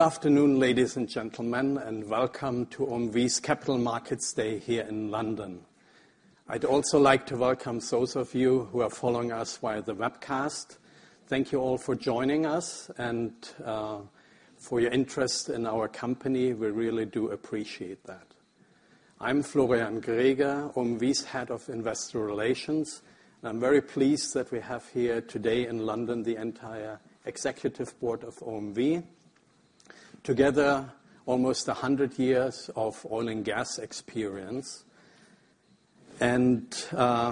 Good afternoon, ladies and gentlemen, and welcome to OMV's Capital Markets Day here in London. I'd also like to welcome those of you who are following us via the webcast. Thank you all for joining us and for your interest in our company. We really do appreciate that. I'm Florian Greger, OMV's Head of Investor Relations. I'm very pleased that we have here today in London the entire Executive Board of OMV. Together, almost 100 years of oil and gas experience. Now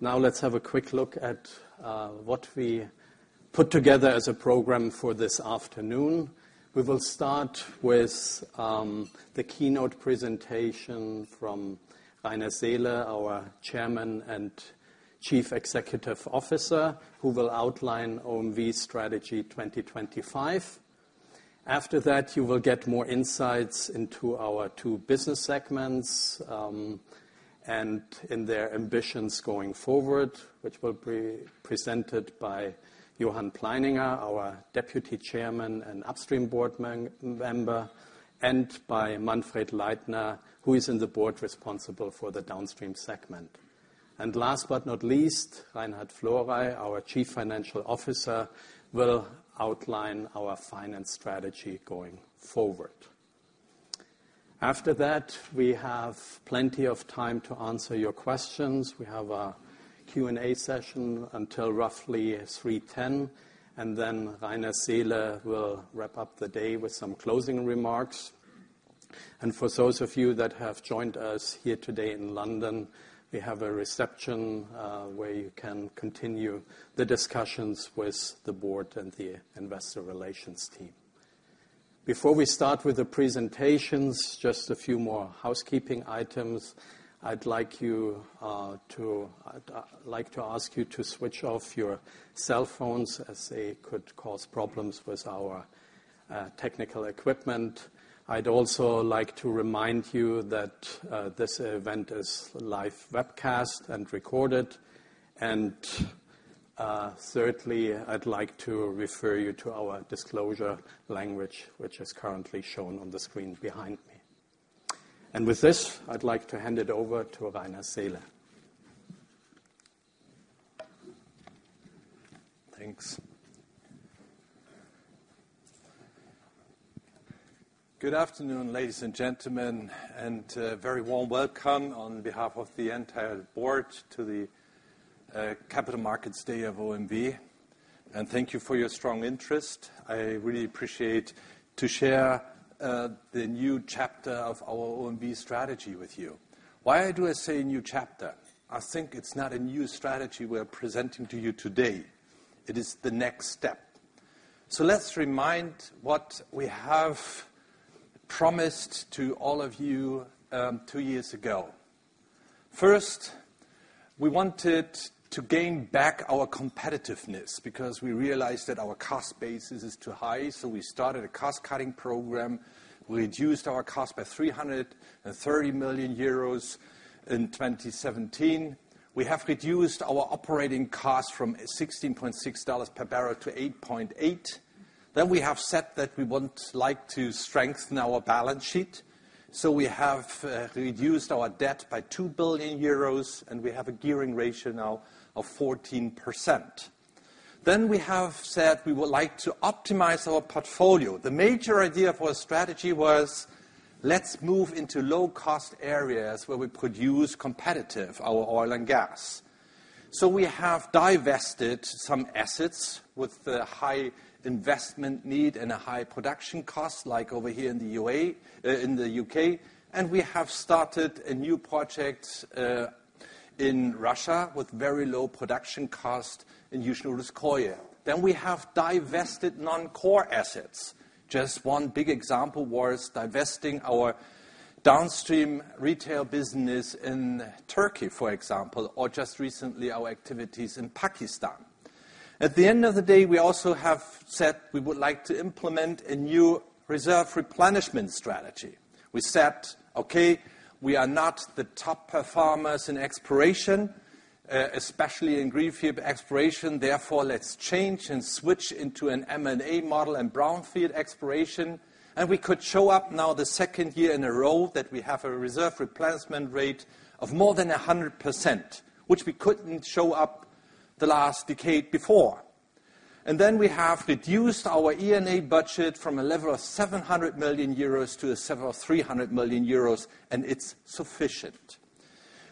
let's have a quick look at what we put together as a program for this afternoon. We will start with the keynote presentation from Rainer Seele, our Chairman and Chief Executive Officer, who will outline OMV's Strategy 2025. After that, you will get more insights into our two business segments, and in their ambitions going forward, which will be presented by Johann Pleininger, our Deputy Chairman and Upstream Board Member, and by Manfred Leitner, who is in the board responsible for the Downstream Segment. Last but not least, Reinhard Florey, our Chief Financial Officer, will outline our finance strategy going forward. After that, we have plenty of time to answer your questions. We have a Q&A session until roughly 3:10. Rainer Seele will wrap up the day with some closing remarks. For those of you that have joined us here today in London, we have a reception where you can continue the discussions with the board and the investor relations team. Before we start with the presentations, just a few more housekeeping items. I'd like to ask you to switch off your cell phones as they could cause problems with our technical equipment. I'd also like to remind you that this event is live webcast and recorded. Thirdly, I'd like to refer you to our disclosure language, which is currently shown on the screen behind me. With this, I'd like to hand it over to Rainer Seele. Thanks. Good afternoon, ladies and gentlemen, and a very warm welcome on behalf of the entire board to the Capital Markets Day of OMV. Thank you for your strong interest. I really appreciate to share the new chapter of our OMV strategy with you. Why do I say a new chapter? I think it's not a new strategy we're presenting to you today. It is the next step. Let's remind what we have promised to all of you two years ago. First, we wanted to gain back our competitiveness because we realized that our cost basis is too high, so we started a cost-cutting program. We reduced our cost by 330 million euros in 2017. We have reduced our operating cost from $16.60 per barrel to $8.8. We have said that we would like to strengthen our balance sheet. We have reduced our debt by 2 billion euros, and we have a gearing ratio now of 14%. We have said we would like to optimize our portfolio. The major idea for a strategy was let's move into low-cost areas where we produce competitive, our oil and gas. We have divested some assets with a high investment need and a high production cost, like over here in the U.K. We have started a new project in Russia with very low production cost in Yuzhno Russkoye. We have divested non-core assets. Just one big example was divesting our downstream retail business in Turkey, for example, or just recently our activities in Pakistan. We also have said we would like to implement a new reserve replenishment strategy. We said, okay, we are not the top performers in exploration, especially in greenfield exploration. Therefore, let's change and switch into an M&A model and brownfield exploration. We could show up now the second year in a row that we have a reserve replacement rate of more than 100%, which we couldn't show up the last decade before. We have reduced our E&A budget from a level of 700 million euros to a level of 300 million euros, and it's sufficient.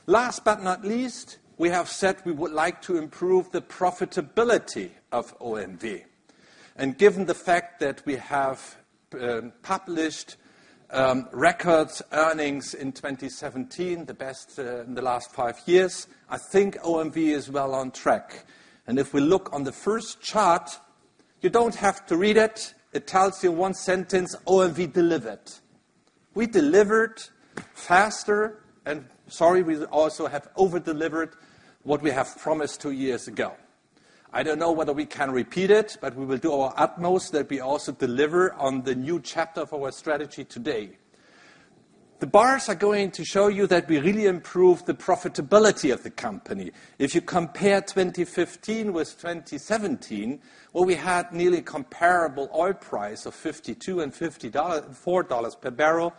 Last but not least, we have said we would like to improve the profitability of OMV. Given the fact that we have published records earnings in 2017, the best in the last five years, I think OMV is well on track. If we look on the first chart, you don't have to read it tells you in one sentence, OMV delivered. We delivered faster and, sorry, we also have over-delivered what we have promised two years ago. I don't know whether we can repeat it, but we will do our utmost that we also deliver on the new chapter of our strategy today. The bars are going to show you that we really improved the profitability of the company. If you compare 2015 with 2017, where we had nearly comparable oil price of $52 and $54 per barrel,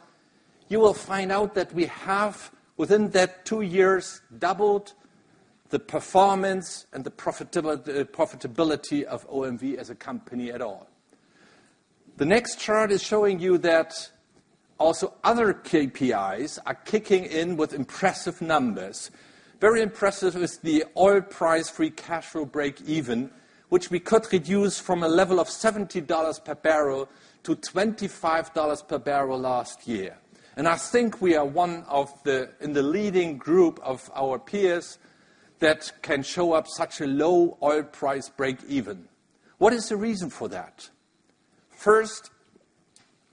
you will find out that we have, within that two years, doubled the performance and the profitability of OMV as a company at all. The next chart is showing you that also other KPIs are kicking in with impressive numbers. Very impressive is the oil price free cash flow breakeven, which we could reduce from a level of $70 per barrel to $25 per barrel last year. I think we are one of in the leading group of our peers that can show up such a low oil price breakeven. What is the reason for that? First,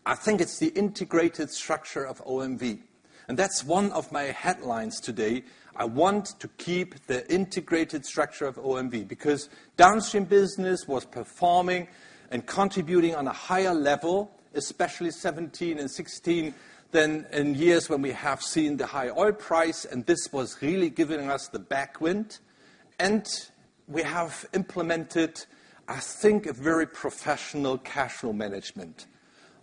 I think it's the integrated structure of OMV. That's one of my headlines today. I want to keep the integrated structure of OMV because downstream business was performing and contributing on a higher level, especially 2017 and 2016, than in years when we have seen the high oil price, and this was really giving us the backwind. We have implemented, I think, a very professional cash flow management.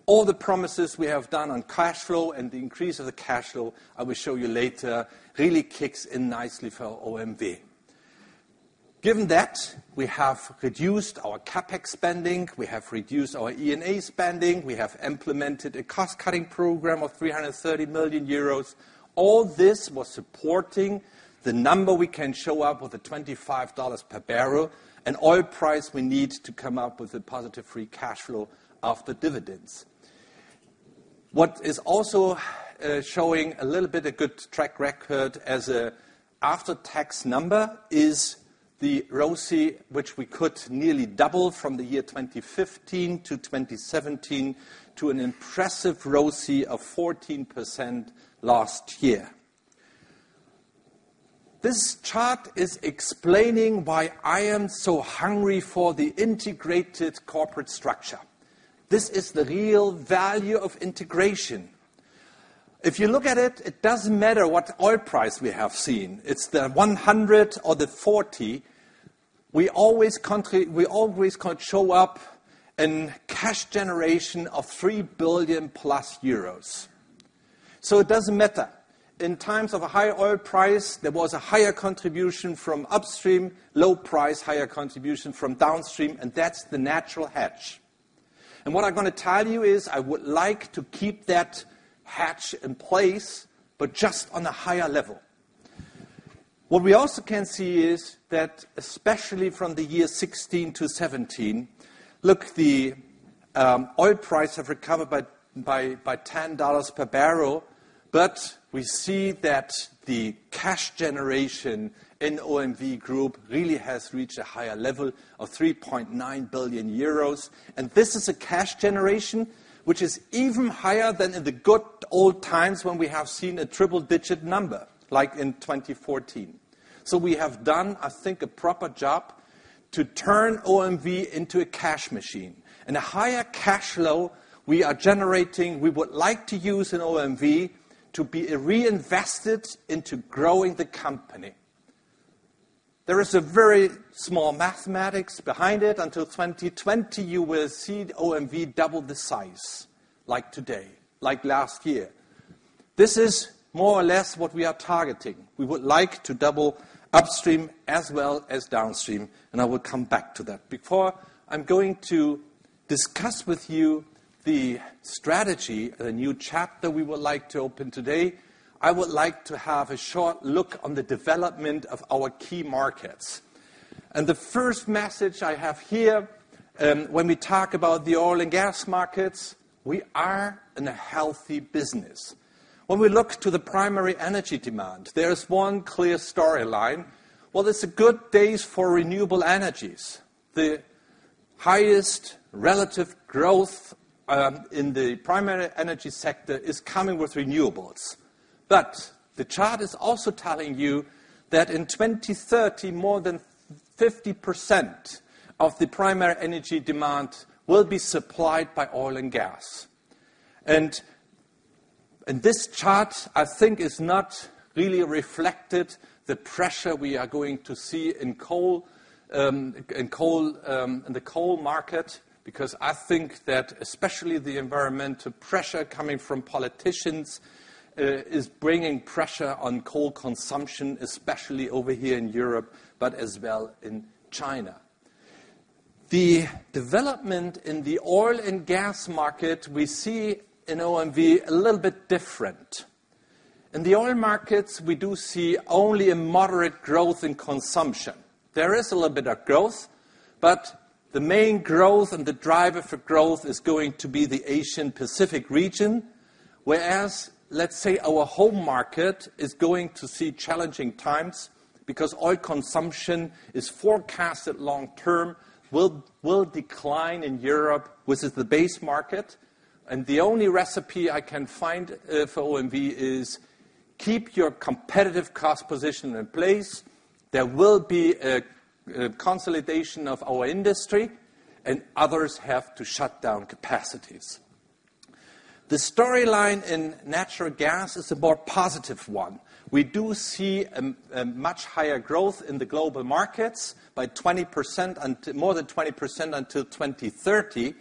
All the promises we have done on cash flow and the increase of the cash flow, I will show you later, really kicks in nicely for OMV. Given that, we have reduced our CapEx spending, we have reduced our E&A spending, we have implemented a cost-cutting program of 330 million euros. All this was supporting the number we can show up with a $25 per barrel, an oil price we need to come up with a positive free cash flow after dividends. What is also showing a little bit of good track record as an after-tax number is the ROCE, which we could nearly double from the year 2015 to 2017 to an impressive ROCE of 14% last year. This chart is explaining why I am so hungry for the integrated corporate structure. This is the real value of integration. If you look at it doesn't matter what oil price we have seen. It's the 100 or the 40, we always can show up in cash generation of 3 billion euros-plus. It doesn't matter. In times of a higher oil price, there was a higher contribution from upstream, low price, higher contribution from downstream, and that's the natural hedge. What I'm going to tell you is, I would like to keep that hedge in place, but just on a higher level. What we also can see is that especially from the year 2016 to 2017, look, the oil price have recovered by $10 per barrel. We see that the cash generation in OMV group really has reached a higher level of 3.9 billion euros. This is a cash generation which is even higher than in the good old times when we have seen a triple digit number, like in 2014. We have done, I think, a proper job to turn OMV into a cash machine. A higher cash flow we are generating, we would like to use in OMV to be reinvested into growing the company. There is a very small mathematics behind it. Until 2020, you will see OMV double the size, like today, like last year. This is more or less what we are targeting. We would like to double upstream as well as downstream, and I will come back to that. Before I'm going to discuss with you the strategy, the new chapter we would like to open today, I would like to have a short look on the development of our key markets. The first message I have here, when we talk about the oil and gas markets, we are in a healthy business. When we look to the primary energy demand, there is one clear storyline. Well, it's a good days for renewable energies. The highest relative growth in the primary energy sector is coming with renewables. The chart is also telling you that in 2030, more than 50% of the primary energy demand will be supplied by oil and gas. This chart, I think, is not really reflected the pressure we are going to see in the coal market. Because I think that especially the environmental pressure coming from politicians is bringing pressure on coal consumption, especially over here in Europe, but as well in China. The development in the oil and gas market we see in OMV a little bit different. In the oil markets, we do see only a moderate growth in consumption. There is a little bit of growth, but the main growth and the driver for growth is going to be the Asian Pacific region. Whereas, let's say our home market is going to see challenging times because oil consumption is forecasted long term will decline in Europe, which is the base market. The only recipe I can find for OMV is Keep your competitive cost position in place. There will be a consolidation of our industry and others have to shut down capacities. The storyline in natural gas is a more positive one. We do see a much higher growth in the global markets by more than 20% until 2030,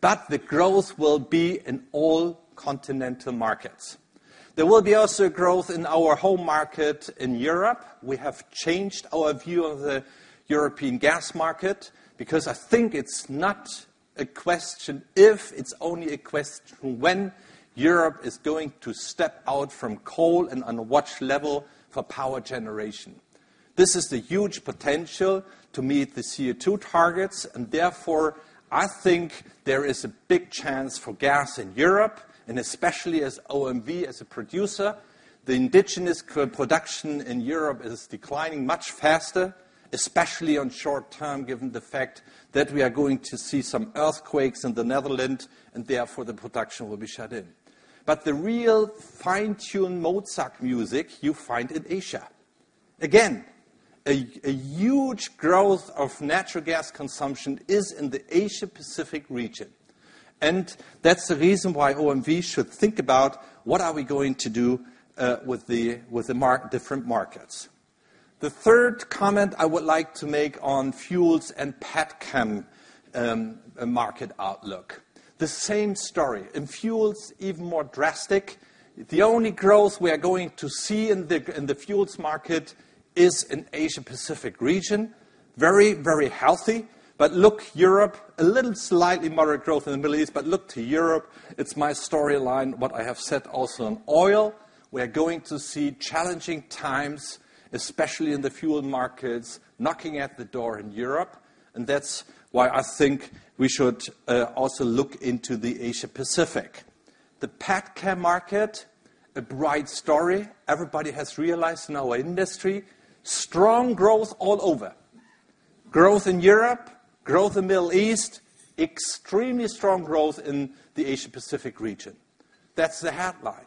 but the growth will be in all continental markets. There will be also growth in our home market in Europe. We have changed our view of the European gas market because I think it's not a question if, it's only a question when Europe is going to step out from coal and on a watch level for power generation. This is the huge potential to meet the CO2 targets, therefore, I think there is a big chance for gas in Europe and especially as OMV as a producer. The indigenous production in Europe is declining much faster, especially on short term, given the fact that we are going to see some earthquakes in the Netherlands, therefore the production will be shut in. But the real fine-tuned Mozart music you find in Asia. Again, a huge growth of natural gas consumption is in the Asia-Pacific region. That's the reason why OMV should think about what are we going to do with the different markets. The third comment I would like to make on fuels and petchem market outlook. The same story. In fuels, even more drastic. The only growth we are going to see in the fuels market is in Asia-Pacific region. Very healthy. But look, Europe, a little slightly moderate growth in the Middle East. Look to Europe, it's my storyline, what I have said also on oil. We are going to see challenging times, especially in the fuel markets, knocking at the door in Europe. That's why I think we should also look into the Asia-Pacific. The petchem market, a bright story everybody has realized in our industry. Strong growth all over. Growth in Europe, growth in Middle East, extremely strong growth in the Asia-Pacific region. That's the headline.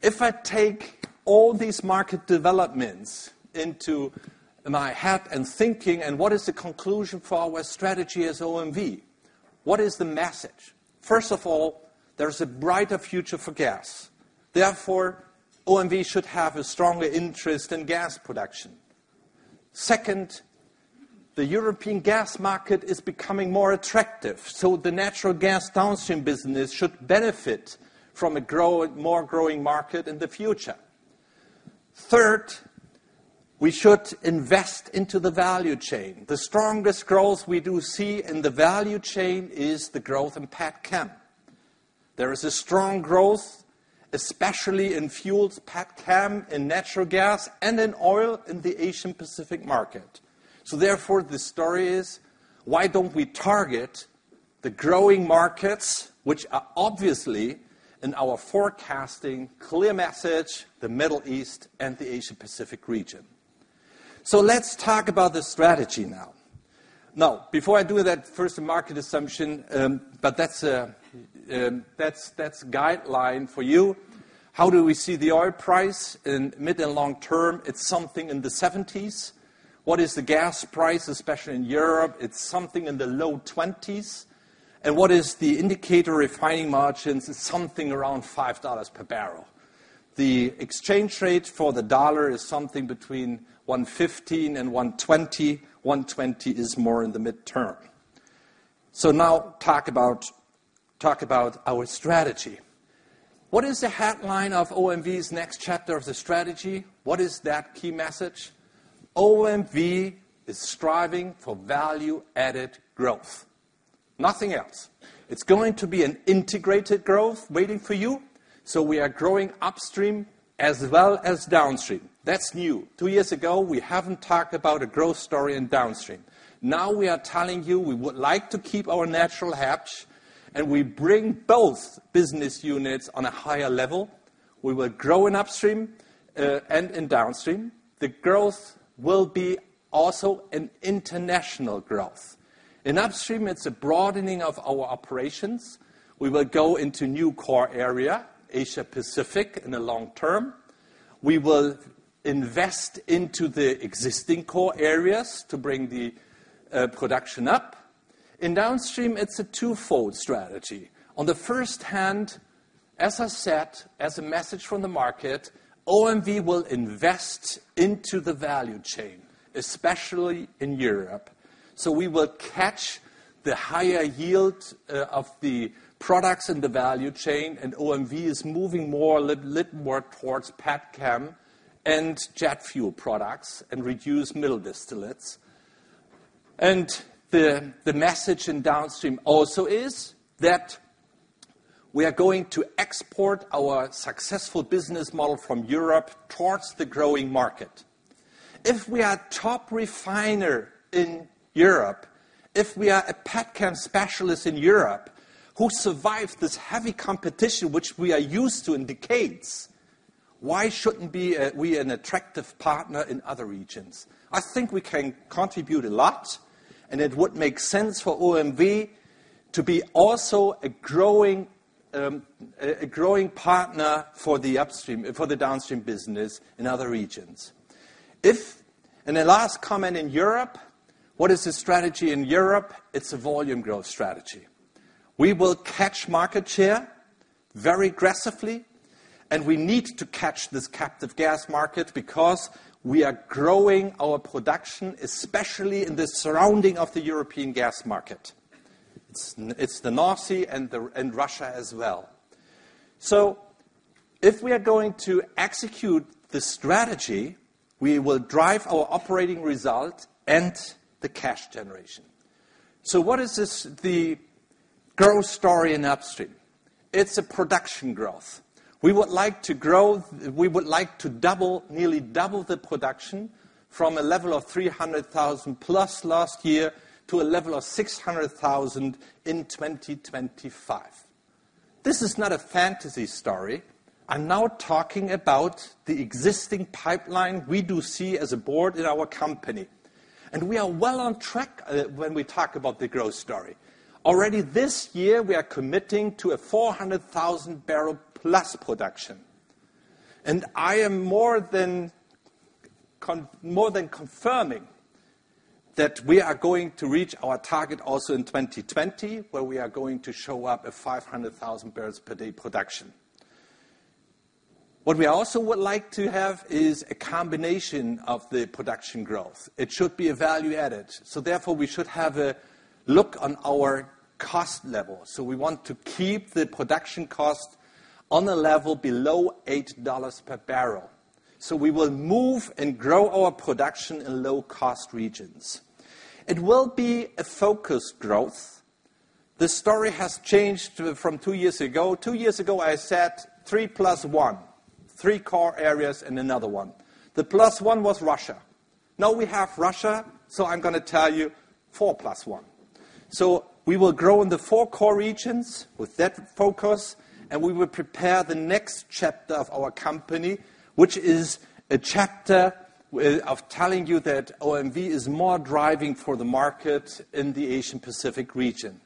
If I take all these market developments into my hat and thinking, what is the conclusion for our strategy as OMV? What is the message? First of all, there's a brighter future for gas. Therefore, OMV should have a stronger interest in gas production. Second, the European gas market is becoming more attractive, the natural gas downstream business should benefit from a more growing market in the future. Third, we should invest into the value chain. The strongest growth we do see in the value chain is the growth in petchem. There is a strong growth, especially in fuels, petchem, in natural gas, and in oil in the Asia-Pacific market. Therefore, the story is, why don't we target the growing markets, which are obviously in our forecasting clear message, the Middle East and the Asia-Pacific region. Let's talk about the strategy now. Now, before I do that, first market assumption, that's guideline for you. How do we see the oil price in mid and long term? It's something in the 70s. What is the gas price, especially in Europe? It's something in the low 20s. What is the indicator refining margins? It is something around $5 per barrel. The exchange rate for the dollar is something between 115 and 120. 120 is more in the midterm. Now talk about our strategy. What is the headline of OMV's next chapter of the strategy? What is that key message? OMV is striving for value-added growth. Nothing else. It is going to be an integrated growth waiting for you. We are growing upstream as well as downstream. That is new. Two years ago, we have not talked about a growth story in downstream. Now we are telling you we would like to keep our natural hedge and we bring both business units on a higher level. We will grow in upstream, and in downstream. The growth will be also an international growth. In upstream, it is a broadening of our operations. We will go into new core area, Asia-Pacific, in the long term. We will invest into the existing core areas to bring the production up. In downstream, it is a twofold strategy. On the first hand, as I said, as a message from the market, OMV will invest into the value chain, especially in Europe. We will catch the higher yield of the products in the value chain, and OMV is moving more, a little more towards petchem and jet fuel products and reduce middle distillates. The message in downstream also is that we are going to export our successful business model from Europe towards the growing market. If we are top refiner in Europe, if we are a petchem specialist in Europe who survived this heavy competition, which we are used to in decades, why should not be we an attractive partner in other regions? I think we can contribute a lot, and it would make sense for OMV to be also a growing partner for the downstream business in other regions. The last comment in Europe, what is the strategy in Europe? It is a volume growth strategy. We will catch market share very aggressively, and we need to catch this captive gas market because we are growing our production, especially in the surrounding of the European gas market. It is the North Sea and Russia as well. If we are going to execute the strategy, we will drive our operating result and the cash generation. What is the growth story in upstream? It is a production growth. We would like to nearly double the production from a level of 300,000+ last year to a level of 600,000 in 2025. This is not a fantasy story. I am now talking about the existing pipeline we do see as a board in our company, and we are well on track when we talk about the growth story. Already this year, we are committing to a 400,000+ barrel production. I am more than confirming that we are going to reach our target also in 2020, where we are going to show up at 500,000 barrels per day production. What we also would like to have is a combination of the production growth. It should be a value add. Therefore, we should have a look on our cost level. We want to keep the production cost on a level below $8 per barrel. We will move and grow our production in low-cost regions. It will be a focus growth. The story has changed from two years ago. Two years ago, I said three plus one, three core areas and another one. The plus one was Russia. Now we have Russia. I am going to tell you four plus one. We will grow in the four core regions with that focus. We will prepare the next chapter of our company, which is a chapter of telling you that OMV is more driving for the market in the Asian Pacific region.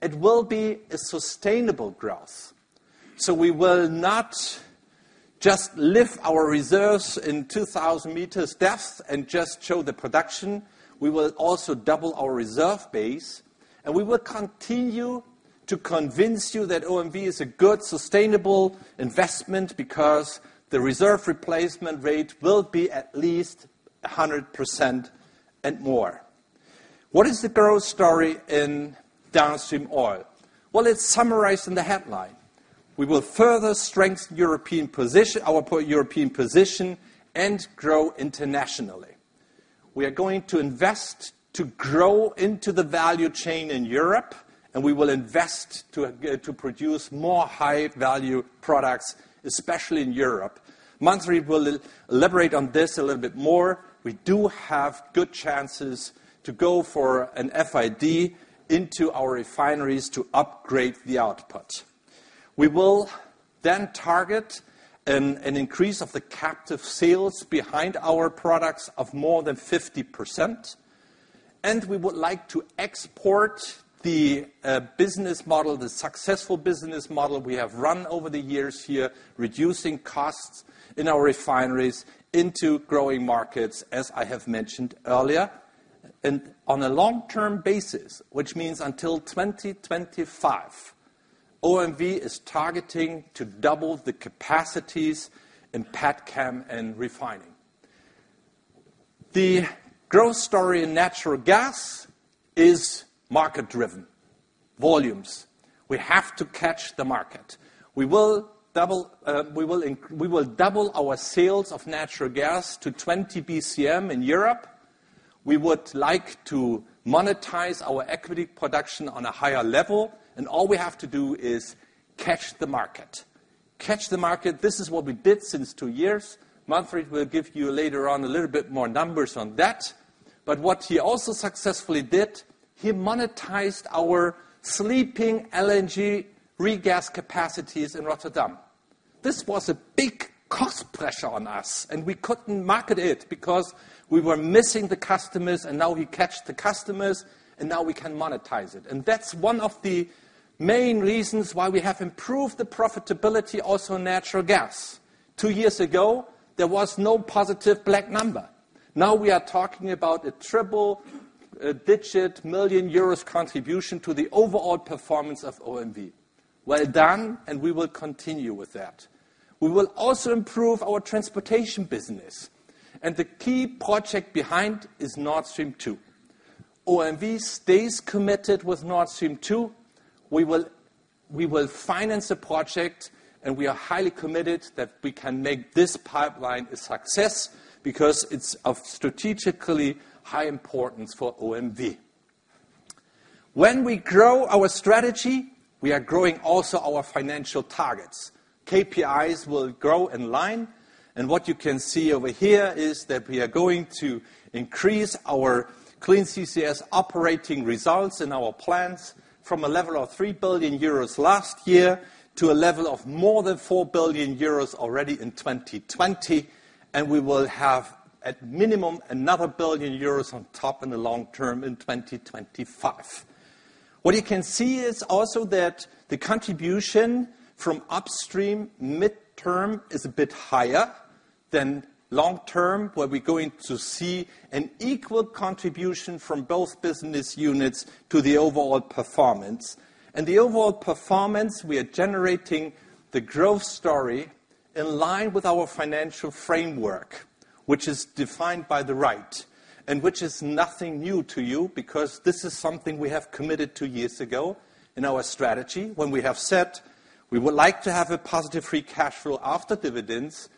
It will be a sustainable growth. We will not just lift our reserves in 2,000 meters depth and just show the production. We will also double our reserve base. We will continue to convince you that OMV is a good, sustainable investment because the reserve replacement rate will be at least 100% and more. What is the growth story in downstream oil? Well, it's summarized in the headline. We will further strengthen our European position and grow internationally. We are going to invest to grow into the value chain in Europe. We will invest to produce more high value products, especially in Europe. Manfred will elaborate on this a little bit more. We do have good chances to go for an FID into our refineries to upgrade the output. We will target an increase of the captive sales behind our products of more than 50%. We would like to export the business model, the successful business model we have run over the years here, reducing costs in our refineries into growing markets, as I have mentioned earlier. On a long-term basis, which means until 2025, OMV is targeting to double the capacities in petchem and refining. The growth story in natural gas is market driven. Volumes. We have to catch the market. We will double our sales of natural gas to 20 BCM in Europe. We would like to monetize our equity production on a higher level. All we have to do is catch the market. Catch the market. This is what we did since two years. Manfred will give you later on a little bit more numbers on that. What he also successfully did, he monetized our sleeping LNG regas capacities in Rotterdam. This was a big cost pressure on us. We couldn't market it because we were missing the customers. Now we catch the customers. Now we can monetize it. That's one of the main reasons why we have improved the profitability also in natural gas. Two years ago, there was no positive black number. Now we are talking about a triple-digit million EUR contribution to the overall performance of OMV. Well done. We will continue with that. We will also improve our transportation business. The key project behind is Nord Stream 2. OMV stays committed with Nord Stream 2. We will finance the project. We are highly committed that we can make this pipeline a success because it's of strategically high importance for OMV. When we grow our strategy, we are growing also our financial targets. KPIs will grow in line. What you can see over here is that we are going to increase our Clean CCS operating results in our plants from a level of 3 billion euros last year to a level of more than 4 billion euros already in 2020. We will have at minimum another billion EUR on top in the long term in 2025. What you can see is also that the contribution from upstream midterm is a bit higher than long term, where we're going to see an equal contribution from both business units to the overall performance. The overall performance, we are generating the growth story in line with our financial framework, which is defined by the right and which is nothing new to you, because this is something we have committed two years ago in our strategy when we have said we would like to have a positive free cash flow after dividends.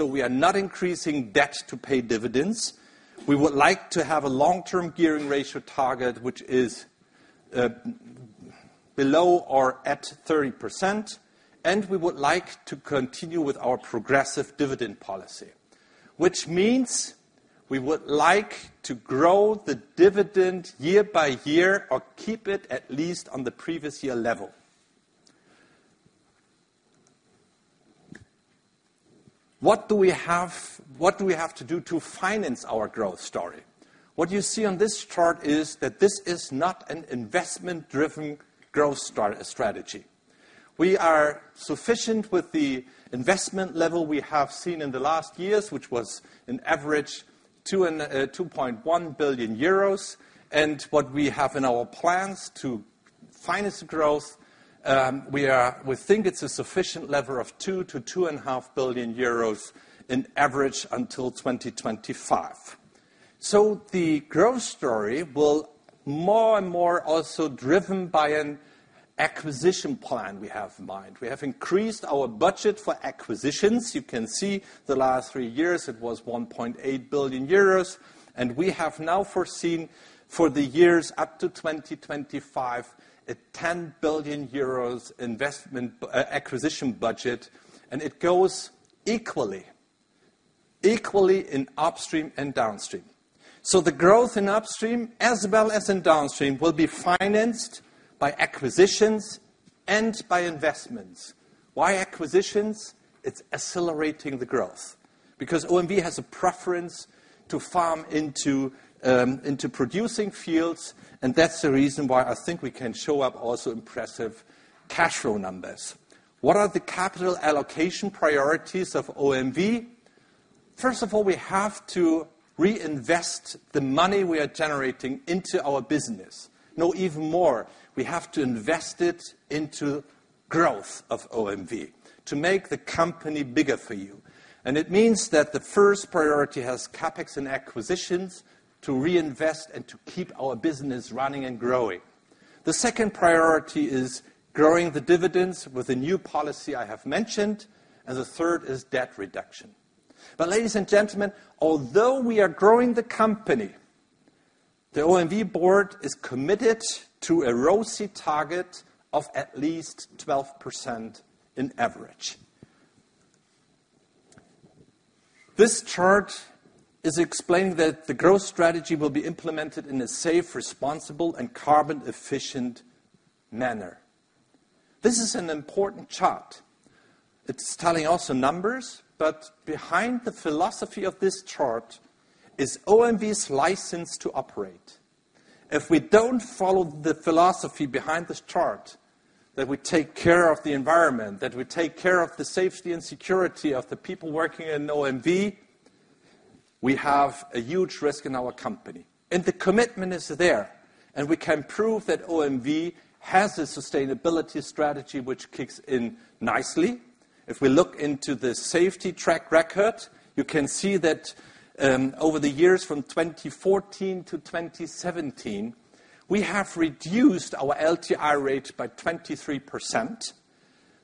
We are not increasing debt to pay dividends. We would like to have a long-term gearing ratio target, which is below or at 30%, and we would like to continue with our progressive dividend policy. Which means we would like to grow the dividend year by year or keep it at least on the previous year level. What do we have to do to finance our growth story? What you see on this chart is that this is not an investment driven growth strategy. We are sufficient with the investment level we have seen in the last years, which was an average 2.1 billion euros. What we have in our plans to finance growth, we think it's a sufficient level of 2 billion to two and a half billion EUR in average until 2025. The growth story will more and more also driven by an acquisition plan we have in mind. We have increased our budget for acquisitions. You can see the last three years it was 1.8 billion euros. We have now foreseen for the years up to 2025, a 10 billion euros investment acquisition budget, and it goes equally in upstream and downstream. The growth in upstream as well as in downstream will be financed by acquisitions and by investments. Why acquisitions? It's accelerating the growth because OMV has a preference to farm into producing fields, and that's the reason why I think we can show up also impressive cash flow numbers. What are the capital allocation priorities of OMV? First of all, we have to reinvest the money we are generating into our business. No, even more, we have to invest it into growth of OMV to make the company bigger for you. It means that the first priority has CapEx and acquisitions to reinvest and to keep our business running and growing. The second priority is growing the dividends with the new policy I have mentioned, and the third is debt reduction. Ladies and gentlemen, although we are growing the company, the OMV board is committed to a ROCE target of at least 12% in average. This chart is explaining that the growth strategy will be implemented in a safe, responsible, and carbon efficient manner. This is an important chart. It's telling also numbers, but behind the philosophy of this chart is OMV's license to operate. If we don't follow the philosophy behind this chart, that we take care of the environment, that we take care of the safety and security of the people working in OMV, we have a huge risk in our company. The commitment is there, and we can prove that OMV has a sustainability strategy which kicks in nicely. If we look into the safety track record, you can see that over the years from 2014-2017, we have reduced our LTI rate by 23%.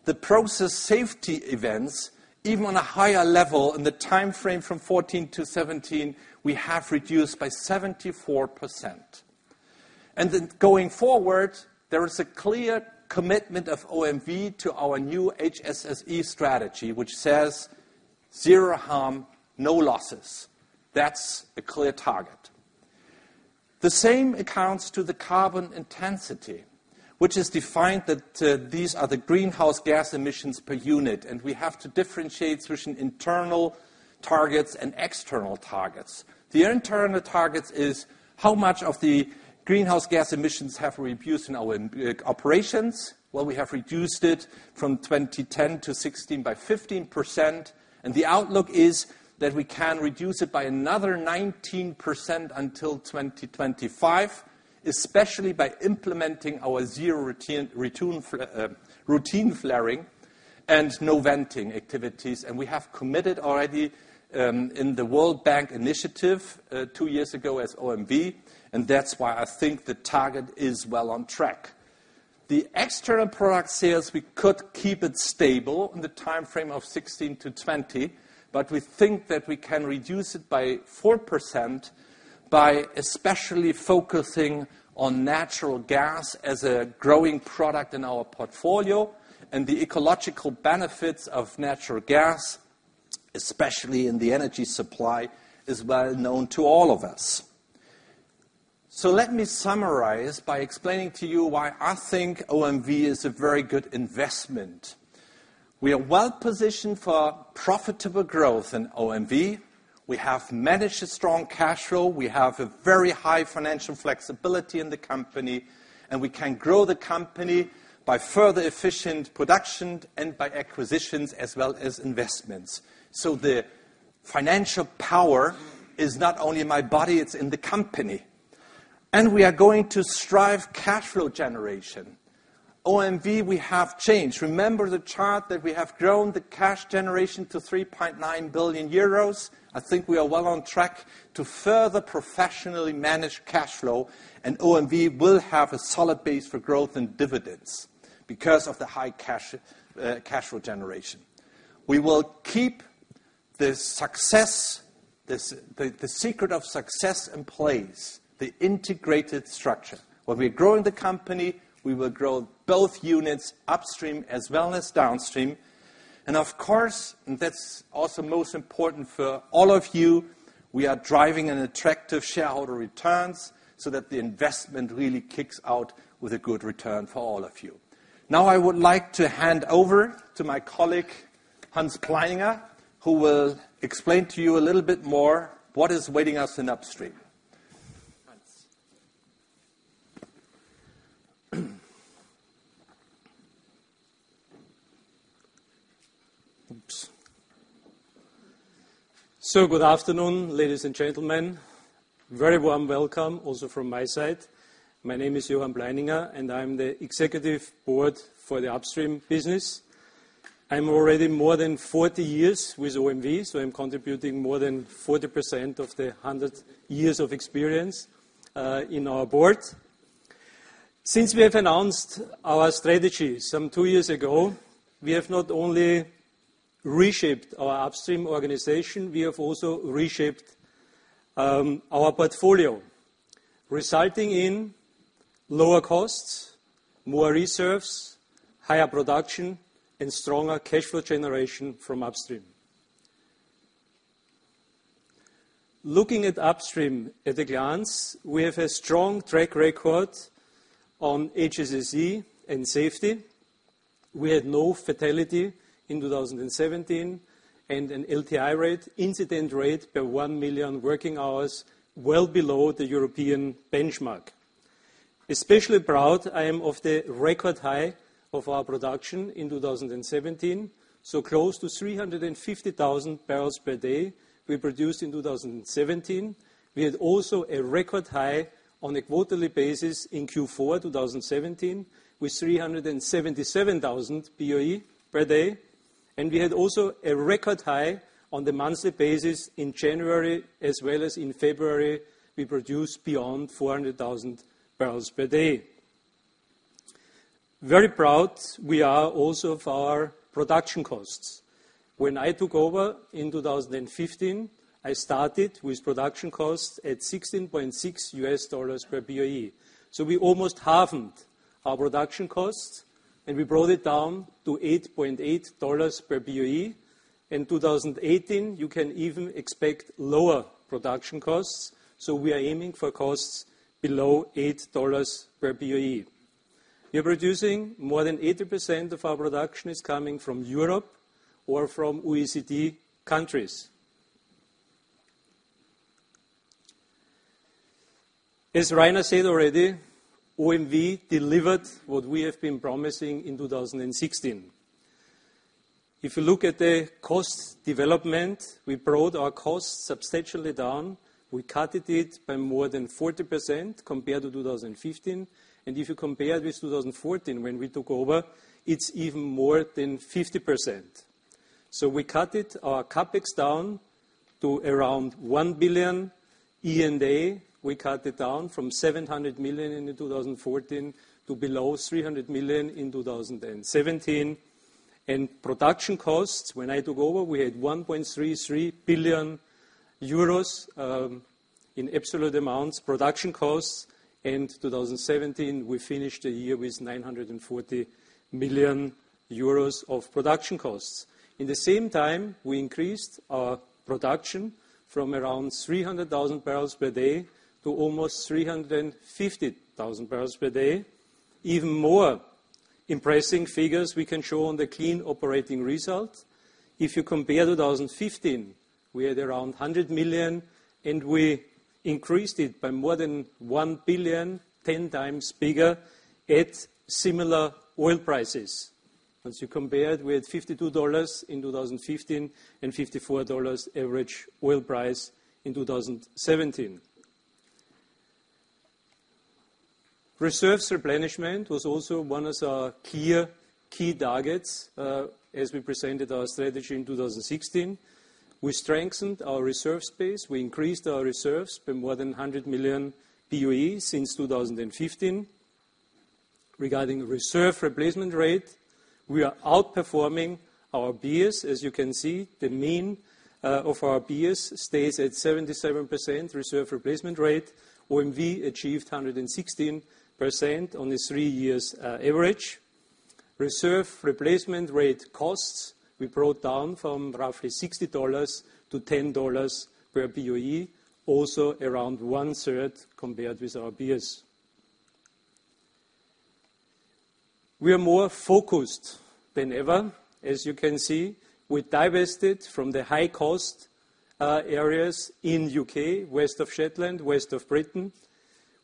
The process safety events, even on a higher level in the time frame from 2014-2017, we have reduced by 74%. Going forward, there is a clear commitment of OMV to our new HSSE strategy, which says zero harm, no losses. That's a clear target. The same accounts to the carbon intensity, which is defined that these are the greenhouse gas emissions per unit, we have to differentiate between internal targets and external targets. The internal targets is how much of the greenhouse gas emissions have reduced in our operations. Well, we have reduced it from 2010-2016 by 15%, the outlook is that we can reduce it by another 19% until 2025, especially by implementing our zero routine flaring and no venting activities. We have committed already, in the World Bank initiative, two years ago as OMV, that's why I think the target is well on track. The external product sales, we could keep it stable in the time frame of 2016-2020, we think that we can reduce it by 4% by especially focusing on natural gas as a growing product in our portfolio. The ecological benefits of natural gas, especially in the energy supply, is well known to all of us. Let me summarize by explaining to you why I think OMV is a very good investment. We are well positioned for profitable growth in OMV. We have managed a strong cash flow, we have a very high financial flexibility in the company, we can grow the company by further efficient production and by acquisitions as well as investments. The financial power is not only in my body, it's in the company. We are going to strive cash flow generation. OMV, we have changed. Remember the chart that we have grown the cash generation to 3.9 billion euros. I think we are well on track to further professionally manage cash flow, OMV will have a solid base for growth in dividends because of the high cash flow generation. We will keep the secret of success in place, the integrated structure. When we're growing the company, we will grow both units upstream as well as downstream. Of course, that's also most important for all of you, we are driving an attractive shareholder returns so that the investment really kicks out with a good return for all of you. Now, I would like to hand over to my colleague, Hans Pleininger, who will explain to you a little bit more what is waiting us in upstream. Hans. Oops. Good afternoon, ladies and gentlemen. Very warm welcome also from my side. My name is Johann Pleininger, and I am the executive board for the upstream business. I am already more than 40 years with OMV, so I am contributing more than 40% of the 100 years of experience in our board. Since we have announced our strategy some two years ago, we have not only reshaped our upstream organization, we have also reshaped our portfolio, resulting in lower costs, more reserves, higher production, and stronger cash flow generation from upstream. Looking at upstream at a glance, we have a strong track record on HSSE and safety. We had no fatality in 2017 and an LTI rate, incident rate per 1 million working hours, well below the European benchmark. Especially proud I am of the record high of our production in 2017, close to 350,000 barrels per day we produced in 2017. We had also a record high on a quarterly basis in Q4 2017 with 377,000 BOE per day. We had also a record high on the monthly basis in January as well as in February, we produced beyond 400,000 barrels per day. Very proud we are also of our production costs. When I took over in 2015, I started with production costs at $16.6 per BOE. We almost halved our production costs, and we brought it down to $8.80 per BOE. In 2018, you can even expect lower production costs. We are aiming for costs below $8 per BOE. We are producing more than 80% of our production is coming from Europe or from OECD countries. As Rainer said already, OMV delivered what we have been promising in 2016. If you look at the cost development, we brought our costs substantially down. We cut it by more than 40% compared to 2015. If you compare with 2014 when we took over, it is even more than 50%. We cut our CapEx down to around 1 billion. E&A, we cut it down from 700 million in 2014 to below 300 million in 2017. Production costs, when I took over, we had 1.33 billion euros in absolute amounts, production costs. In 2017, we finished the year with 940 million euros of production costs. In the same time, we increased our production from around 300,000 barrels per day to almost 350,000 barrels per day. Even more impressive figures we can show on the clean operating results. If you compare 2015, we had around 100 million. We increased it by more than 1 billion, 10 times bigger, at similar oil prices. Once you compare, we had $52 in 2015 and $54 average oil price in 2017. Reserves replenishment was also one of our key targets, as we presented our strategy in 2016. We strengthened our reserve space. We increased our reserves by more than 100 million BOE since 2015. Regarding reserve replacement rate, we are outperforming our peers. As you can see, the mean of our peers stays at 77% reserve replacement rate. OMV achieved 116% on the three years average. Reserve replacement rate costs we brought down from roughly $60 to $10 per BOE, also around one-third compared with our peers. We are more focused than ever. As you can see, we divested from the high-cost areas in U.K., West of Shetland, west of Britain.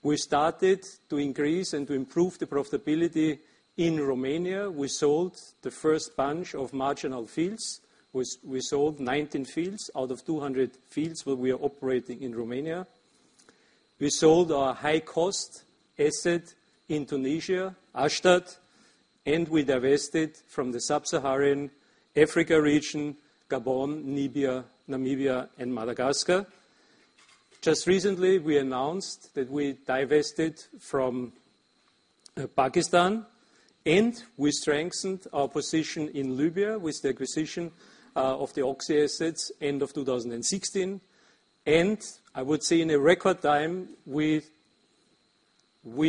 We started to increase and to improve the profitability in Romania. We sold the first bunch of marginal fields. We sold 19 fields out of 200 fields where we are operating in Romania. We sold our high-cost asset in Tunisia, Ashtart, and we divested from the sub-Saharan Africa region, Gabon, Libya, Namibia, and Madagascar. Just recently, we announced that we divested from Pakistan, we strengthened our position in Libya with the acquisition of the Oxy assets end of 2016. I would say in a record time, we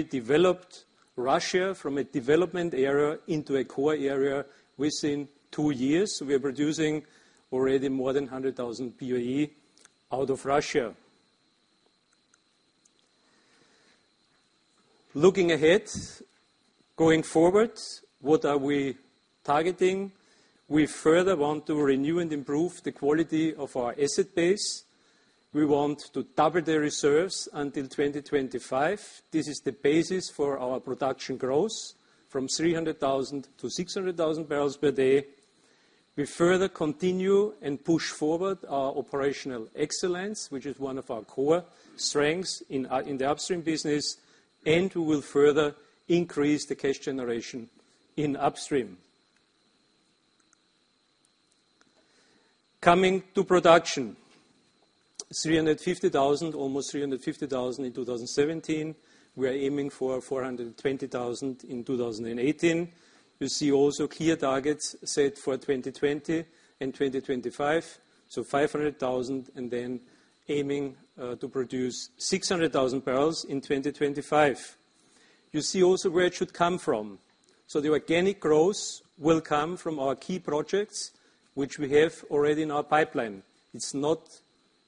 developed Russia from a development area into a core area within two years. We are producing already more than 100,000 BOE out of Russia. Looking ahead, going forward, what are we targeting? We further want to renew and improve the quality of our asset base. We want to double the reserves until 2025. This is the basis for our production growth from 300,000 to 600,000 barrels per day. We further continue and push forward our operational excellence, which is one of our core strengths in the upstream business. We will further increase the cash generation in upstream. Coming to production, 350,000, almost 350,000 in 2017. We are aiming for 420,000 in 2018. You see also clear targets set for 2020 and 2025, 500,000 and then aiming to produce 600,000 barrels in 2025. You see also where it should come from. The organic growth will come from our key projects, which we have already in our pipeline. It's not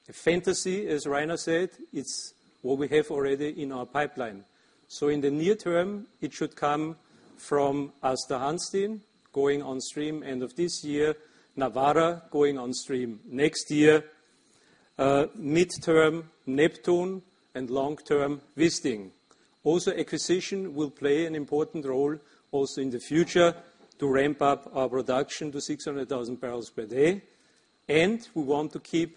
a fantasy, as Rainer said. It's what we have already in our pipeline. In the near term, it should come from Aasta Hansteen going on stream end of this year, Nawara going on stream next year. Midterm, Neptun and long-term, Wisting. Acquisition will play an important role also in the future to ramp up our production to 600,000 barrels per day. We want to keep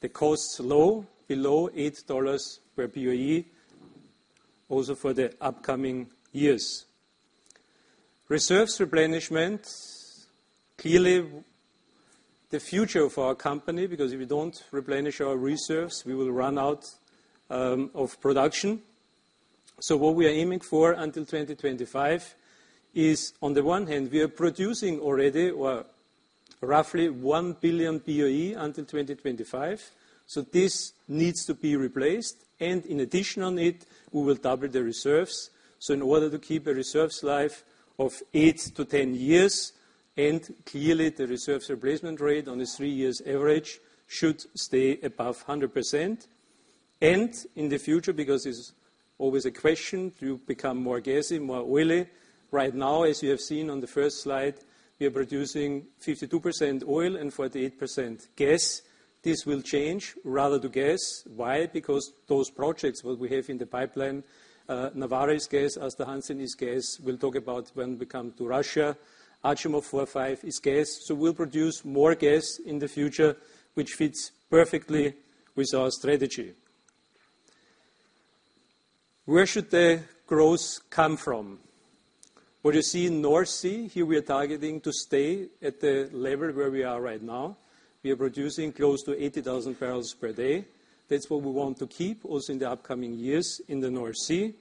the costs low, below $8 per BOE also for the upcoming years. Reserves replenishment, clearly the future of our company, because if we don't replenish our reserves, we will run out of production. What we are aiming for until 2025 is, on the one hand, we are producing already or roughly 1 billion BOE until 2025. This needs to be replaced, and in addition on it, we will double the reserves. In order to keep a reserves life of 8 to 10 years, clearly the reserves replacement rate on a 3 years average should stay above 100%. In the future, because it's always a question, do you become more gassy, more oily? Right now, as you have seen on the first slide, we are producing 52% oil and 48% gas. This will change rather to gas. Why? Because those projects, what we have in the pipeline, Nawara is gas, Aasta Hansteen is gas. We'll talk about when we come to Russia. Achimov 4-5 is gas. We'll produce more gas in the future, which fits perfectly with our strategy. Where should the growth come from? What you see in North Sea. Here we are targeting to stay at the level where we are right now. We are producing close to 80,000 barrels per day. That's what we want to keep also in the upcoming years in the North Sea.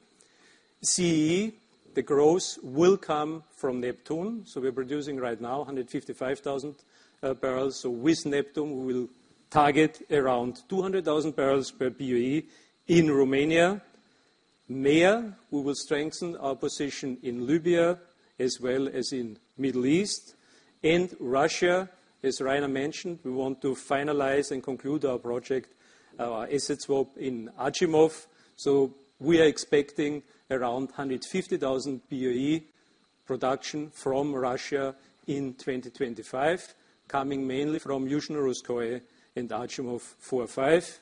CEE, the growth will come from Neptun. We are producing right now 155,000 barrels. With Neptun, we will target around 200,000 barrels per BOE. In Romania, we will strengthen our position in Libya as well as in Middle East. Russia, as Rainer mentioned, we want to finalize and conclude our project, our asset swap in Achimov. We are expecting around 150,000 BOE production from Russia in 2025, coming mainly from Yuzhno Russkoye and Achimov 4-5.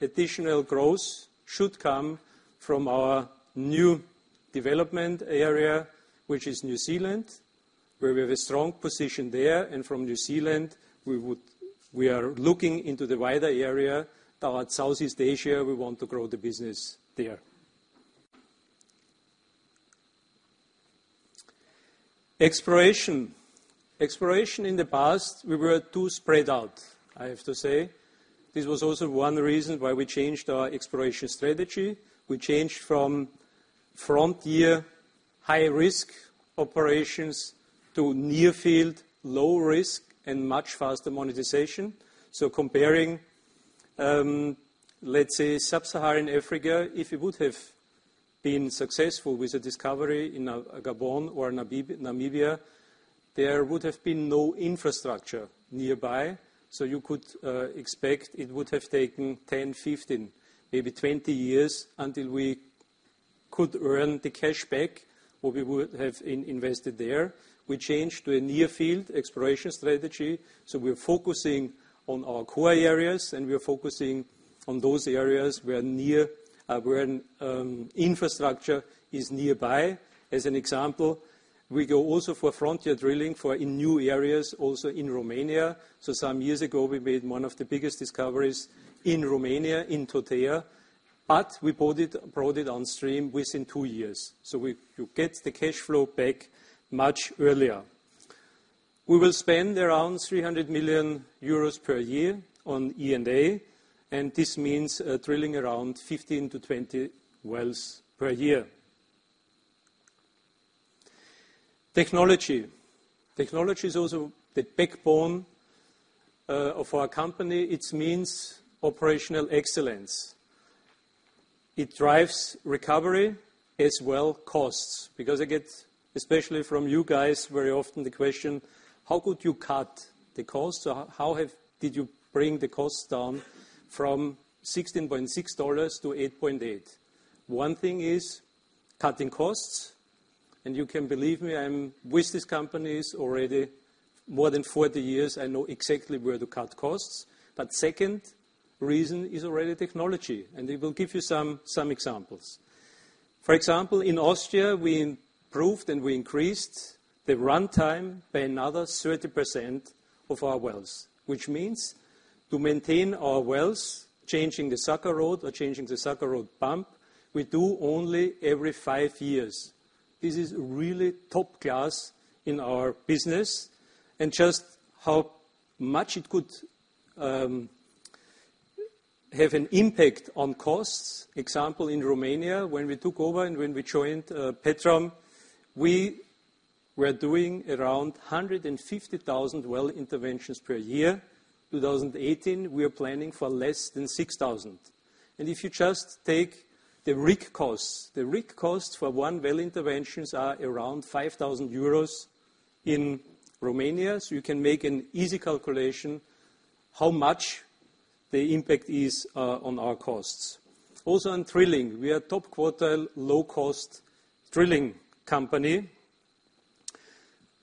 Additional growth should come from our new development area, which is New Zealand, where we have a strong position there. From New Zealand, we are looking into the wider area towards Southeast Asia. We want to grow the business there. Exploration in the past, we were too spread out, I have to say. This was also one reason why we changed our exploration strategy. We changed from frontier high-risk operations to near-field, low-risk, and much faster monetization. Comparing, let's say, sub-Saharan Africa, if it would have been successful with a discovery in Gabon or Namibia There would have been no infrastructure nearby, so you could expect it would have taken 10, 15, maybe 20 years until we could earn the cash back, or we would have invested there. We changed to a near-field exploration strategy, so we are focusing on our core areas, and we are focusing on those areas where an infrastructure is nearby. As an example, we go also for frontier drilling in new areas, also in Romania. Some years ago, we made one of the biggest discoveries in Romania, in Totea, but we brought it on stream within two years. You get the cash flow back much earlier. We will spend around 300 million euros per year on E&A, and this means drilling around 15-20 wells per year. Technology is also the backbone of our company. It means operational excellence. It drives recovery as well costs because I get, especially from you guys, very often the question: How could you cut the cost? How did you bring the cost down from $16.6 to $8.8? One thing is cutting costs, and you can believe me, I'm with these companies already more than 40 years. I know exactly where to cut costs. Second reason is already technology, and I will give you some examples. For example, in Austria, we improved and we increased the runtime by another 30% of our wells. Which means to maintain our wells, changing the sucker rod or changing the sucker rod pump, we do only every five years. This is really top class in our business and just how much it could have an impact on costs. Example, in Romania, when we took over and when we joined Petrom, we were doing around 150,000 well interventions per year. 2018, we are planning for less than 6,000. If you just take the rig costs, the rig costs for one well interventions are around 5,000 euros in Romania. You can make an easy calculation how much the impact is on our costs. Also on drilling, we are top quartile low-cost drilling company.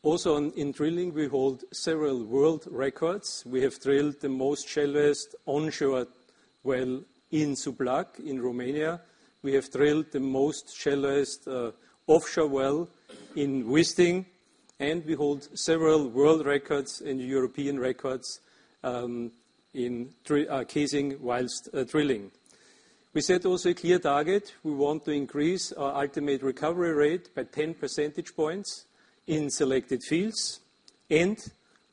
Also in drilling, we hold several world records. We have drilled the most shaliest onshore well in Suplac in Romania. We have drilled the most shaliest offshore well in Wisting, and we hold several world records and European records in casing while drilling. We set also a clear target. We want to increase our ultimate recovery rate by 10 percentage points in selected fields, and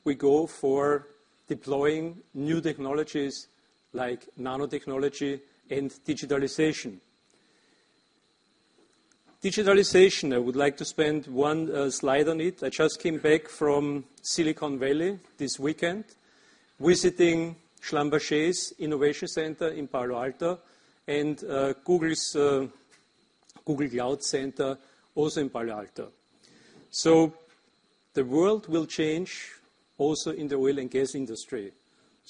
we go for deploying new technologies like nanotechnology and digitalization. Digitalization, I would like to spend one slide on it. I just came back from Silicon Valley this weekend, visiting Schlumberger's innovation center in Palo Alto and Google Cloud center, also in Palo Alto. The world will change also in the oil and gas industry.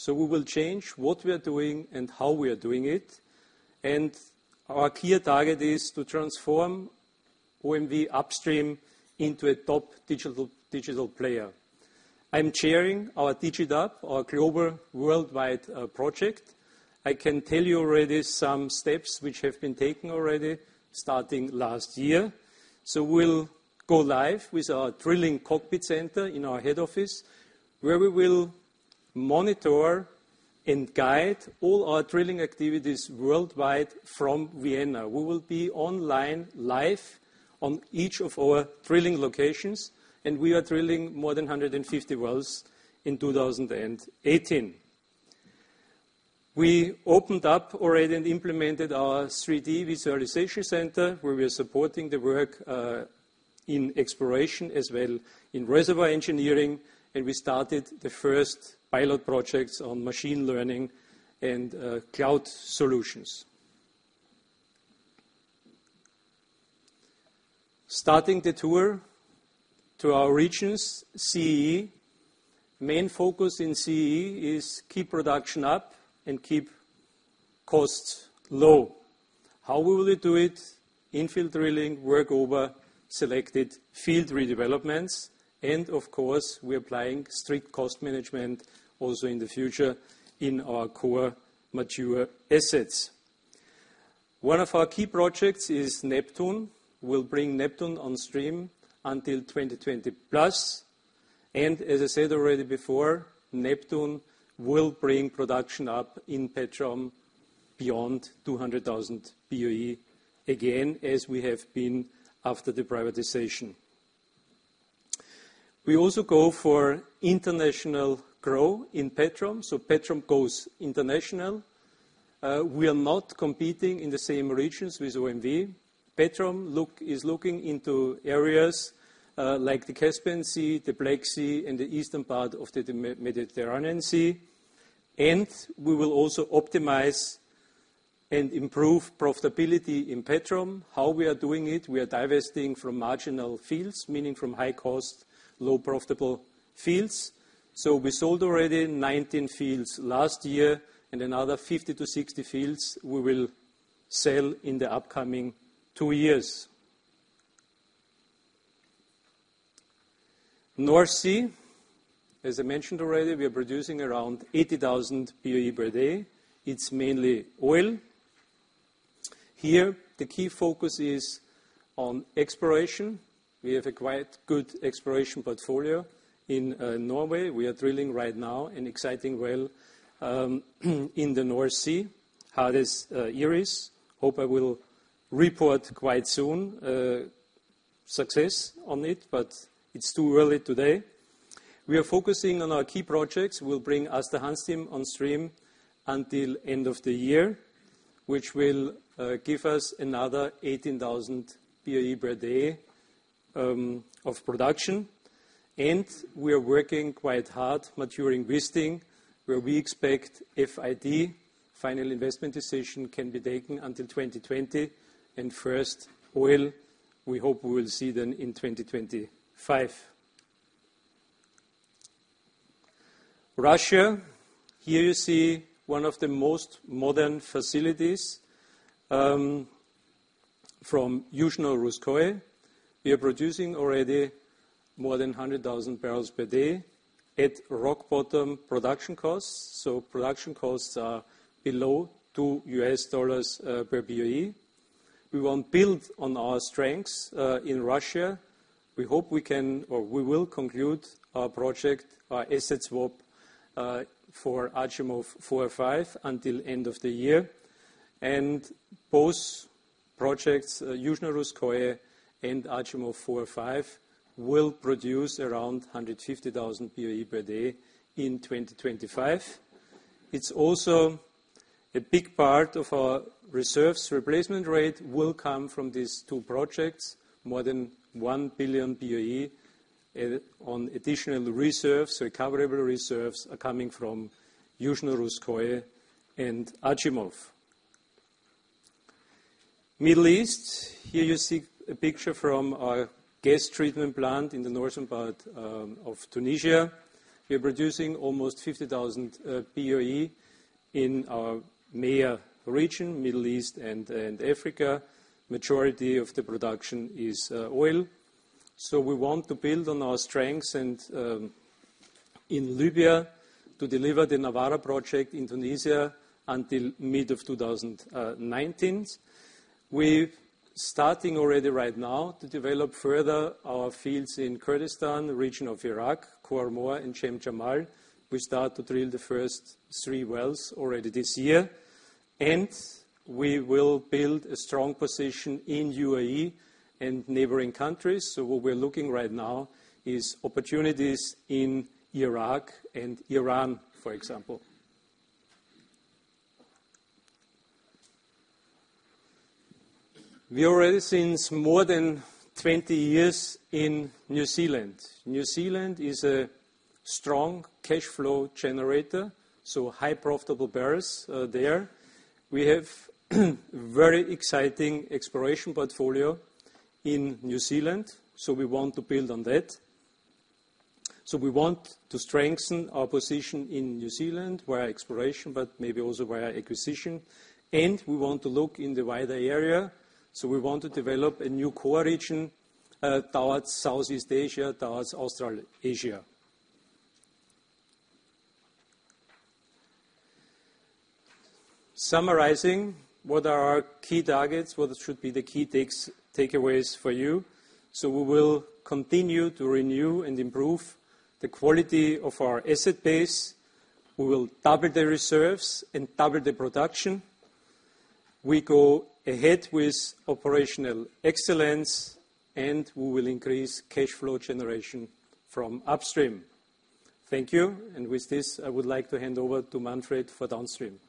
We will change what we are doing and how we are doing it, and our clear target is to transform OMV upstream into a top digital player. I'm chairing our DigiUp, our global worldwide project. I can tell you already some steps which have been taken already starting last year. We'll go live with our drilling cockpit center in our head office, where we will monitor and guide all our drilling activities worldwide from Vienna. We will be online live on each of our drilling locations, and we are drilling more than 150 wells in 2018. We opened up already and implemented our 3D visualization center, where we are supporting the work, in exploration as well in reservoir engineering, and we started the first pilot projects on machine learning and cloud solutions. Starting the tour to our regions, CEE. Main focus in CEE is keep production up and keep costs low. How will we do it? Infill drilling, workover, selected field redevelopments, and of course, we're applying strict cost management also in the future in our core mature assets. One of our key projects is Neptun. We'll bring Neptun on stream until 2020 plus. As I said already before, Neptun will bring production up in Petrom beyond 200,000 BOE again, as we have been after the privatization. We also go for international grow in Petrom. Petrom goes international. We are not competing in the same regions with OMV. Petrom is looking into areas like the Caspian Sea, the Black Sea, and the eastern part of the Mediterranean Sea. We will also optimize and improve profitability in Petrom. How we are doing it, we are divesting from marginal fields, meaning from high cost, low profitable fields. We sold already 19 fields last year and another 50 to 60 fields we will sell in the upcoming two years. North Sea, as I mentioned already, we are producing around 80,000 BOE per day. It's mainly oil. Here, the key focus is on exploration. We have a quite good exploration portfolio in Norway. We are drilling right now an exciting well in the North Sea, Hades/Iris. Hope I will report quite soon success on it, but it's too early today. We are focusing on our key projects. We'll bring Aasta Hansteen on stream until end of the year, which will give us another 18,000 BOE per day of production. We are working quite hard maturing Wisting, where we expect FID, final investment decision, can be taken until 2020. First oil, we hope we will see then in 2025. Russia. Here you see one of the most modern facilities from Yuzhno Russkoye. We are producing already more than 100,000 barrels per day at rock bottom production costs. Production costs are below $2 per BOE. We want to build on our strengths in Russia. We will conclude our project, our asset swap, for Achimov 4 and 5 until end of the year. Both projects, Yuzhno Russkoye and Achimov 4 and 5, will produce around 150,000 BOE per day in 2025. A big part of our reserves replacement rate will come from these two projects. More than 1 billion BOE on additional reserves, recoverable reserves, are coming from Yuzhno Russkoye and Achimov. Middle East. Here you see a picture from our gas treatment plant in the northern part of Tunisia. We are producing almost 50,000 BOE in our MEA region, Middle East and Africa. Majority of the production is oil. We want to build on our strengths in Libya to deliver the Nawara project in Tunisia until mid-2019. We're starting already right now to develop further our fields in Kurdistan region of Iraq, Khor Mor and Chamchamal. We start to drill the first 3 wells already this year. We will build a strong position in U.A.E. and neighboring countries. What we're looking right now is opportunities in Iraq and Iran, for example. We are since more than 20 years in New Zealand. New Zealand is a strong cash flow generator, high profitable barrels there. We have very exciting exploration portfolio in New Zealand, we want to build on that. We want to strengthen our position in New Zealand via exploration, but maybe also via acquisition. We want to look in the wider area. We want to develop a new core region towards Southeast Asia, towards Australasia. Summarizing what are our key targets, what should be the key takeaways for you. We will continue to renew and improve the quality of our asset base. We will double the reserves and double the production. We go ahead with operational excellence, and we will increase cash flow generation from upstream. Thank you. With this, I would like to hand over to Manfred for downstream.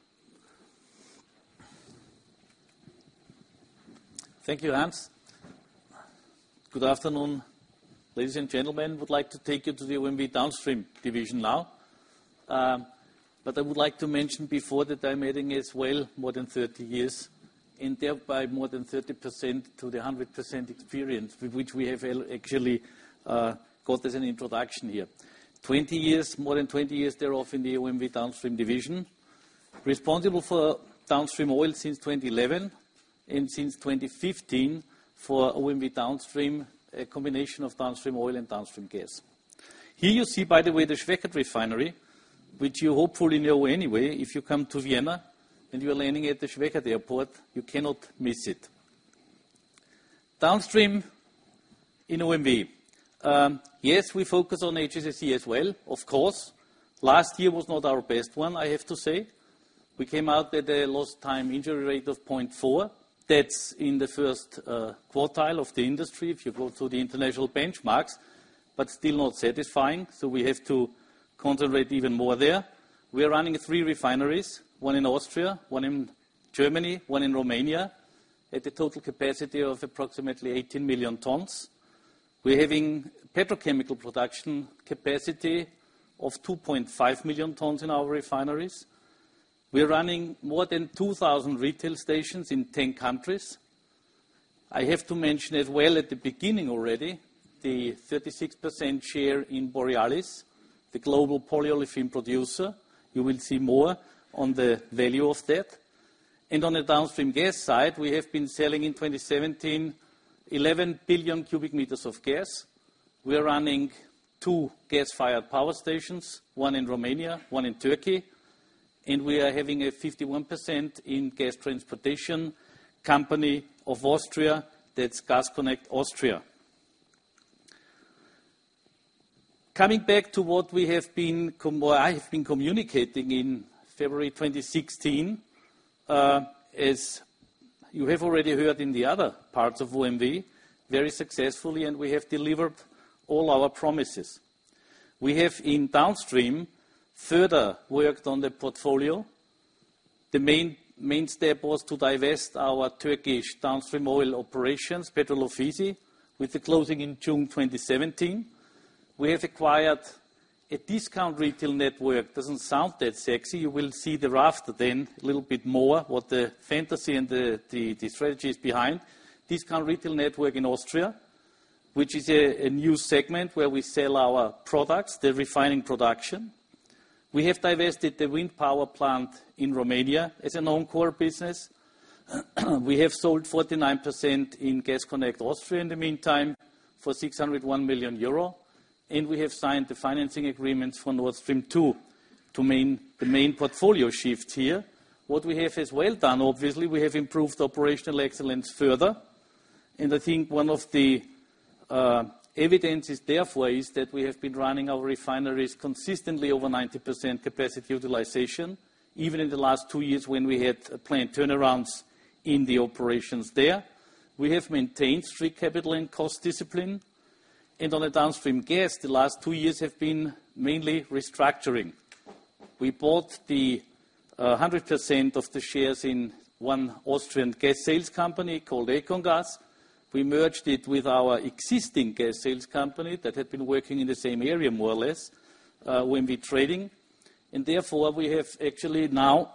Thank you, Hans. Good afternoon, ladies and gentlemen. Would like to take you to the OMV downstream division now. I would like to mention before that I'm adding as well more than 30 years, and thereby more than 30% to the 100% experience, with which we have actually got as an introduction here. More than 20 years thereof in the OMV downstream division. Responsible for downstream oil since 2011, and since 2015 for OMV downstream, a combination of downstream oil and downstream gas. Here you see, by the way, the Schwechat refinery, which you hopefully know anyway. If you come to Vienna and you are landing at the Schwechat Airport, you cannot miss it. Downstream in OMV. Yes, we focus on HSSE as well, of course. Last year was not our best one, I have to say. We came out at a lost time injury rate of 0.4. That's in the first quartile of the industry, if you go through the international benchmarks, still not satisfying. We have to concentrate even more there. We are running 3 refineries, one in Austria, one in Germany, one in Romania, at a total capacity of approximately 18 million tons. We're having petrochemical production capacity of 2.5 million tons in our refineries. We're running more than 2,000 retail stations in 10 countries. I have to mention it well at the beginning already, the 36% share in Borealis, the global polyolefin producer. You will see more on the value of that. On the downstream gas side, we have been selling in 2017, 11 billion cubic meters of gas. We are running 2 gas-fired power stations, one in Romania, one in Turkey, and we are having a 51% in gas transportation company of Austria. That's Gas Connect Austria. Coming back to what I have been communicating in February 2016, as you have already heard in the other parts of OMV, very successfully, we have delivered all our promises. We have, in downstream, further worked on the portfolio. The main step was to divest our Turkish downstream oil operations, Petrol Ofisi, with the closing in June 2017. We have acquired a discount retail network. Doesn't sound that sexy. You will see thereafter then a little bit more what the fantasy and the strategies behind. Discount retail network in Austria, which is a new segment where we sell our products, the refining production. We have divested the wind power plant in Romania as a non-core business. We have sold 49% in Gas Connect Austria in the meantime for 601 million euro. We have signed the financing agreements for Nord Stream 2, the main portfolio shift here. What we have as well done, obviously, we have improved operational excellence further. I think one of the evidence is therefore is that we have been running our refineries consistently over 90% capacity utilization, even in the last two years when we had planned turnarounds in the operations there. We have maintained strict capital and cost discipline. On the downstream gas, the last two years have been mainly restructuring. We bought the 100% of the shares in one Austrian gas sales company called EconGas. We merged it with our existing gas sales company that had been working in the same area, more or less, OMV Trading. Therefore, we have actually now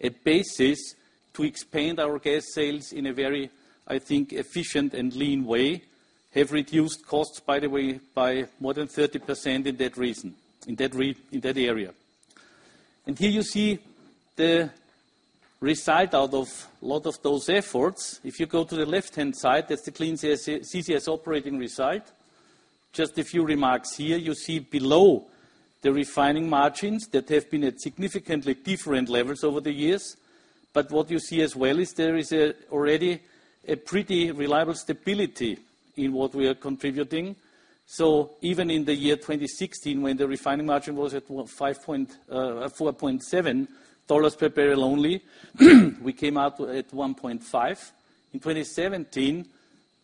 a basis to expand our gas sales in a very, I think, efficient and lean way. Have reduced costs, by the way, by more than 30% in that area. Here you see the result out of a lot of those efforts. If you go to the left-hand side, that's the Clean CCS operating result. Just a few remarks here. You see below the refining margins that have been at significantly different levels over the years. What you see as well is there is already a pretty reliable stability in what we are contributing. Even in the year 2016, when the refining margin was at $4.7 per barrel only, we came out at 1.5. In 2017,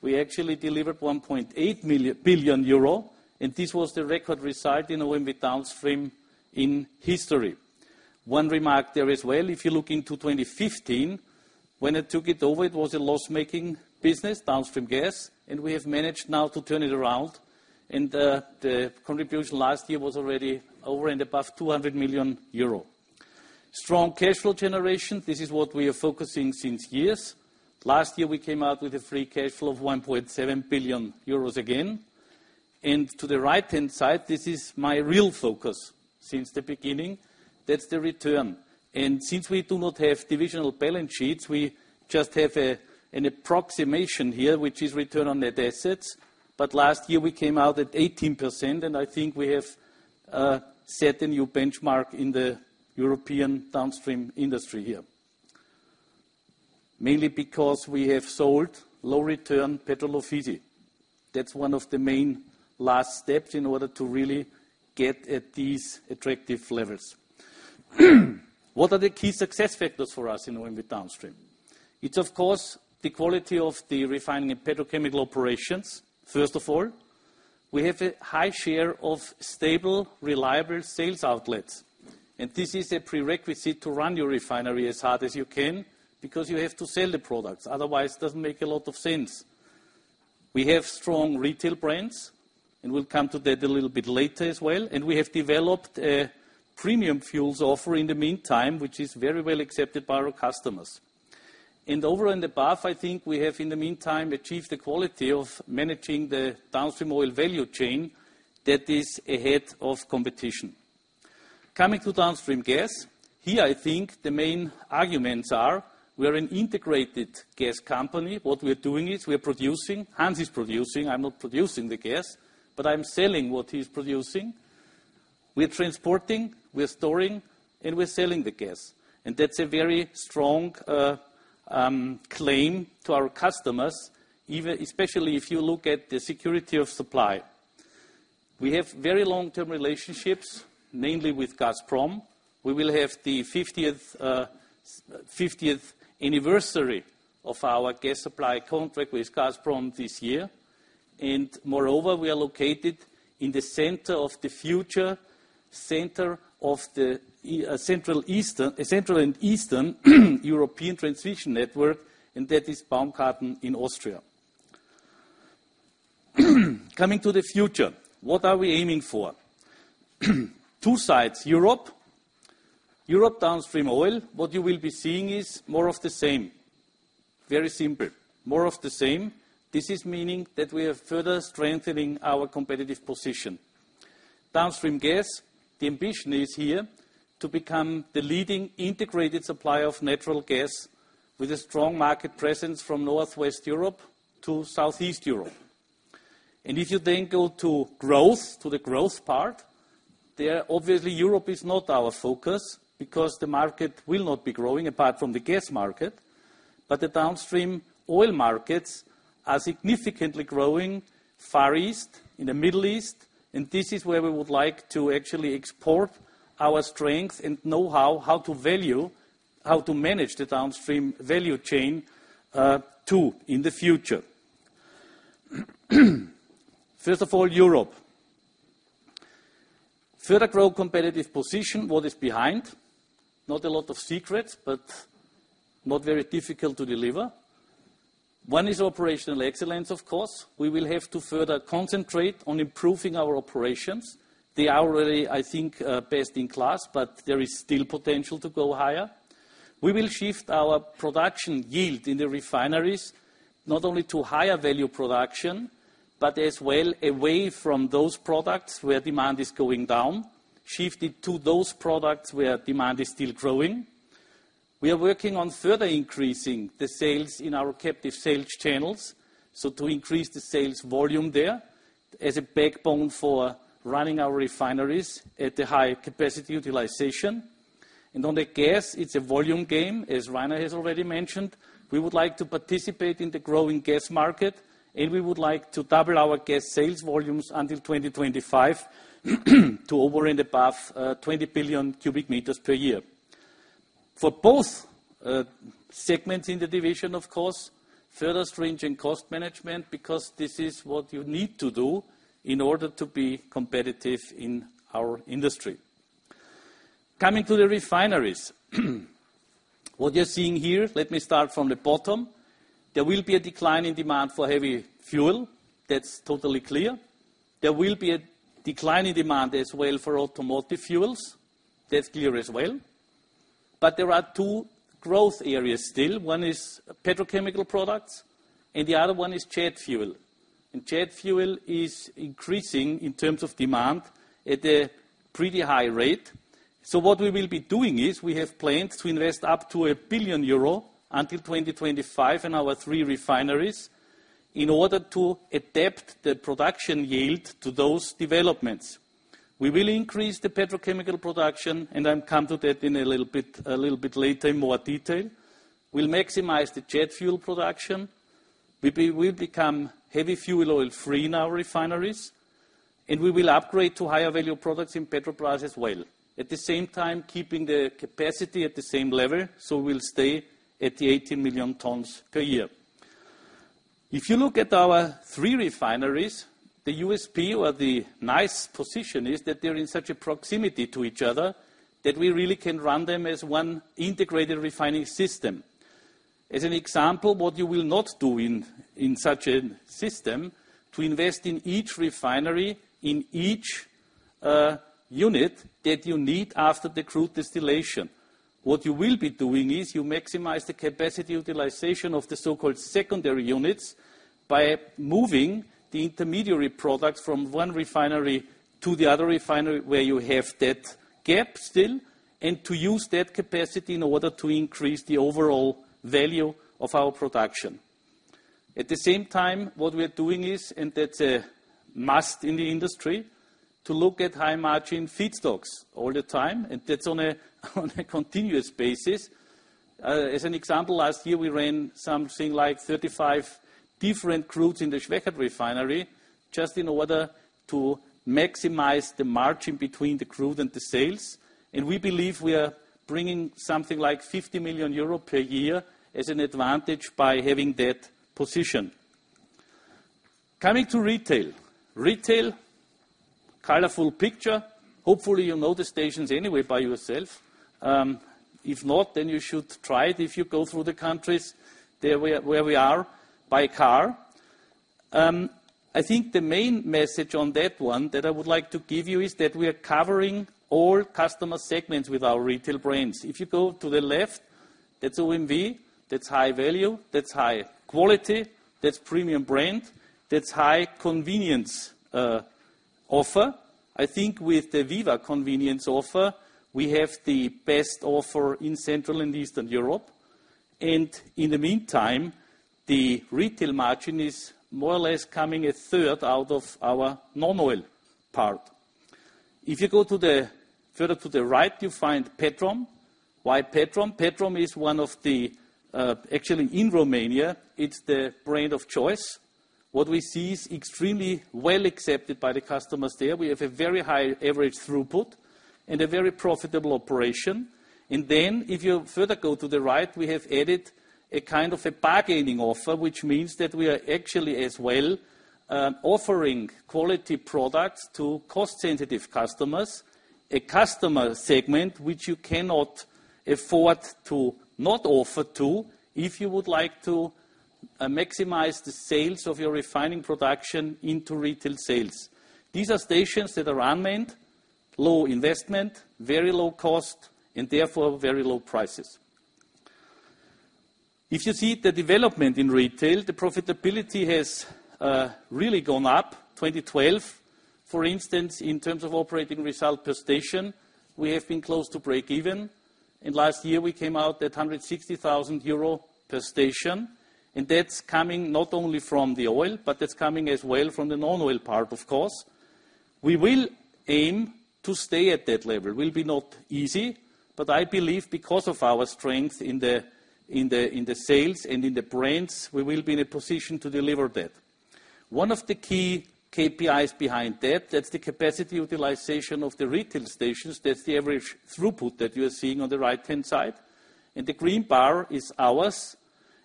we actually delivered 1.8 billion euro, and this was the record result in OMV downstream in history. One remark there as well, if you look into 2015, when I took it over, it was a loss-making business, downstream gas, and we have managed now to turn it around, and the contribution last year was already over and above 200 million euro. Strong cash flow generation, this is what we are focusing since years. Last year, we came out with a free cash flow of 1.7 billion euros again. To the right-hand side, this is my real focus since the beginning. That's the return. Since we do not have divisional balance sheets, we just have an approximation here, which is return on net assets. Last year, we came out at 18%, and I think we have set a new benchmark in the European downstream industry here. Mainly because we have sold low return Petrol Ofisi. That's one of the main last steps in order to really get at these attractive levels. What are the key success factors for us in OMV downstream? It's of course, the quality of the refining petrochemical operations, first of all. We have a high share of stable, reliable sales outlets. This is a prerequisite to run your refinery as hard as you can because you have to sell the products. Otherwise, it doesn't make a lot of sense. We have strong retail brands. We'll come to that a little bit later as well. We have developed a premium fuels offer in the meantime, which is very well accepted by our customers. Over and above, I think we have in the meantime achieved the quality of managing the downstream oil value chain that is ahead of competition. Coming to downstream gas, here I think the main arguments are we are an integrated gas company. What we are doing is we are producing, Hans is producing. I'm not producing the gas, but I'm selling what he's producing. We're transporting, we're storing, and we're selling the gas. That's a very strong claim to our customers, especially if you look at the security of supply. We have very long-term relationships, mainly with Gazprom. We will have the 50th anniversary of our gas supply contract with Gazprom this year. Moreover, we are located in the center of the future, center of the Central and Eastern European Transition Network, and that is Baumgarten in Austria. Coming to the future, what are we aiming for? Two sides. Europe Downstream Oil, what you will be seeing is more of the same. Very simple, more of the same. This is meaning that we are further strengthening our competitive position. Downstream Gas, the ambition is here to become the leading integrated supplier of natural gas with a strong market presence from Northwest Europe to Southeast Europe. If you then go to the growth part, there obviously Europe is not our focus because the market will not be growing apart from the gas market. The downstream oil markets are significantly growing Far East, in the Middle East. This is where we would like to actually export our strength and knowhow, how to value, how to manage the downstream value chain too, in the future. First of all, Europe. Further grow competitive position. What is behind? Not a lot of secrets, but not very difficult to deliver. One is operational excellence of course. We will have to further concentrate on improving our operations. They are already, I think, best in class, but there is still potential to go higher. We will shift our production yield in the refineries not only to higher value production, but as well away from those products where demand is going down, shift it to those products where demand is still growing. We are working on further increasing the sales in our captive sales channels, so to increase the sales volume there as a backbone for running our refineries at the high capacity utilization. On the gas it's a volume game, as Rainer has already mentioned. We would like to participate in the growing gas market. We would like to double our gas sales volumes until 2025 to over and above 20 billion cubic meters per year. For both segments in the division of course, further strengthening cost management because this is what you need to do in order to be competitive in our industry. Coming to the refineries. What you're seeing here, let me start from the bottom. There will be a decline in demand for heavy fuel. That's totally clear. There will be a decline in demand as well for automotive fuels. That's clear as well. There are two growth areas still. One is petrochemical products and the other one is jet fuel. Jet fuel is increasing in terms of demand at a pretty high rate. What we will be doing is we have plans to invest up to 1 billion euro until 2025 in our three refineries in order to adapt the production yield to those developments. We will increase the petrochemical production. I'll come to that a little bit later in more detail. We'll maximize the jet fuel production. We'll become heavy fuel oil free in our refineries. We will upgrade to higher value products in Petrobrazi as well. At the same time keeping the capacity at the same level. We'll stay at the 18 million tons per year. If you look at our three refineries, the USP or the nice position is that they're in such a proximity to each other that we really can run them as one integrated refining system. As an example, what you will not do in such a system, to invest in each refinery in each unit that you need after the crude distillation. What you will be doing is you maximize the capacity utilization of the so-called secondary units by moving the intermediary product from one refinery to the other refinery where you have that gap still. To use that capacity in order to increase the overall value of our production. At the same time, what we are doing is, that's a must in the industry, to look at high margin feedstocks all the time. That's on a continuous basis. As an example, last year we ran something like 35 different crudes in the Schwechat Refinery just in order to maximize the margin between the crude and the sales. We believe we are bringing something like 50 million euro per year as an advantage by having that position. Coming to retail. Retail, colorful picture. Hopefully you know the stations anyway by yourself. If not, you should try it if you go through the countries where we are by car. I think the main message on that one that I would like to give you is that we are covering all customer segments with our retail brands. If you go to the left, that's OMV, that's high value, that's high quality, that's premium brand, that's high convenience offer. I think with the VIVA convenience offer, we have the best offer in Central and Eastern Europe. In the meantime, the retail margin is more or less coming a third out of our non-oil part. If you go further to the right, you find Petrom. Why Petrom? Petrom, actually in Romania, it's the brand of choice. What we see is extremely well accepted by the customers there. We have a very high average throughput and a very profitable operation. If you further go to the right, we have added a kind of a bargaining offer, which means that we are actually as well offering quality products to cost sensitive customers. A customer segment which you cannot afford to not offer to, if you would like to maximize the sales of your refining production into retail sales. These are stations that are unmanned, low investment, very low cost, and therefore very low prices. If you see the development in retail, the profitability has really gone up. 2012, for instance, in terms of operating result per station, we have been close to break even. Last year we came out at 160,000 euro per station. That's coming not only from the oil, but that's coming as well from the non-oil part, of course. We will aim to stay at that level. Will be not easy. I believe because of our strength in the sales and in the brands, we will be in a position to deliver that. One of the key KPIs behind that's the capacity utilization of the retail stations. That's the average throughput that you're seeing on the right-hand side. The green bar is ours,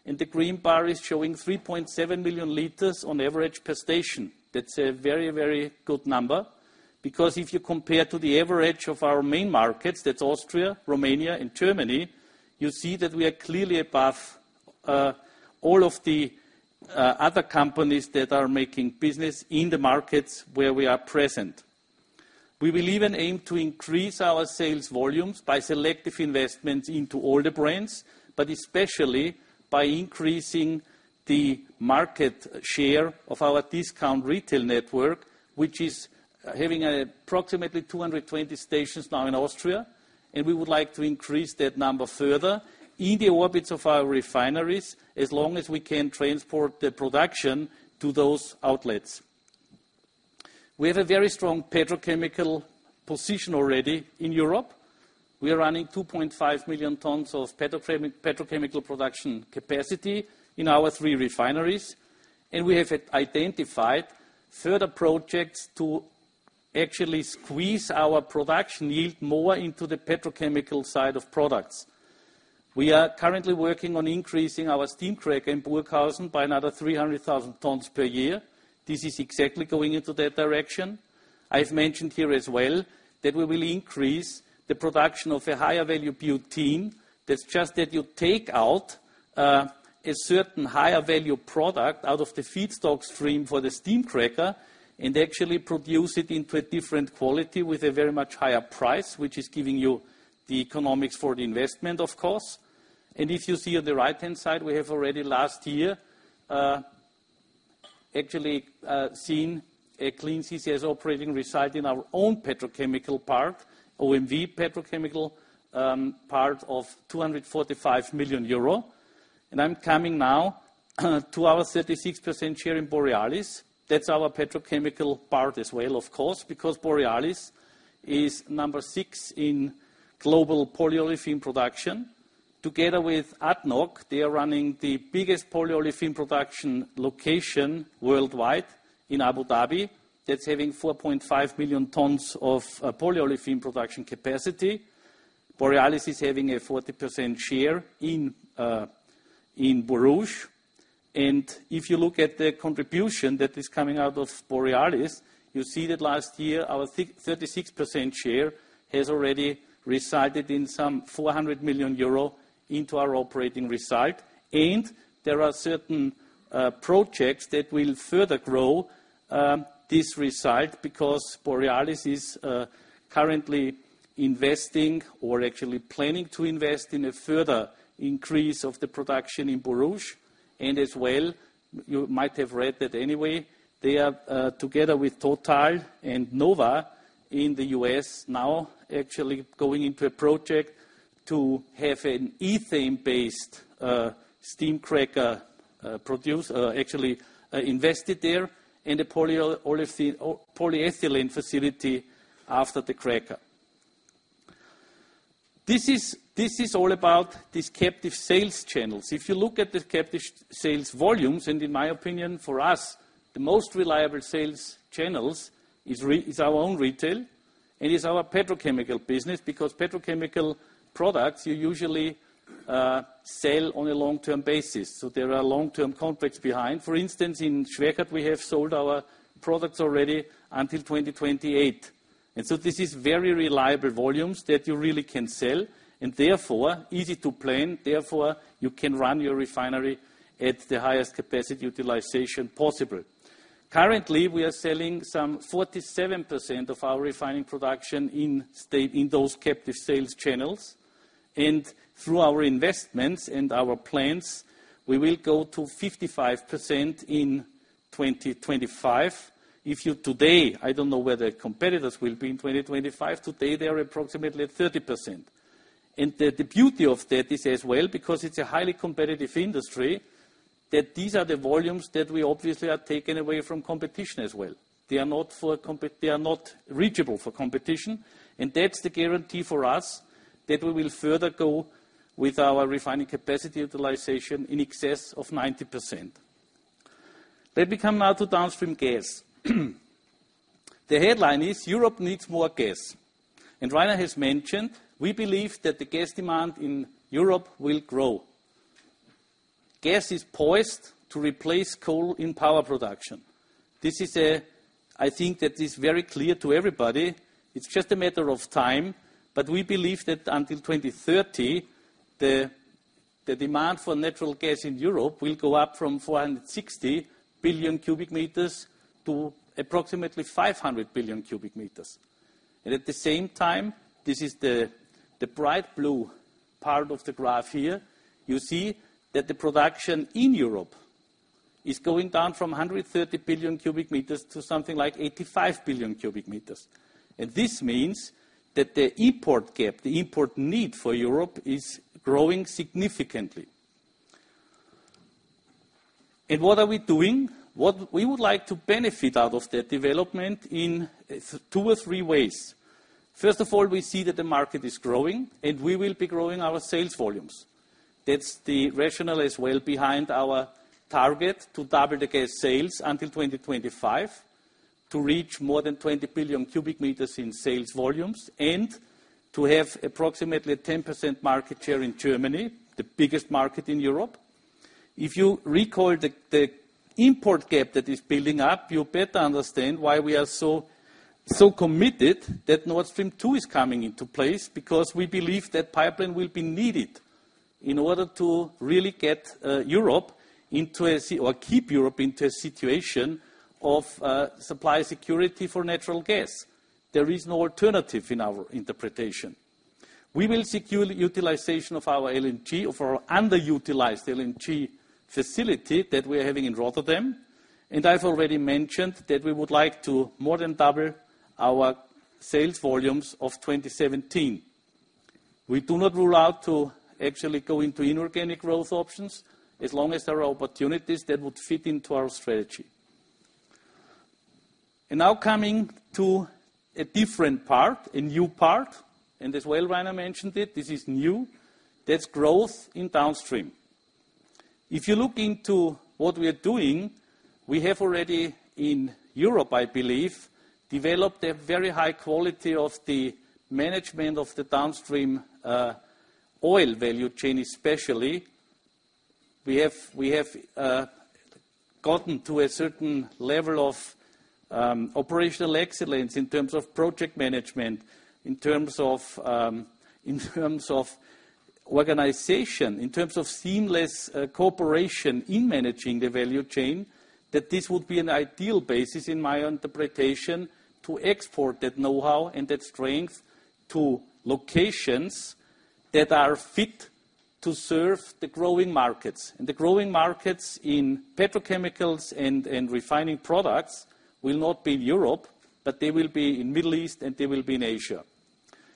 and the green bar is showing 3.7 million liters on average per station. That's a very good number. If you compare to the average of our main markets, that's Austria, Romania, and Germany, you see that we are clearly above all of the other companies that are making business in the markets where we are present. We will even aim to increase our sales volumes by selective investments into all the brands, but especially by increasing the market share of our discount retail network, which is having approximately 220 stations now in Austria. We would like to increase that number further in the orbits of our refineries, as long as we can transport the production to those outlets. We have a very strong petrochemical position already in Europe. We are running 2.5 million tons of petrochemical production capacity in our three refineries, and we have identified further projects to actually squeeze our production yield more into the petrochemical side of products. We are currently working on increasing our steam cracker in Burghausen by another 300,000 tons per year. This is exactly going into that direction. I've mentioned here as well, that we will increase the production of a higher value butane, that's just that you take out a certain higher value product out of the feedstock stream for the steam cracker and actually produce it into a different quality with a very much higher price, which is giving you the economics for the investment, of course. If you see on the right-hand side, we have already last year actually seen a clean CCS operating result in our own petrochemical part, OMV petrochemical part of 245 million euro. I'm coming now to our 36% share in Borealis. That's our petrochemical part as well, of course, because Borealis is number six in global polyolefin production. Together with ADNOC, they are running the biggest polyolefin production location worldwide in Abu Dhabi. That's having 4.5 million tons of polyolefin production capacity. Borealis is having a 40% share in Borouge. If you look at the contribution that is coming out of Borealis, you see that last year, our 36% share has already resulted in some 400 million euro into our clean CCS Operating Result. There are certain projects that will further grow this result, because Borealis is currently investing or actually planning to invest in a further increase of the production in Borouge. As well, you might have read that anyway, they are together with Total and Nova in the U.S. now actually going into a project to have an ethane-based steam cracker produced, actually invested there in the polyethylene facility after the cracker. This is all about these captive sales channels. If you look at the captive sales volumes, in my opinion, for us, the most reliable sales channels is our own retail, and is our petrochemical business because petrochemical products, you usually sell on a long-term basis. There are long-term contracts behind. For instance, in Schwechat, we have sold our products already until 2028. This is very reliable volumes that you really can sell, and therefore easy to plan. Therefore, you can run your refinery at the highest capacity utilization possible. Currently, we are selling some 47% of our refining production in those captive sales channels. Through our investments and our plans, we will go to 55% in 2025. If you today, I don't know where the competitors will be in 2025, today they are approximately at 30%. The beauty of that is as well, because it's a highly competitive industry, that these are the volumes that we obviously are taking away from competition as well. They are not reachable for competition, and that's the guarantee for us that we will further go with our refining capacity utilization in excess of 90%. Let me come now to downstream gas. The headline is Europe needs more gas. Rainer has mentioned, we believe that the gas demand in Europe will grow. Gas is poised to replace coal in power production. I think that is very clear to everybody. It's just a matter of time, but we believe that until 2030, the demand for natural gas in Europe will go up from 460 billion cubic meters to approximately 500 billion cubic meters. At the same time, this is the bright blue part of the graph here, you see that the production in Europe is going down from 130 billion cubic meters to something like 85 billion cubic meters. This means that the import gap, the import need for Europe, is growing significantly. What are we doing? We would like to benefit out of that development in two or three ways. First of all, we see that the market is growing, and we will be growing our sales volumes. That's the rationale as well behind our target to double the gas sales until 2025, to reach more than 20 billion cubic meters in sales volumes, and to have approximately a 10% market share in Germany, the biggest market in Europe. If you recall the import gap that is building up, you better understand why we are so committed that Nord Stream 2 is coming into place because we believe that pipeline will be needed in order to really get Europe into, or keep Europe into, a situation of supply security for natural gas. There is no alternative in our interpretation. We will secure utilization of our underutilized LNG facility that we're having in Rotterdam. I've already mentioned that we would like to more than double our sales volumes of 2017. We do not rule out to actually go into inorganic growth options as long as there are opportunities that would fit into our strategy. Now coming to a different part, a new part, as well Rainer mentioned it, this is new. That's growth in downstream. If you look into what we are doing, we have already, in Europe I believe, developed a very high quality of the management of the downstream oil value chain especially. We have gotten to a certain level of operational excellence in terms of project management, in terms of organization, in terms of seamless cooperation in managing the value chain, that this would be an ideal basis, in my interpretation, to export that knowhow and that strength to locations that are fit to serve the growing markets. The growing markets in petrochemicals and refining products will not be in Europe, but they will be in Middle East and they will be in Asia.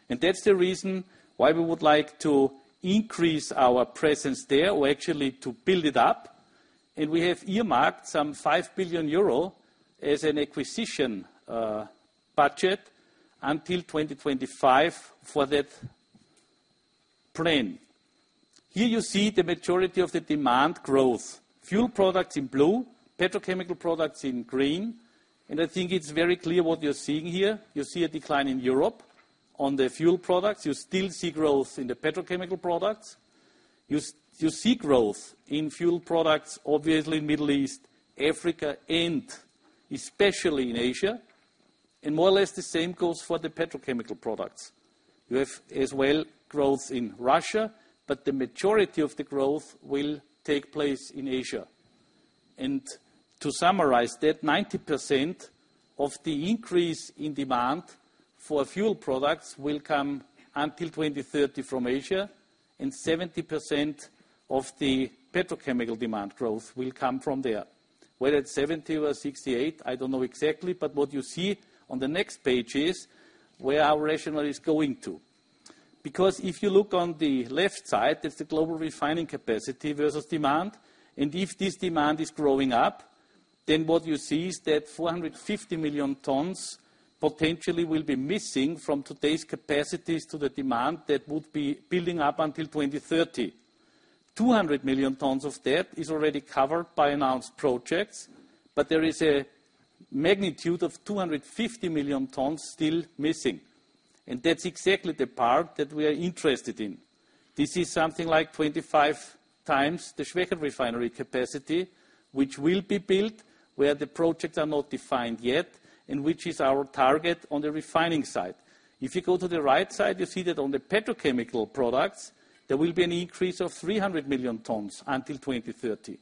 That's the reason why we would like to increase our presence there or actually to build it up. We have earmarked some 5 billion euro as an acquisition budget until 2025 for that plan. Here you see the maturity of the demand growth. Fuel products in blue, petrochemical products in green, I think it's very clear what you're seeing here. You see a decline in Europe on the fuel products. You still see growth in the petrochemical products. You see growth in fuel products, obviously in Middle East, Africa, and especially in Asia. More or less the same goes for the petrochemical products. You have as well growth in Russia, the majority of the growth will take place in Asia. To summarize that, 90% of the increase in demand for fuel products will come until 2030 from Asia, 70% of the petrochemical demand growth will come from there. Whether it's 70 or 68, I don't know exactly, what you see on the next page is where our rationale is going to. If you look on the left side, it's the global refining capacity versus demand, if this demand is growing up, what you see is that 450 million tons potentially will be missing from today's capacities to the demand that would be building up until 2030. 200 million tons of that is already covered by announced projects, there is a magnitude of 250 million tons still missing. That's exactly the part that we are interested in. This is something like 25 times the Schwechat refinery capacity, which will be built where the projects are not defined yet, which is our target on the refining side. You go to the right side, you see that on the petrochemical products, there will be an increase of 300 million tons until 2030.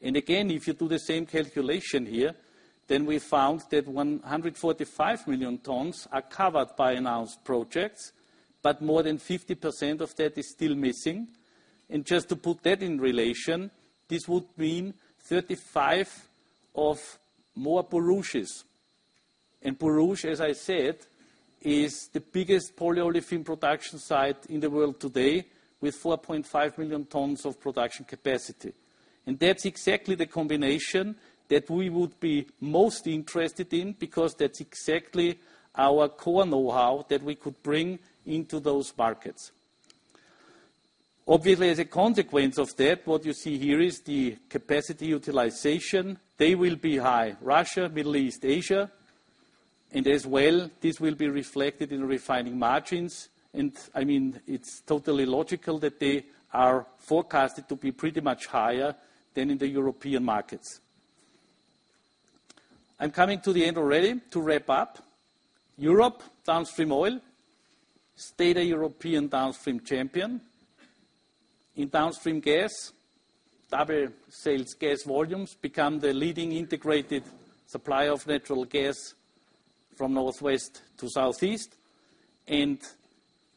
If you do the same calculation here, we found that 145 million tons are covered by announced projects, but more than 50% of that is still missing. Just to put that in relation, this would mean 35 of more Borouges. Borouge, as I said, is the biggest polyolefin production site in the world today with 4.5 million tons of production capacity. That's exactly the combination that we would be most interested in because that's exactly our core know-how that we could bring into those markets. Obviously, as a consequence of that, what you see here is the capacity utilization. They will be high. Russia, Middle East, Asia. As well, this will be reflected in refining margins. It's totally logical that they are forecasted to be pretty much higher than in the European markets. I'm coming to the end already. To wrap up, Europe downstream oil, stay the European downstream champion. In downstream gas, double sales gas volumes, become the leading integrated supplier of natural gas from northwest to southeast. In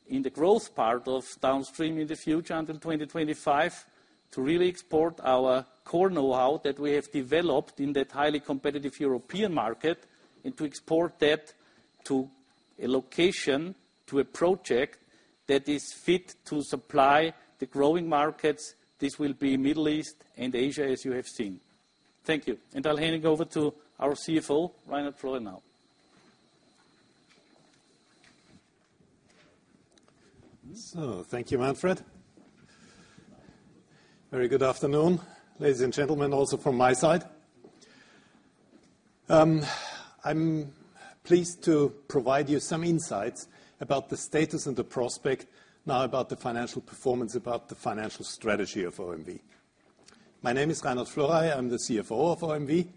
the growth part of downstream in the future, until 2025, to really export our core know-how that we have developed in that highly competitive European market, to export that to a location, to a project that is fit to supply the growing markets. This will be Middle East and Asia, as you have seen. Thank you. I'll hand it over to our CFO, Reinhard Florey now. Thank you, Manfred. Very good afternoon, ladies and gentlemen, also from my side. I'm pleased to provide you some insights about the status and the prospect, not about the financial performance, about the financial strategy of OMV. My name is Reinhard Florey. I'm the CFO of OMV.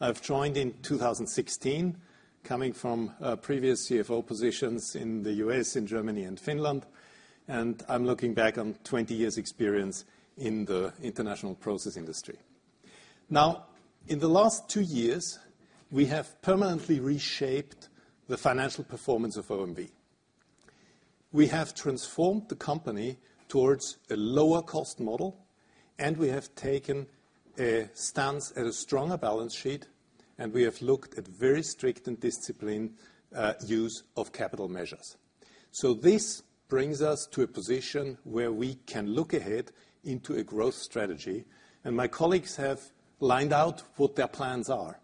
I've joined in 2016, coming from previous CFO positions in the U.S., in Germany and Finland. I'm looking back on 20 years experience in the international process industry. In the last two years, we have permanently reshaped the financial performance of OMV. We have transformed the company towards a lower cost model. We have taken a stance at a stronger balance sheet. We have looked at very strict and disciplined use of capital measures. This brings us to a position where we can look ahead into a growth strategy. My colleagues have lined out what their plans are.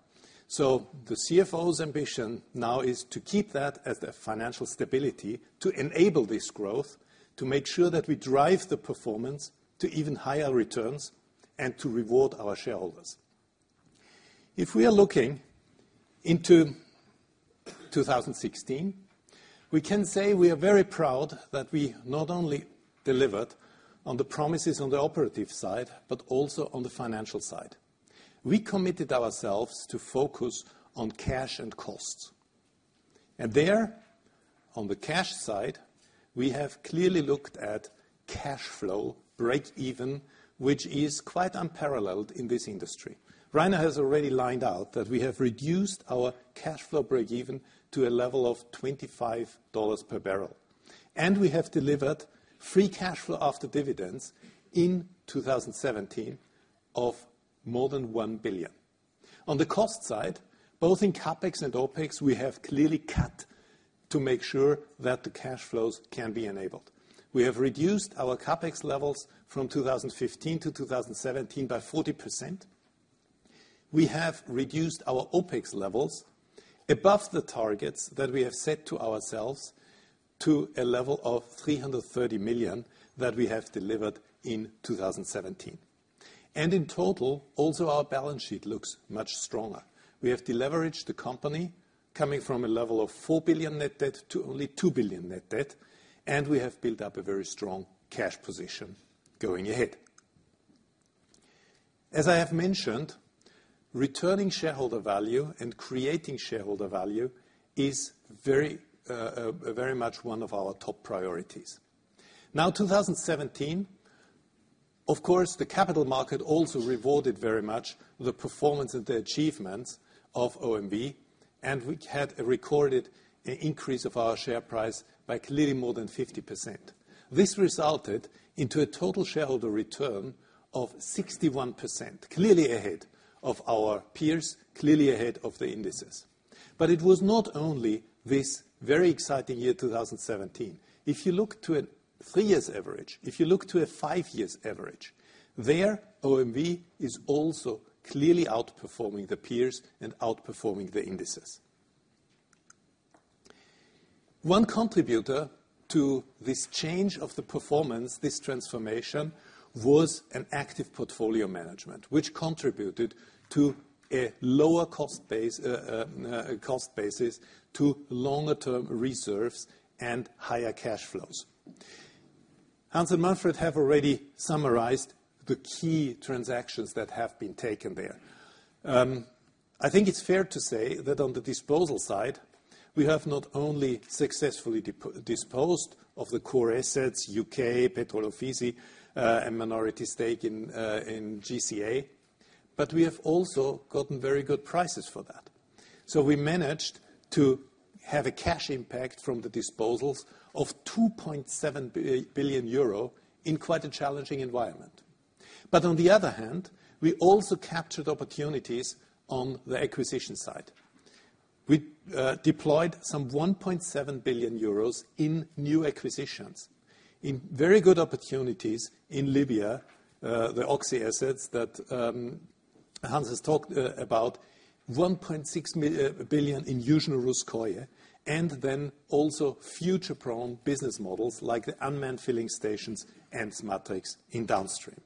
The CFO's ambition now is to keep that as a financial stability to enable this growth, to make sure that we drive the performance to even higher returns and to reward our shareholders. If we are looking into 2016, we can say we are very proud that we not only delivered on the promises on the operative side, but also on the financial side. We committed ourselves to focus on cash and costs. There, on the cash side, we have clearly looked at cash flow, breakeven, which is quite unparalleled in this industry. Rainer has already lined out that we have reduced our cash flow breakeven to a level of $25 per barrel, and we have delivered free cash flow after dividends in 2017 of more than 1 billion. On the cost side, both in CapEx and OpEx, we have clearly cut to make sure that the cash flows can be enabled. We have reduced our CapEx levels from 2015-2017 by 40%. We have reduced our OpEx levels above the targets that we have set to ourselves to a level of 330 million that we have delivered in 2017. In total, also our balance sheet looks much stronger. We have deleveraged the company, coming from a level of 4 billion net debt to only 2 billion net debt, and we have built up a very strong cash position going ahead. As I have mentioned, returning shareholder value and creating shareholder value is very much one of our top priorities. Now, 2017, of course, the capital market also rewarded very much the performance and the achievements of OMV, and we had recorded an increase of our share price by clearly more than 50%. This resulted into a total shareholder return of 61%, clearly ahead of our peers, clearly ahead of the indices. It was not only this very exciting year, 2017. If you look to a three-year average, if you look to a five-year average, there OMV is also clearly outperforming the peers and outperforming the indices. One contributor to this change of the performance, this transformation, was an active portfolio management, which contributed to a lower cost basis, to longer term reserves and higher cash flows. Hans and Manfred have already summarized the key transactions that have been taken there. I think it's fair to say that on the disposal side, we have not only successfully disposed of the core assets, U.K., Petrol Ofisi, a minority stake in GCA, but we have also gotten very good prices for that. So we managed to have a cash impact from the disposals of 2.7 billion euro in quite a challenging environment. On the other hand, we also captured opportunities on the acquisition side. We deployed some 1.7 billion euros in new acquisitions in very good opportunities in Libya, the Oxy assets that Hans has talked about, 1.6 billion in Yuzhno Russkoye, and then also future-prone business models like the unmanned filling stations and SMATRICS in downstream.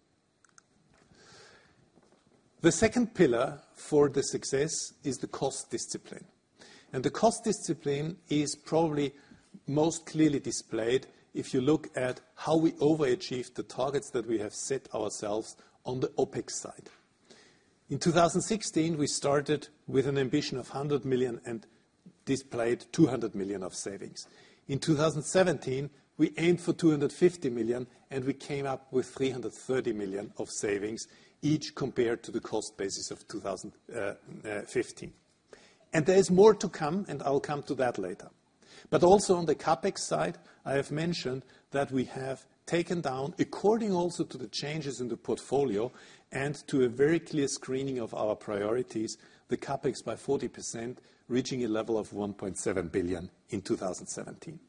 The second pillar for the success is the cost discipline. The cost discipline is probably most clearly displayed if you look at how we overachieved the targets that we have set ourselves on the OpEx side. In 2016, we started with an ambition of 100 million and displayed 200 million of savings. In 2017, we aimed for 250 million, and we came up with 330 million of savings, each compared to the cost basis of 2015. And there is more to come, and I will come to that later. Also on the CapEx side, I have mentioned that we have taken down, according also to the changes in the portfolio and to a very clear screening of our priorities, the CapEx by 40%, reaching a level of 1.7 billion in 2017.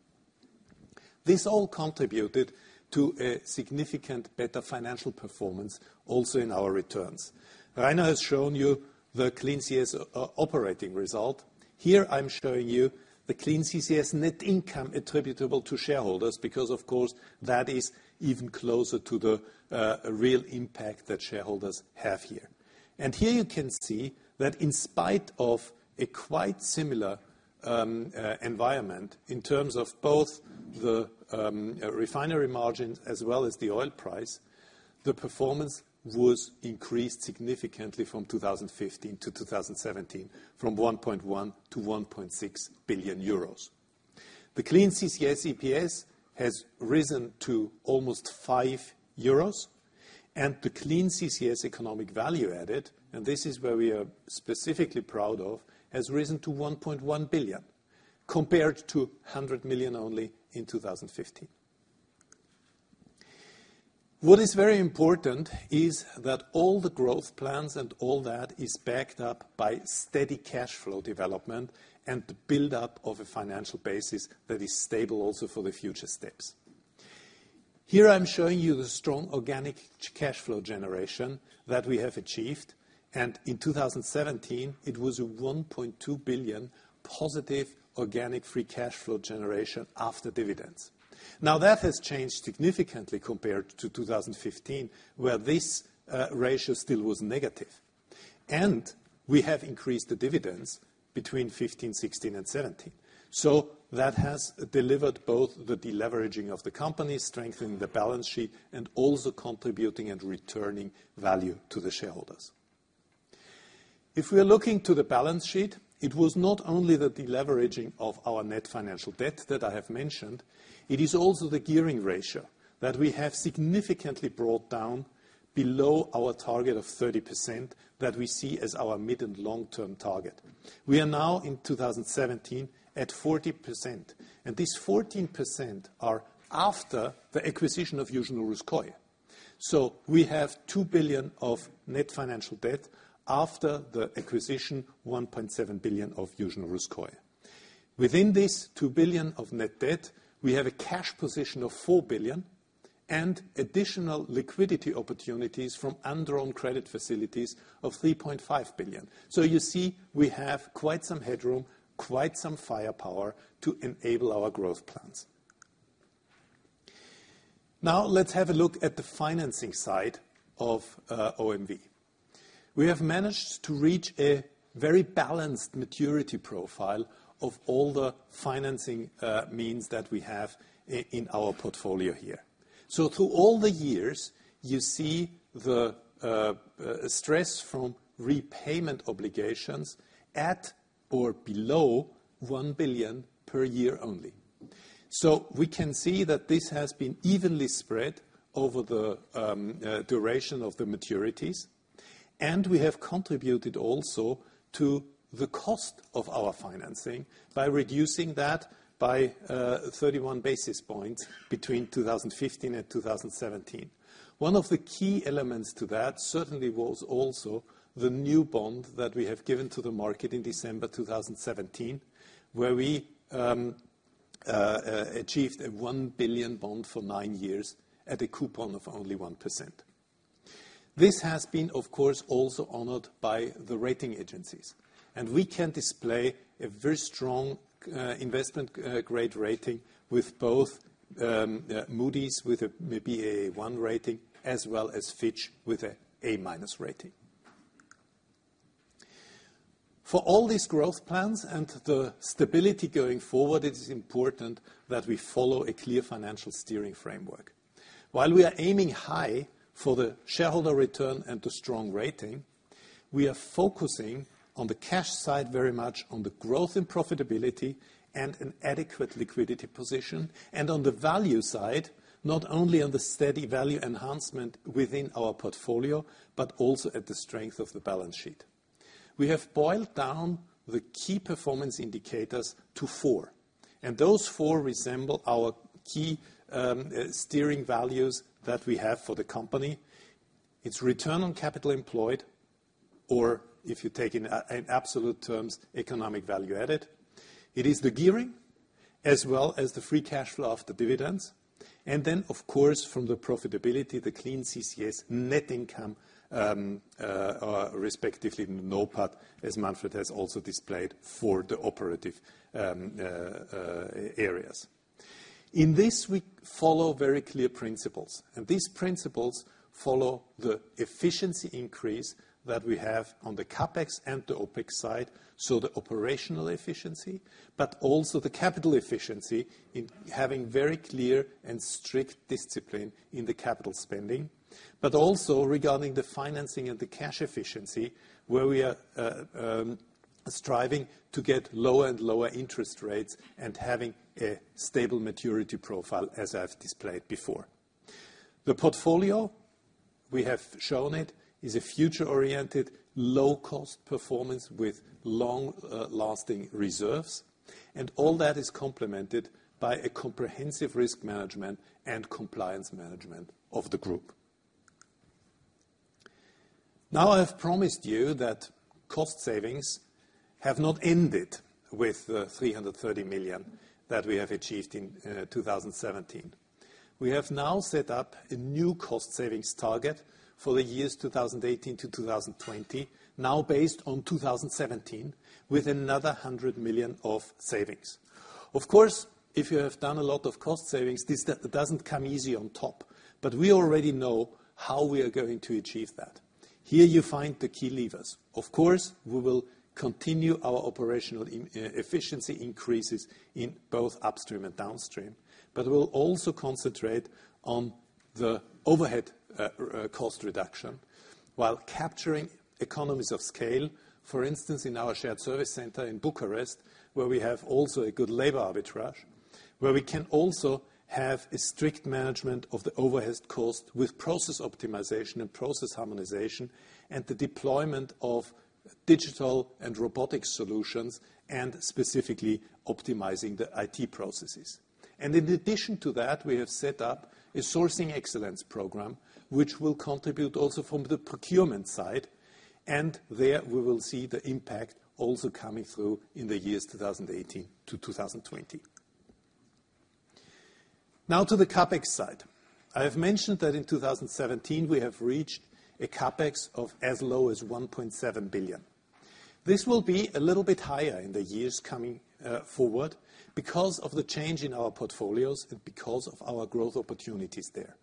This all contributed to a significant better financial performance also in our returns. Rainer has shown you the clean CCS Operating Result. Here I'm showing you the clean CCS net income attributable to shareholders because, of course, that is even closer to the real impact that shareholders have here. Here you can see that in spite of a quite similar environment in terms of both the refinery margins as well as the oil price, the performance was increased significantly from 2015 to 2017, from 1.1 billion to 1.6 billion euros. The clean CCS EPS has risen to almost 5 euros and the clean CCS economic value added, and this is where we are specifically proud of, has risen to 1.1 billion compared to 100 million only in 2015. What is very important is that all the growth plans and all that is backed up by steady cash flow development and the buildup of a financial basis that is stable also for the future steps. Here I'm showing you the strong organic cash flow generation that we have achieved. In 2017, it was a 1.2 billion positive organic free cash flow generation after dividends. That has changed significantly compared to 2015, where this ratio still was negative. We have increased the dividends between 2015, 2016, and 2017. That has delivered both the deleveraging of the company, strengthening the balance sheet, and also contributing and returning value to the shareholders. If we are looking to the balance sheet, it was not only the deleveraging of our net financial debt that I have mentioned, it is also the gearing ratio that we have significantly brought down below our target of 30% that we see as our mid and long-term target. We are now in 2017 at 14%, and this 14% are after the acquisition of Yuzhno Russkoye. We have 2 billion of net financial debt after the acquisition, 1.7 billion of Yuzhno Russkoye. Within this 2 billion of net debt, we have a cash position of 4 billion and additional liquidity opportunities from undrawn credit facilities of 3.5 billion. You see, we have quite some headroom, quite some firepower to enable our growth plans. Let's have a look at the financing side of OMV. We have managed to reach a very balanced maturity profile of all the financing means that we have in our portfolio here. Through all the years, you see the stress from repayment obligations at or below 1 billion per year only. We can see that this has been evenly spread over the duration of the maturities, and we have contributed also to the cost of our financing by reducing that by 31 basis points between 2015 and 2017. One of the key elements to that certainly was also the new bond that we have given to the market in December 2017, where we achieved a 1 billion bond for nine years at a coupon of only 1%. This has been, of course, also honored by the rating agencies, and we can display a very strong investment grade rating with both Moody's with a Ba1 rating as well as Fitch with an A-minus rating. For all these growth plans and the stability going forward, it is important that we follow a clear financial steering framework. While we are aiming high for the shareholder return and a strong rating, we are focusing on the cash side very much on the growth and profitability and an adequate liquidity position, and on the value side, not only on the steady value enhancement within our portfolio, but also at the strength of the balance sheet. We have boiled down the key performance indicators to four, and those four resemble our key steering values that we have for the company. It's return on capital employed or, if you take in absolute terms, economic value added. It is the gearing as well as the free cash flow of the dividends. Of course, from the profitability, the clean CCS net income, respectively, the NOPAT, as Manfred has also displayed for the operative areas. In this, we follow very clear principles, these principles follow the efficiency increase that we have on the CapEx and the OpEx side, so the operational efficiency, but also the capital efficiency in having very clear and strict discipline in the capital spending. Also regarding the financing and the cash efficiency, where we are striving to get lower and lower interest rates and having a stable maturity profile as I've displayed before. The portfolio, we have shown it, is a future-oriented, low-cost performance with long-lasting reserves, and all that is complemented by a comprehensive risk management and compliance management of the group. I have promised you that cost savings have not ended with the 330 million that we have achieved in 2017. We have now set up a new cost savings target for the years 2018-2020, now based on 2017, with another 100 million of savings. If you have done a lot of cost savings, this doesn't come easy on top. We already know how we are going to achieve that. Here you find the key levers. We will continue our operational efficiency increases in both upstream and downstream, but we'll also concentrate on the overhead cost reduction while capturing economies of scale. For instance, in our shared service center in Bucharest, where we have also a good labor arbitrage, where we can also have a strict management of the overhead cost with process optimization and process harmonization and the deployment of digital and robotic solutions, and specifically optimizing the IT processes. In addition to that, we have set up a sourcing excellence program, which will contribute also from the procurement side, and there we will see the impact also coming through in the years 2018-2020. To the CapEx side. I have mentioned that in 2017 we have reached a CapEx of as low as 1.7 billion. This will be a little bit higher in the years coming forward because of the change in our portfolios and because of our growth opportunities there.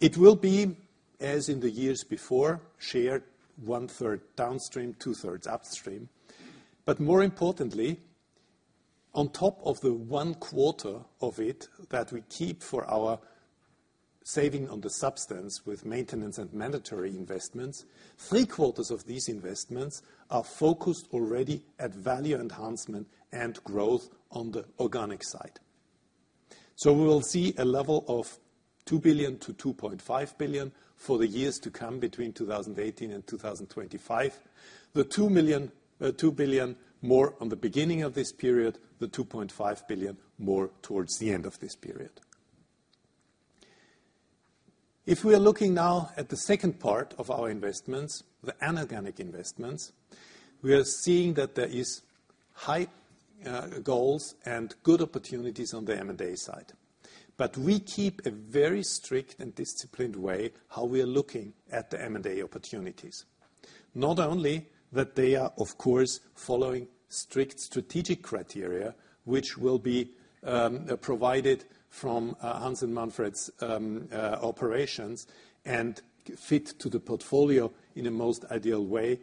It will be, as in the years before, shared one third downstream, two thirds upstream. More importantly, on top of the one quarter of it that we keep for our saving on the substance with maintenance and mandatory investments, three quarters of these investments are focused already at value enhancement and growth on the organic side. We will see a level of 2 billion-2.5 billion for the years to come between 2018 and 2025. The 2 billion more on the beginning of this period, the 2.5 billion more towards the end of this period. If we are looking now at the second part of our investments, the inorganic investments, we are seeing that there is high goals and good opportunities on the M&A side. But we keep a very strict and disciplined way how we are looking at the M&A opportunities. Not only that they are, of course, following strict strategic criteria, which will be provided from Hans and Manfred's operations and fit to the portfolio in a most ideal way.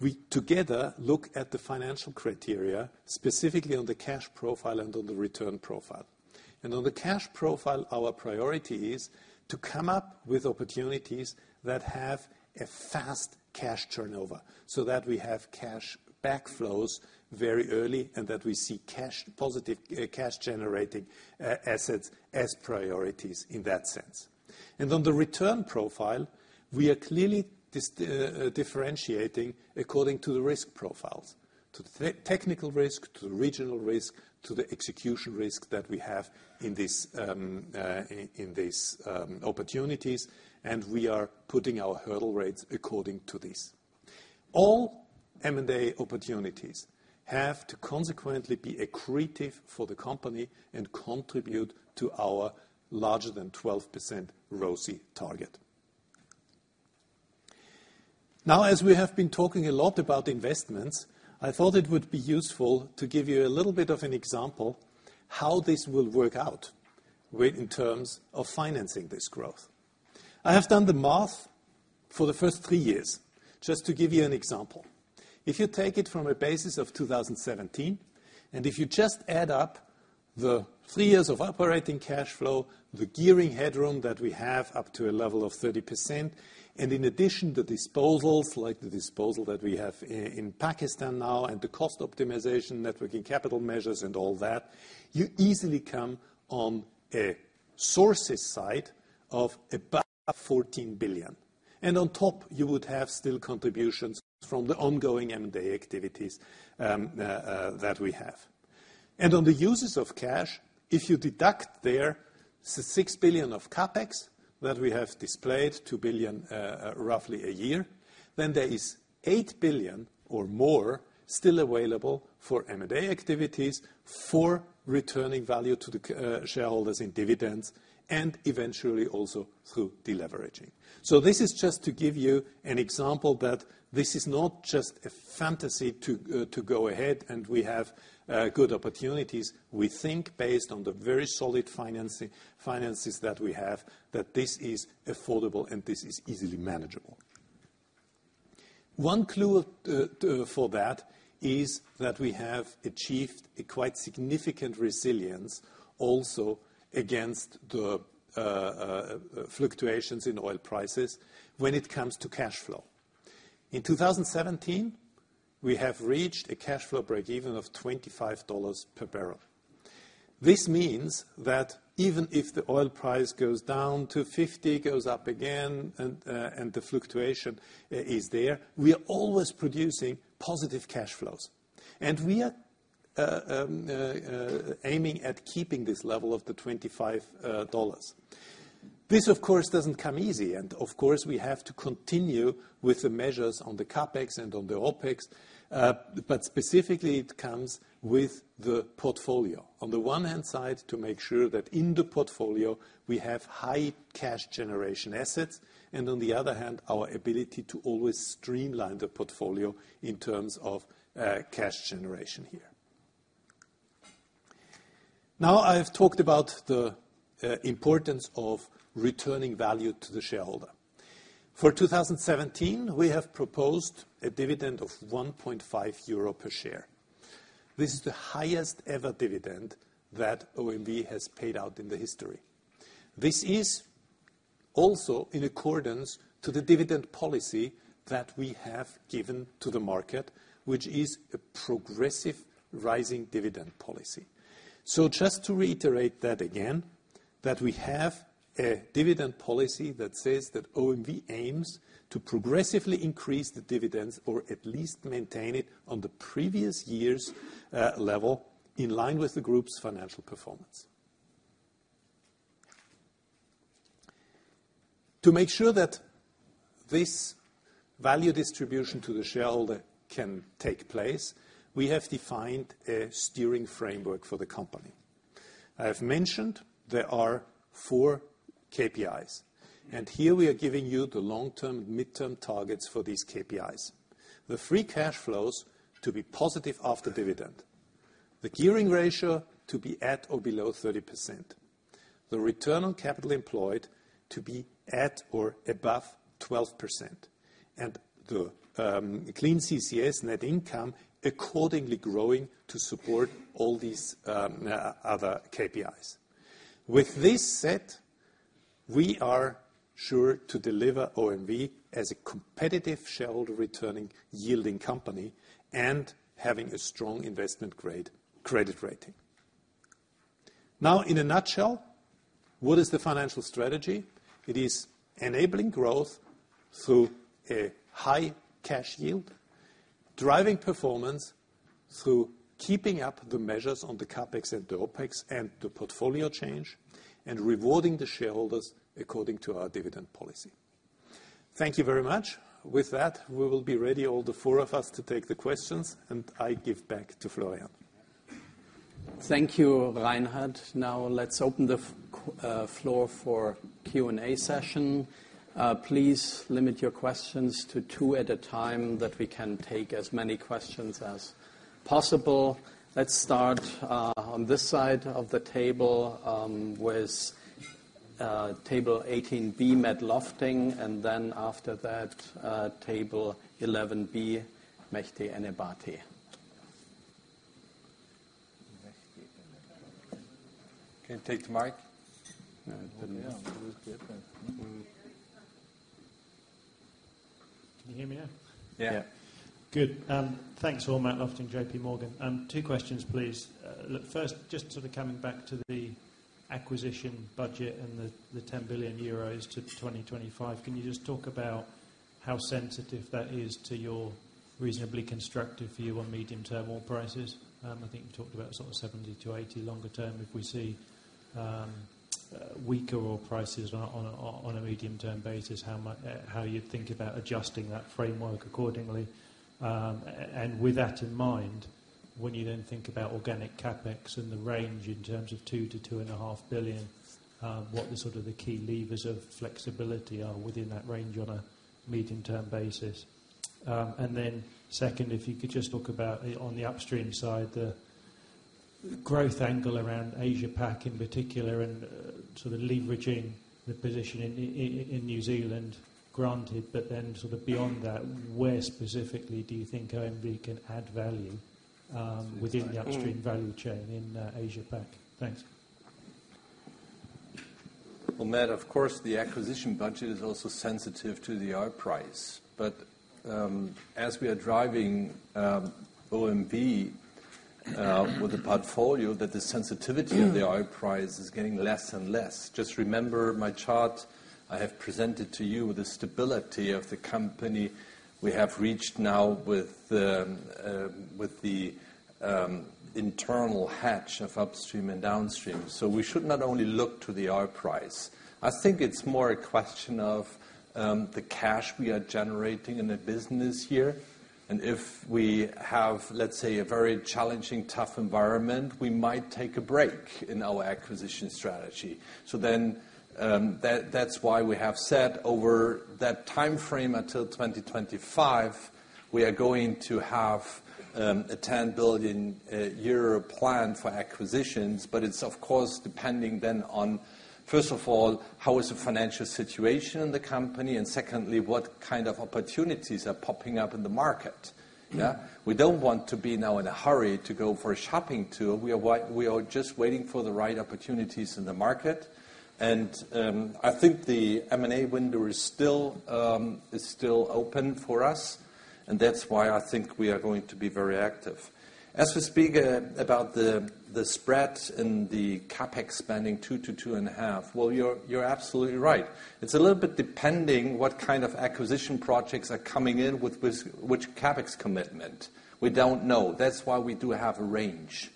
We together look at the financial criteria, specifically on the cash profile and on the return profile. On the cash profile, our priority is to come up with opportunities that have a fast cash turnover, so that we have cash backflows very early and that we see positive cash-generating assets as priorities in that sense. On the return profile, we are clearly differentiating according to the risk profiles, to the technical risk, to the regional risk, to the execution risk that we have in these opportunities, and we are putting our hurdle rates according to this. All M&A opportunities have to consequently be accretive for the company and contribute to our larger than 12% ROCE target. As we have been talking a lot about investments, I thought it would be useful to give you a little bit of an example how this will work out in terms of financing this growth. I have done the math for the first three years, just to give you an example. If you take it from a basis of 2017, and if you just add up the three years of operating cash flow, the gearing headroom that we have up to a level of 30%, and in addition, the disposals, like the disposal that we have in Pakistan now, and the cost optimization, net working capital measures, and all that, you easily come on a sources side of about 14 billion. On top, you would have still contributions from the ongoing M&A activities that we have. On the uses of cash, if you deduct there 6 billion of CapEx that we have displayed, 2 billion roughly a year, then there is 8 billion or more still available for M&A activities, for returning value to the shareholders in dividends, and eventually also through deleveraging. This is just to give you an example that this is not just a fantasy to go ahead and we have good opportunities. We think based on the very solid finances that we have, that this is affordable and this is easily manageable. One clue for that is that we have achieved a quite significant resilience also against the fluctuations in oil prices when it comes to cash flow. In 2017, we have reached a cash flow breakeven of $25 per barrel. This means that even if the oil price goes down to $50, goes up again, and the fluctuation is there, we are always producing positive cash flows. We are aiming at keeping this level of the $25. This, of course, doesn't come easy, and of course, we have to continue with the measures on the CapEx and on the OpEx. Specifically, it comes with the portfolio. On the one hand, to make sure that in the portfolio we have high cash generation assets, and on the other hand, our ability to always streamline the portfolio in terms of cash generation here. I have talked about the importance of returning value to the shareholder. For 2017, we have proposed a dividend of 1.5 euro per share. This is the highest ever dividend that OMV has paid out in the history. This is also in accordance to the dividend policy that we have given to the market, which is a progressive rising dividend policy. Just to reiterate that again, that we have a dividend policy that says that OMV aims to progressively increase the dividends, or at least maintain it on the previous year's level, in line with the group's financial performance. To make sure that this value distribution to the shareholder can take place, we have defined a steering framework for the company. I have mentioned there are 4 KPIs, and here we are giving you the long-term, mid-term targets for these KPIs. The free cash flows to be positive after dividend. The gearing ratio to be at or below 30%. The Return on Capital Employed to be at or above 12%. The Clean CCS net income accordingly growing to support all these other KPIs. With this set, we are sure to deliver OMV as a competitive shareholder returning yielding company and having a strong investment grade credit rating. In a nutshell, what is the financial strategy? It is enabling growth through a high cash yield, driving performance through keeping up the measures on the CapEx and the OpEx and the portfolio change, and rewarding the shareholders according to our dividend policy. Thank you very much. With that, we will be ready, all the four of us, to take the questions, I give back to Florian. Thank you, Reinhard. Let's open the floor for Q&A session. Please limit your questions to two at a time, that we can take as many questions as possible. Let's start on this side of the table with table 18 B, Matt Lofting, then after that, table 11 B, Mehdi Ennebati. Can you take the mic? Yeah. Yeah. Can you hear me now? Yeah. Yeah. Good. Thanks all. Matt Lofting, J.P. Morgan. Two questions, please. Look, first, just sort of coming back to the acquisition budget and the 10 billion euros to 2025, can you just talk about how sensitive that is to your reasonably constructive view on medium-term oil prices? I think you talked about sort of $70-$80 longer term. If we see weaker oil prices on a medium-term basis, how you'd think about adjusting that framework accordingly. With that in mind, when you then think about organic CapEx and the range in terms of 2 billion-2.5 billion, what the sort of the key levers of flexibility are within that range on a medium-term basis? Second, if you could just talk about on the upstream side, the growth angle around Asia-Pac in particular and sort of leveraging the position in New Zealand, granted, but then sort of beyond that, where specifically do you think OMV can add value. That's for you, Rainer. within the upstream value chain in Asia Pac? Thanks. Well, Matt, of course, the acquisition budget is also sensitive to the oil price. As we are driving OMV with a portfolio that the sensitivity of the oil price is getting less and less. Just remember my chart I have presented to you, the stability of the company we have reached now with the internal hatch of upstream and downstream. We should not only look to the oil price. I think it's more a question of the cash we are generating in the business here. If we have, let's say, a very challenging, tough environment, we might take a break in our acquisition strategy. That's why we have said over that timeframe until 2025- We are going to have a 10 billion euro plan for acquisitions, it's, of course, depending then on, first of all, how is the financial situation in the company, and secondly, what kind of opportunities are popping up in the market. Yeah? We don't want to be now in a hurry to go for a shopping tour. We are just waiting for the right opportunities in the market. I think the M&A window is still open for us, and that's why I think we are going to be very active. As we speak about the spreads and the CapEx spending, 2 to 2.5, well, you're absolutely right. It's a little bit depending what kind of acquisition projects are coming in with which CapEx commitment. We don't know. That's why we do have a range.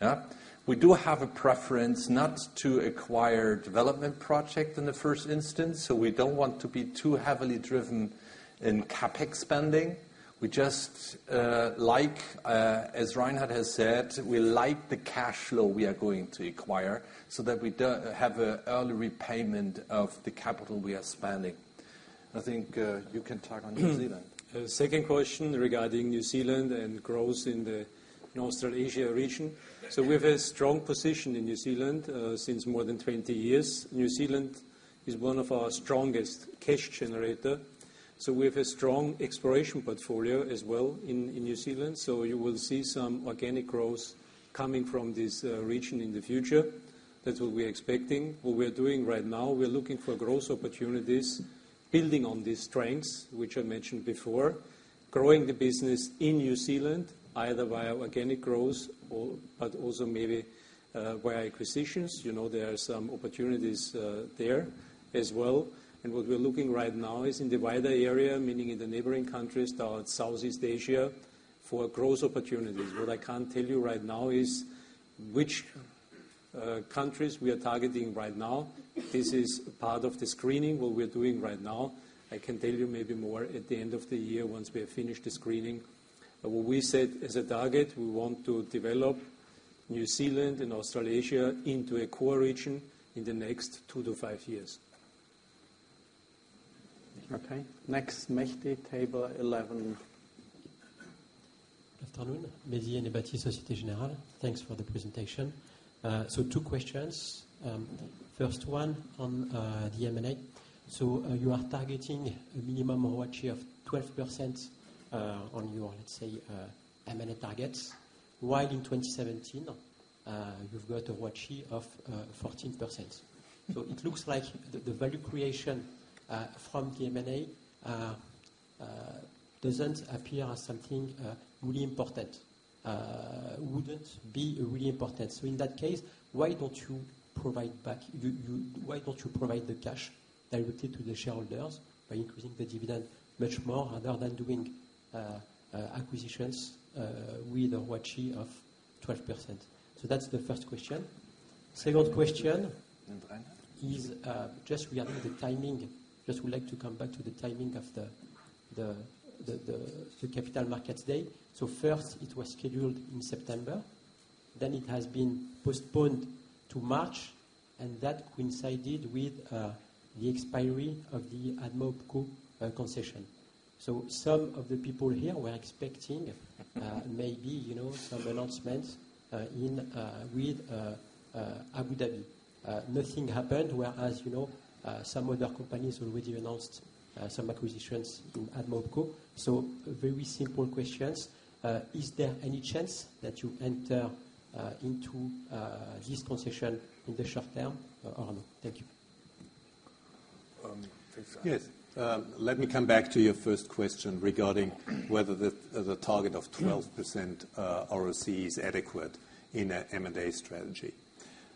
Yeah? We do have a preference not to acquire development project in the first instance, we don't want to be too heavily driven in CapEx spending. We just like, as Reinhard has said, we like the cash flow we are going to acquire so that we have an early repayment of the capital we are spending. I think you can talk on New Zealand. Second question regarding New Zealand and growth in the Australasia region. We have a strong position in New Zealand since more than 20 years. New Zealand is one of our strongest cash generator. We have a strong exploration portfolio as well in New Zealand. You will see some organic growth coming from this region in the future. That's what we're expecting. What we're doing right now, we're looking for growth opportunities, building on these strengths, which I mentioned before, growing the business in New Zealand, either via organic growth, but also maybe via acquisitions. You know there are some opportunities there as well. What we're looking right now is in the wider area, meaning in the neighboring countries towards Southeast Asia, for growth opportunities. What I can't tell you right now is which countries we are targeting right now. This is part of the screening, what we're doing right now. I can tell you maybe more at the end of the year once we have finished the screening. What we said as a target, we want to develop New Zealand and Australasia into a core region in the next two to five years. Okay, next, Mehdi, table 11. Good afternoon. Mehdi Ennebati, Société Générale. Thanks for the presentation. Two questions. First one on the M&A. You are targeting a minimum ROACE of 12% on your, let's say, M&A targets, while in 2017, you've got a ROACE of 14%. It looks like the value creation from the M&A doesn't appear as something really important. Wouldn't be really important. In that case, why don't you provide the cash directly to the shareholders by increasing the dividend much more rather than doing acquisitions with a ROACE of 12%? That's the first question. Second question- Reinhard? is just regarding the timing. Just would like to come back to the timing of the Capital Markets Day. First it was scheduled in September, then it has been postponed to March, and that coincided with the expiry of the ADMA-OPCO concession. Some of the people here were expecting maybe some announcements with Abu Dhabi. Nothing happened. Whereas some other companies already announced some acquisitions in ADMA-OPCO. Very simple questions. Is there any chance that you enter into this concession in the short term or no? Thank you. Thanks, Reinhard. Yes. Let me come back to your first question regarding whether the target of 12% ROCE is adequate in a M&A strategy.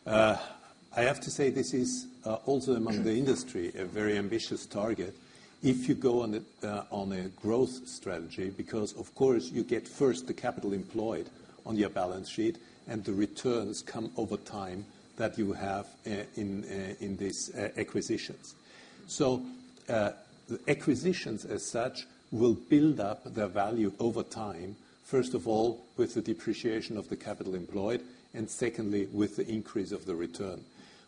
I have to say this is also among the industry, a very ambitious target if you go on a growth strategy, because of course you get first the capital employed on your balance sheet and the returns come over time that you have in these acquisitions. Acquisitions as such will build up their value over time. First of all, with the depreciation of the capital employed, and secondly, with the increase of the return.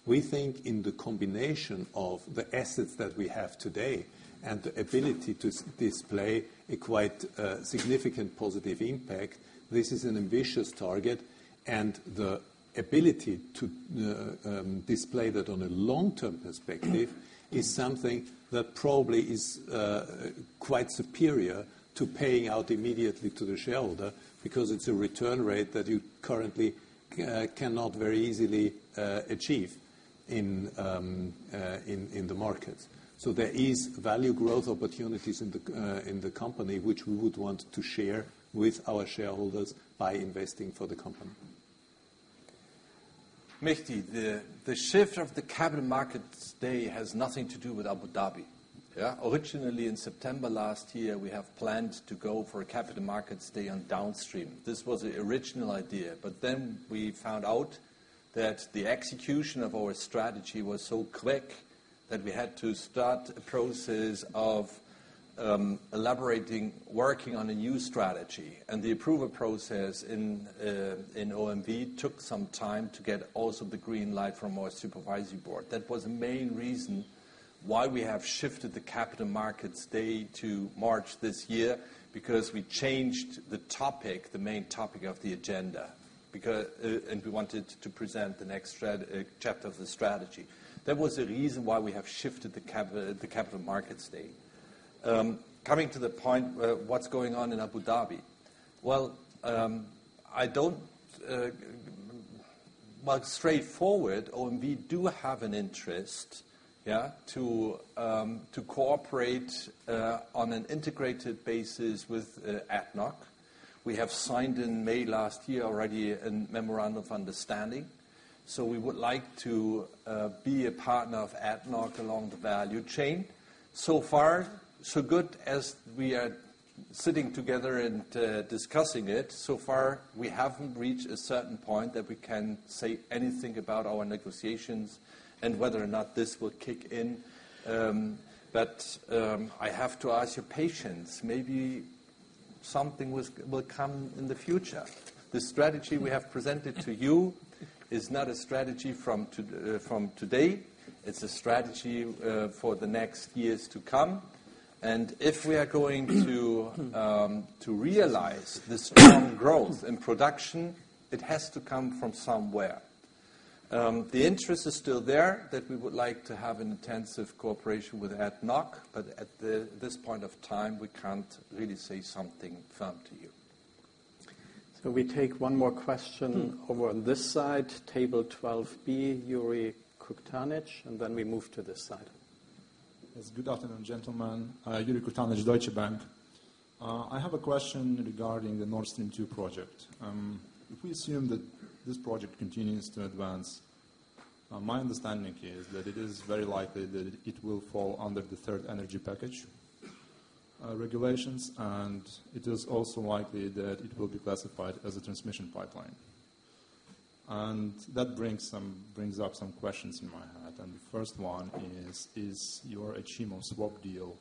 We think in the combination of the assets that we have today and the ability to display a quite significant positive impact, this is an ambitious target. The ability to display that on a long-term perspective is something that probably is quite superior to paying out immediately to the shareholder, because it's a return rate that you currently cannot very easily achieve in the market. There is value growth opportunities in the company, which we would want to share with our shareholders by investing for the company. Mehdi, the shift of the Capital Markets Day has nothing to do with Abu Dhabi. Yeah. Originally in September last year, we have planned to go for a Capital Markets Day on downstream. This was the original idea. We found out that the execution of our strategy was so quick that we had to start a process of elaborating, working on a new strategy. The approval process in OMV took some time to get also the green light from our supervising board. That was the main reason why we have shifted the Capital Markets Day to March this year. Because we changed the main topic of the agenda, and we wanted to present the next chapter of the strategy. That was the reason why we have shifted the Capital Markets Day. Coming to the point, what's going on in Abu Dhabi? Well, straightforward, OMV do have an interest to cooperate on an integrated basis with ADNOC. We have signed in May last year already a memorandum of understanding. We would like to be a partner of ADNOC along the value chain. So far, so good as we are sitting together and discussing it. So far, we haven't reached a certain point that we can say anything about our negotiations and whether or not this will kick in. I have to ask your patience. Maybe something will come in the future. The strategy we have presented to you is not a strategy from today. It's a strategy for the next years to come. If we are going to realize this strong growth and production, it has to come from somewhere. The interest is still there, that we would like to have an intensive cooperation with ADNOC, but at this point of time, we can't really say something firm to you. We take one more question over on this side. Table 12B, Yuri Koktanich, and then we move to this side. Yes. Good afternoon, gentlemen. Yuri Koktanich, Deutsche Bank. I have a question regarding the Nord Stream 2 project. If we assume that this project continues to advance, my understanding is that it is very likely that it will fall under the Third Energy Package regulations, and it is also likely that it will be classified as a transmission pipeline. That brings up some questions in my head. The first one is your Achimov swap deal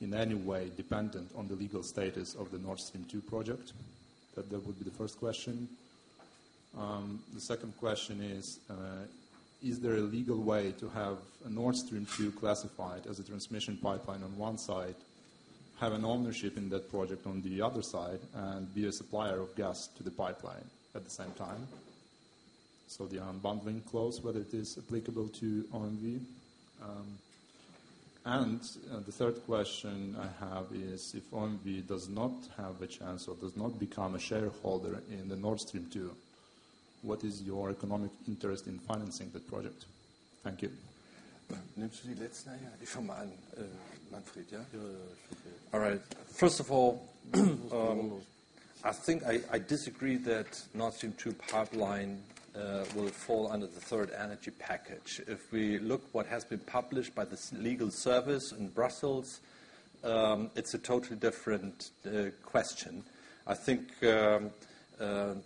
in any way dependent on the legal status of the Nord Stream 2 project? That would be the first question. The second question is there a legal way to have Nord Stream 2 classified as a transmission pipeline on one side, have an ownership in that project on the other side, and be a supplier of gas to the pipeline at the same time? The unbundling clause, whether it is applicable to OMV. The third question I have is, if OMV does not have a chance or does not become a shareholder in the Nord Stream 2, what is your economic interest in financing the project? Thank you. All right. First of all, I think I disagree that Nord Stream 2 pipeline will fall under the Third Energy Package. If we look what has been published by the legal service in Brussels, it's a totally different question. I think the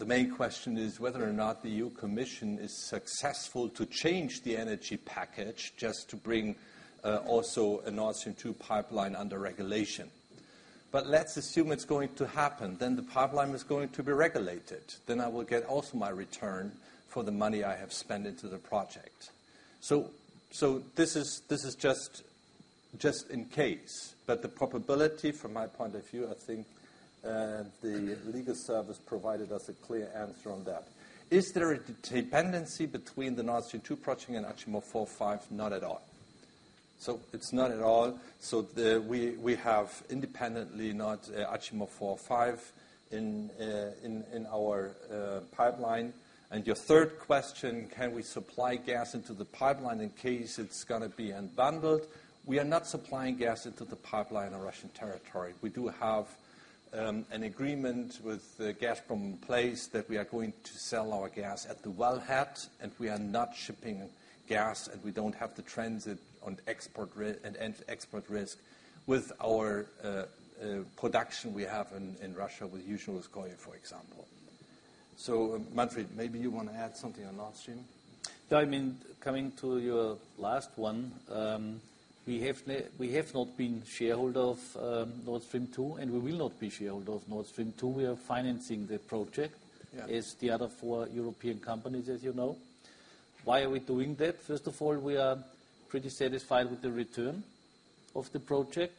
main question is whether or not the EU Commission is successful to change the energy package just to bring also a Nord Stream 2 pipeline under regulation. Let's assume it's going to happen, then the pipeline is going to be regulated. I will get also my return for the money I have spent into the project. This is just in case. The probability, from my point of view, I think the legal service provided us a clear answer on that. Is there a dependency between the Nord Stream 2 project and Achimov 4, 5? Not at all. It's not at all. We have independently not Achimov 4, 5 in our pipeline. Your third question, can we supply gas into the pipeline in case it's going to be unbundled? We are not supplying gas into the pipeline on Russian territory. We do have an agreement with the Gazprom that we are going to sell our gas at the wellhead, and we are not shipping gas, and we don't have the transit and export risk with our production we have in Russia with Yuzhno-Russkoye, for example. Manfred, maybe you want to add something on Nord Stream? I mean, coming to your last one, we have not been shareholder of Nord Stream 2, and we will not be shareholder of Nord Stream 2. We are financing the project- Yeah as the other four European companies, as you know. Why are we doing that? First of all, we are pretty satisfied with the return of the project.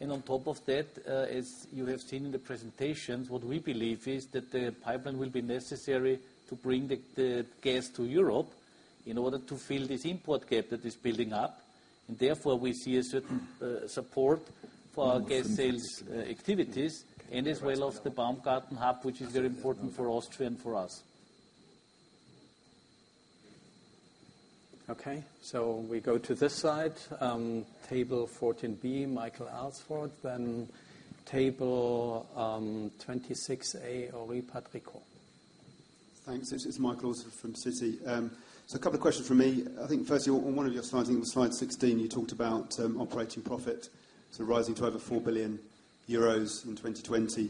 On top of that, as you have seen in the presentations, what we believe is that the pipeline will be necessary to bring the gas to Europe in order to fill this import gap that is building up. Therefore, we see a certain support for our gas sales activities, and as well of the Baumgarten hub, which is very important for Austria and for us. Okay. We go to this side. Table 14B, Michael Alsford, then table 26A, Henri Patricot. Thanks. It's Michael Alsford from Citi. A couple of questions from me. I think firstly, on one of your slides, I think it was slide 16, you talked about operating profit. Rising to over 4 billion euros in 2020.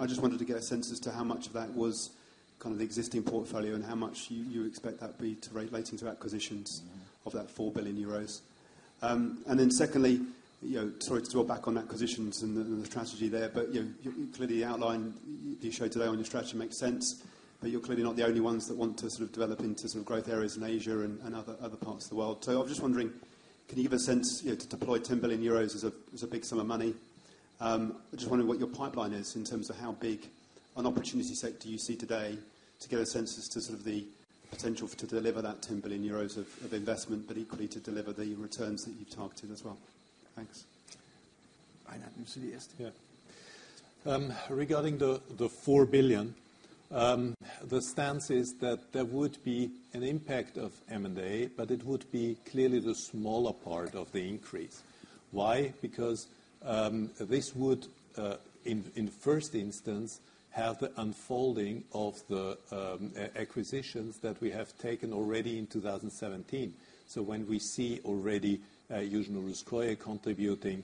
I just wanted to get a sense as to how much of that was the existing portfolio and how much you expect that to be relating to acquisitions of that 4 billion euros. Secondly, sorry to draw back on acquisitions and the Strategy there, clearly, the outline you showed today on your Strategy makes sense. You're clearly not the only ones that want to develop into growth areas in Asia and other parts of the world. I'm just wondering, can you give a sense, to deploy 10 billion euros is a big sum of money. I'm just wondering what your pipeline is in terms of how big an opportunity sector you see today to get a sense as to sort of the potential to deliver that 10 billion euros of investment, equally to deliver the returns that you've talked to as well. Thanks. Why not you say, yes? Regarding the 4 billion, the stance is that there would be an impact of M&A, but it would be clearly the smaller part of the increase. Why? Because this would, in first instance, have the unfolding of the acquisitions that we have taken already in 2017. When we see already Yuzhno Russkoye contributing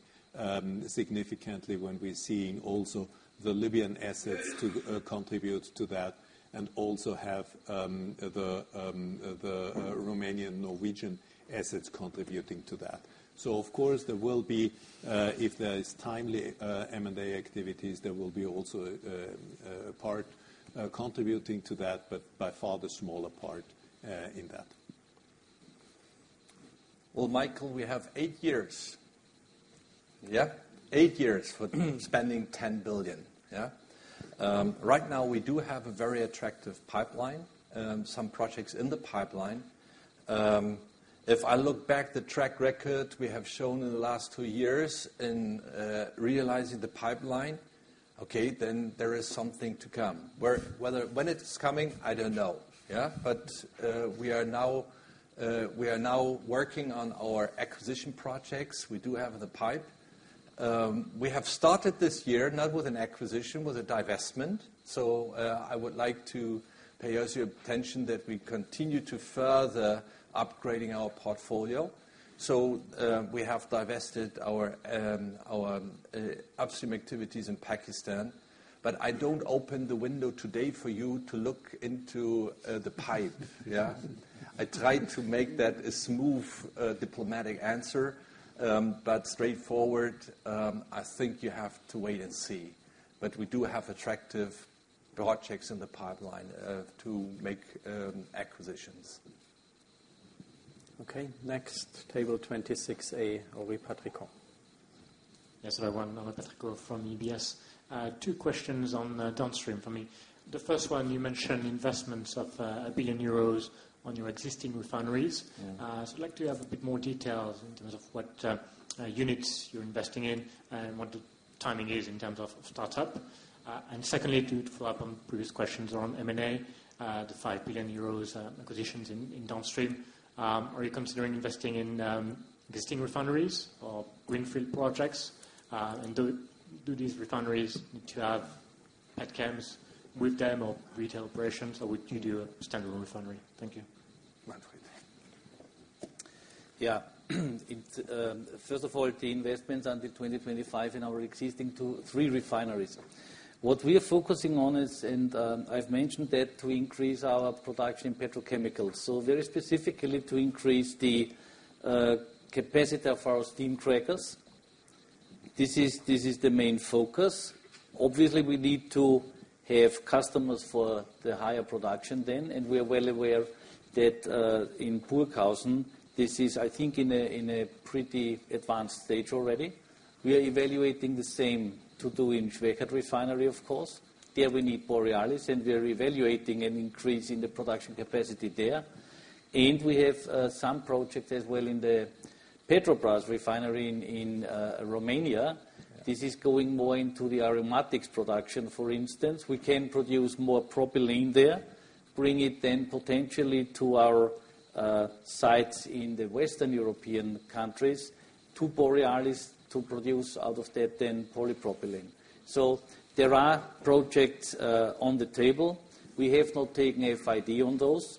significantly, when we're seeing also the Libyan assets to contribute to that, and also have the Romanian-Norwegian assets contributing to that. Of course, if there is timely M&A activities, there will be also a part contributing to that, but by far the smaller part in that. Well, Michael, we have eight years. Yeah? eight years for spending 10 billion. Yeah? Right now we do have a very attractive pipeline, some projects in the pipeline. If I look back the track record we have shown in the last two years in realizing the pipeline, okay, then there is something to come. When it's coming, I don't know. Yeah? We are now working on our acquisition projects. We do have the pipe. We have started this year not with an acquisition, with a divestment. I would like to pay also your attention that we continue to further upgrading our portfolio. We have divested our upstream activities in Pakistan. I don't open the window today for you to look into the pipe. Yeah? I try to make that a smooth diplomatic answer. Straightforward, I think you have to wait and see. We do have attractive projects in the pipeline to make acquisitions. Okay, next table 26A, Henri Patricot. Yes, everyone. Henri Patricot from UBS. two questions on downstream for me. The first one, you mentioned investments of 1 billion euros on your existing refineries. I'd like to have a bit more details in terms of what units you're investing in and what the timing is in terms of startup. Secondly, to follow up on previous questions around M&A, the 5 billion euros acquisitions in Downstream. Are you considering investing in existing refineries or greenfield projects? Do these refineries need to have petchems with them or retail operations, or would you do a standard refinery? Thank you. Manfred. First of all, the investments until 2025 in our existing three refineries. What we are focusing on is, I've mentioned that to increase our production petrochemicals. Very specifically to increase the capacity of our steam crackers. This is the main focus. Obviously, we need to have customers for the higher production then, we are well aware that in Burghausen, this is, I think, in a pretty advanced stage already. We are evaluating the same to do in Schwechat Refinery, of course. There we need Borealis, we are evaluating an increase in the production capacity there. We have some project as well in the Petrobrazi Refinery in Romania. This is going more into the aromatics production, for instance. We can produce more propylene there, bring it then potentially to our sites in the Western European countries to Borealis to produce out of that then polypropylene. There are projects on the table. We have not taken FID on those,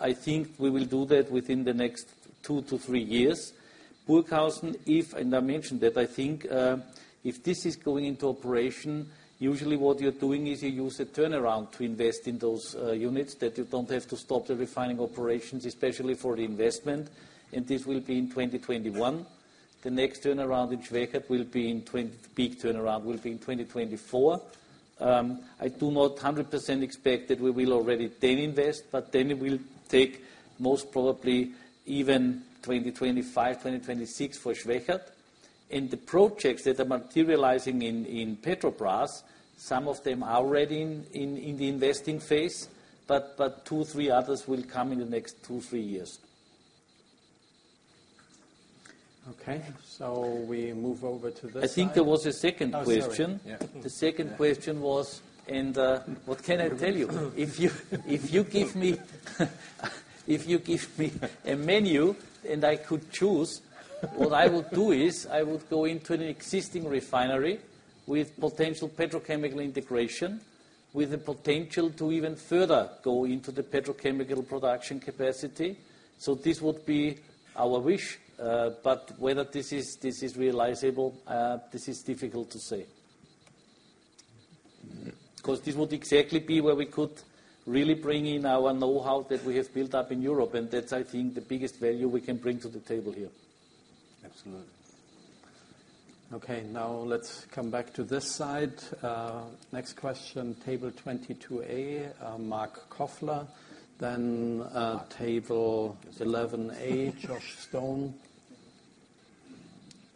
I think we will do that within the next two to three years. Burghausen, I mentioned that I think if this is going into operation, usually what you're doing is you use a turnaround to invest in those units, that you don't have to stop the refining operations, especially for the investment, this will be in 2021. The next turnaround in Schwechat will be in Peak turnaround will be in 2024. I do not 100% expect that we will already then invest, it will take most probably even 2025, 2026 for Schwechat. The projects that are materializing in Petrobrazi, some of them are already in the investing phase, two, three others will come in the next two, three years. We move over to this side. I think there was a second question. Oh, sorry. Yeah. The second question was, What can I tell you? If you give me a menu and I could choose, what I would do is I would go into an existing refinery with potential petrochemical integration, with the potential to even further go into the petrochemical production capacity. This would be our wish, but whether this is realizable, this is difficult to say. Because this would exactly be where we could really bring in our knowhow that we have built up in Europe, That's, I think, the biggest value we can bring to the table here. Absolutely. Let's come back to this side. Next question, table 22A, Marc Kofler. Table 11A, Josh Stone.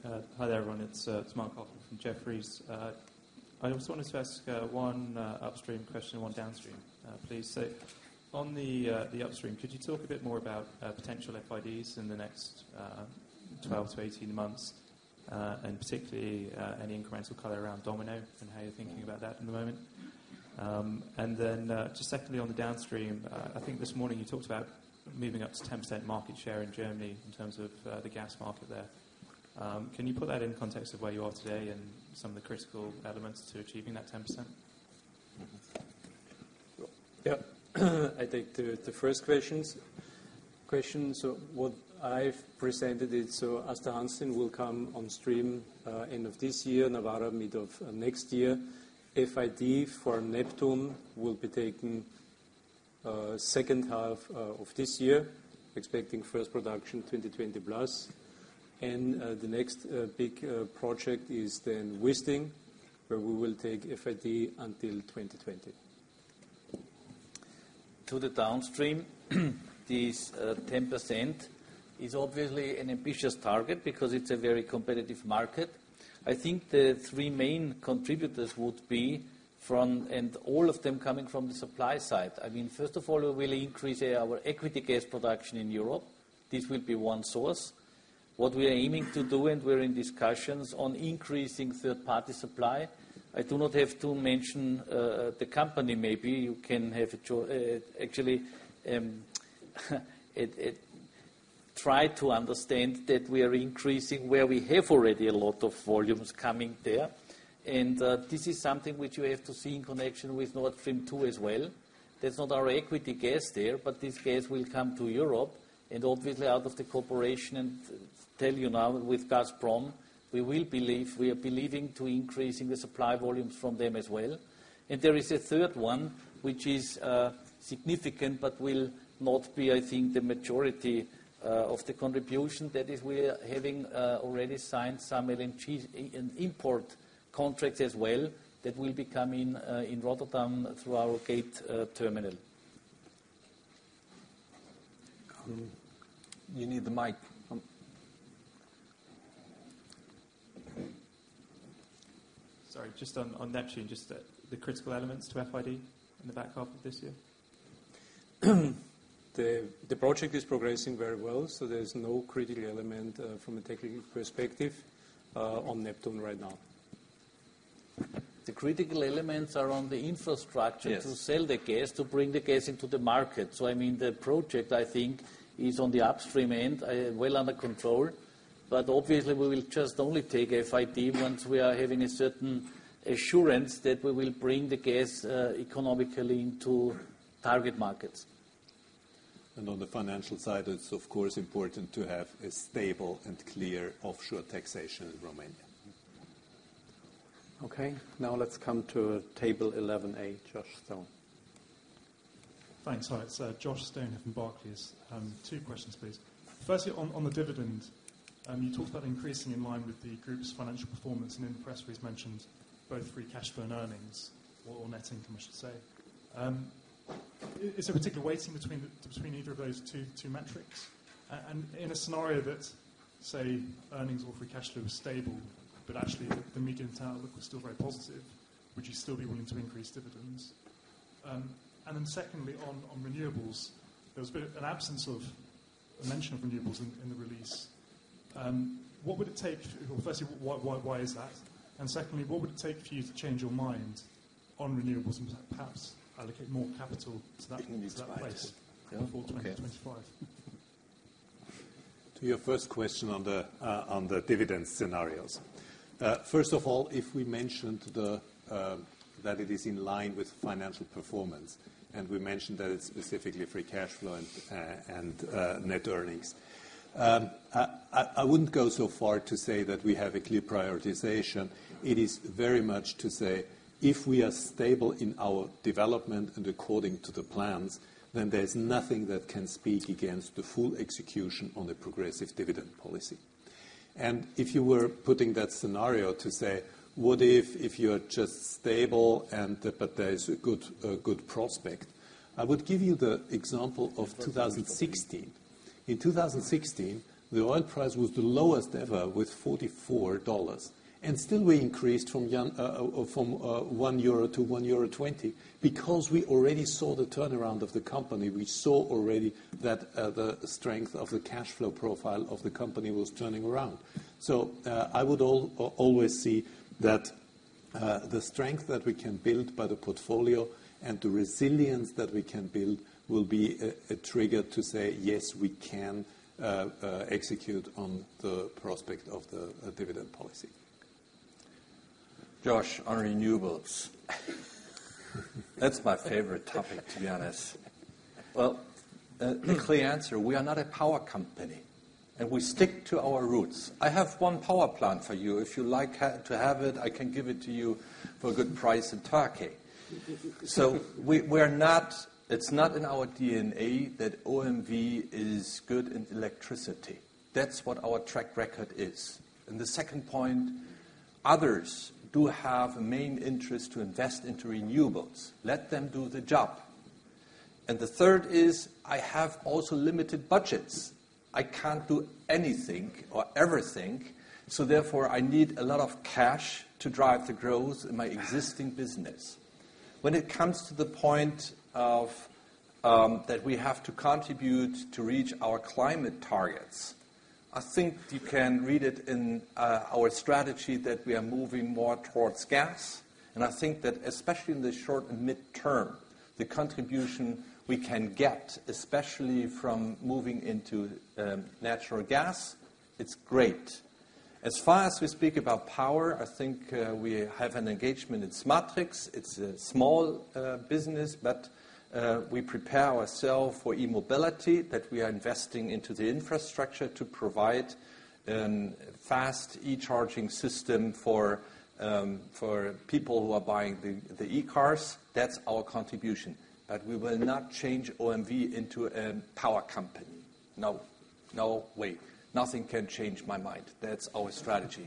Hi there, everyone. It's Marc Kofler from Jefferies. I just wanted to ask one upstream question and one downstream, please. On the upstream, could you talk a bit more about potential FIDs in the next 12 to 18 months, and particularly, any incremental color around Domino and how you're thinking about that at the moment? Just secondly, on the downstream, I think this morning you talked about moving up to 10% market share in Germany in terms of the gas market there. Can you put that in context of where you are today and some of the critical elements to achieving that 10%? Yep. I take the first questions. What I've presented is, Aasta Hansteen will come on stream end of this year, Nawara, mid of next year. FID for Neptun will be taken second half of this year, expecting first production 2020 plus. The next big project is Wisting, where we will take FID until 2020. To the downstream. This 10% is obviously an ambitious target because it's a very competitive market. I think the three main contributors would be from, all of them coming from the supply side. First of all, we'll increase our equity gas production in Europe. This will be one source. What we are aiming to do, we're in discussions on increasing third-party supply. I do not have to mention the company. Maybe you can, try to understand that we are increasing where we have already a lot of volumes coming there. This is something which you have to see in connection with Nord Stream 2 as well. That's not our equity gas there, but this gas will come to Europe. Obviously, out of the cooperation, tell you now with Gazprom, we are believing to increasing the supply volumes from them as well. There is a third one, which is significant, but will not be, I think, the majority of the contribution. That is, we are having already signed some LNG import contracts as well that will be coming in Rotterdam through our Gate terminal. You need the mic. Sorry. Just on Neptun, the critical elements to FID in the back half of this year? The project is progressing very well, so there's no critical element from a technical perspective on Neptun right now. The critical elements are on the infrastructure- Yes I mean, the project, I think, is on the upstream end, well under control. Obviously, we will just only take FID once we are having a certain assurance that we will bring the gas economically into target markets. On the financial side, it's of course important to have a stable and clear offshore taxation in Romania. Okay. Now let's come to table 11A, Josh Stone. Thanks. Hi, it's Josh Stone from Barclays. Two questions, please. Firstly, on the dividend, you talked about increasing in line with the group's financial performance. In the press release mentioned both free cash flow and earnings, or net income, I should say. Is there a particular weighting between either of those two metrics? In a scenario that, say, earnings or free cash flow is stable, but actually the medium term outlook was still very positive, would you still be willing to increase dividends? Then secondly, on renewables. There was a bit of an absence of a mention of renewables in the release. Firstly, why is that? Secondly, what would it take for you to change your mind on renewables and perhaps allocate more capital to that place- You can use the mic as well going forward to 2025? To your first question on the dividend scenarios. First of all, if we mentioned that it is in line with financial performance, we mentioned that it's specifically free cash flow and net earnings. I wouldn't go so far to say that we have a clear prioritization. It is very much to say, if we are stable in our development and according to the plans, then there's nothing that can speak against the full execution on the progressive dividend policy. If you were putting that scenario to say, what if you're just stable but there is a good prospect? I would give you the example of 2016. In 2016, the oil price was the lowest ever with $44. Still we increased from €1 to €1.20 because we already saw the turnaround of the company. We saw already that the strength of the cash flow profile of the company was turning around. I would always see that the strength that we can build by the portfolio and the resilience that we can build will be a trigger to say, "Yes, we can execute on the prospect of the dividend policy. Josh, on renewables. That's my favorite topic, to be honest. Well, quickly answer, we are not a power company, and we stick to our roots. I have one power plant for you. If you like to have it, I can give it to you for a good price in Turkey. It's not in our DNA that OMV is good in electricity. That's what our track record is. The second point, others do have a main interest to invest into renewables. Let them do the job. The third is, I have also limited budgets. I can't do anything or everything, therefore, I need a lot of cash to drive the growth in my existing business. When it comes to the point that we have to contribute to reach our climate targets, I think you can read it in our strategy that we are moving more towards gas, and I think that especially in the short and midterm, the contribution we can get, especially from moving into natural gas, it's great. As far as we speak about power, I think we have an engagement in SMATRICS. It's a small business, but we prepare ourself for e-mobility, that we are investing into the infrastructure to provide fast e-charging system for people who are buying the e-cars. That's our contribution. We will not change OMV into a power company. No. No way. Nothing can change my mind. That's our strategy.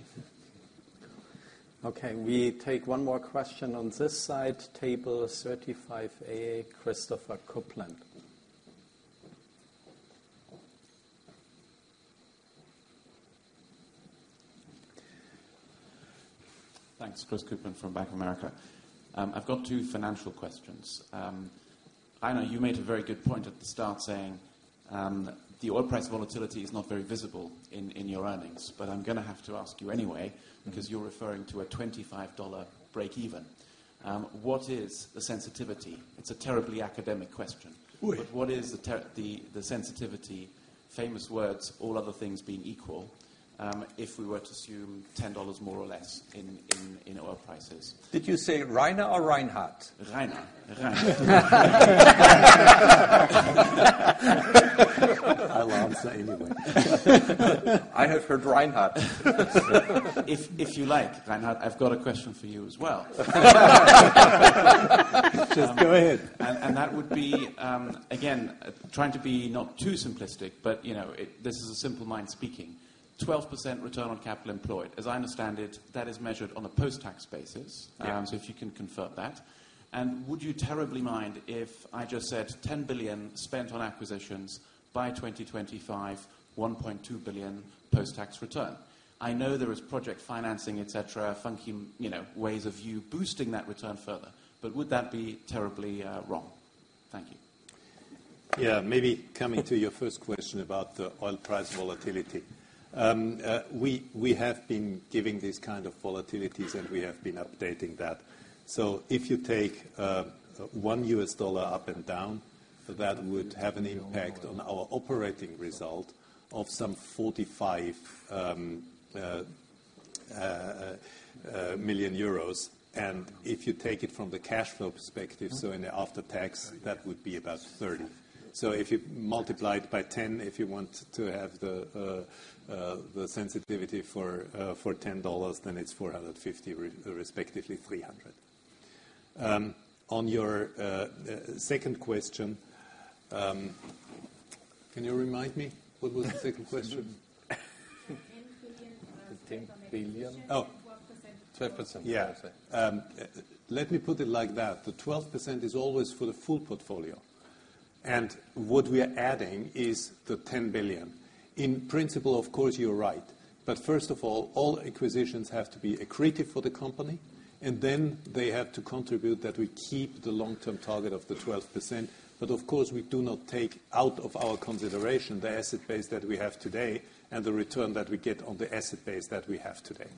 Okay, we take one more question on this side, table 35A, Christopher Copeland. Thanks. Chris Copeland from Bank of America. I've got two financial questions. Rainer, you made a very good point at the start saying the oil price volatility is not very visible in your earnings, I'm going to have to ask you anyway, because you're referring to a $25 breakeven. What is the sensitivity? It's a terribly academic question. Oui. What is the sensitivity, famous words, all other things being equal, if we were to assume $10 more or less in oil prices? Did you say Rainer or Reinhard? Rainer. Rainer. I laugh anyway. I have heard Reinhard. If you like, Reinhard, I've got a question for you as well. Just go ahead. That would be, again, trying to be not too simplistic, but this is a simple mind speaking. 12% return on capital employed. As I understand it, that is measured on a post-tax basis. Yeah. If you can convert that. Would you terribly mind if I just said 10 billion spent on acquisitions by 2025, 1.2 billion post-tax return? I know there is project financing, et cetera, funky ways of you boosting that return further, but would that be terribly wrong? Thank you. Maybe coming to your first question about the oil price volatility. We have been giving these kind of volatilities, and we have been updating that. If you take 1 U.S. dollar up and down, that would have an impact on our operating result of some 45 million. If you take it from the cash flow perspective, in the after-tax, that would be about 30 million. If you multiply it by 10, if you want to have the sensitivity for $10, then it's 450 million, respectively 300 million. On your second question. Can you remind me? What was the second question? The 10 billion. The 10 billion. 12%. Yeah. Let me put it like that. The 12% is always for the full portfolio. What we are adding is the 10 billion. In principle, of course, you're right. First of all acquisitions have to be accretive for the company, and then they have to contribute that we keep the long-term target of the 12%. Of course, we do not take out of our consideration the asset base that we have today and the return that we get on the asset base that we have today.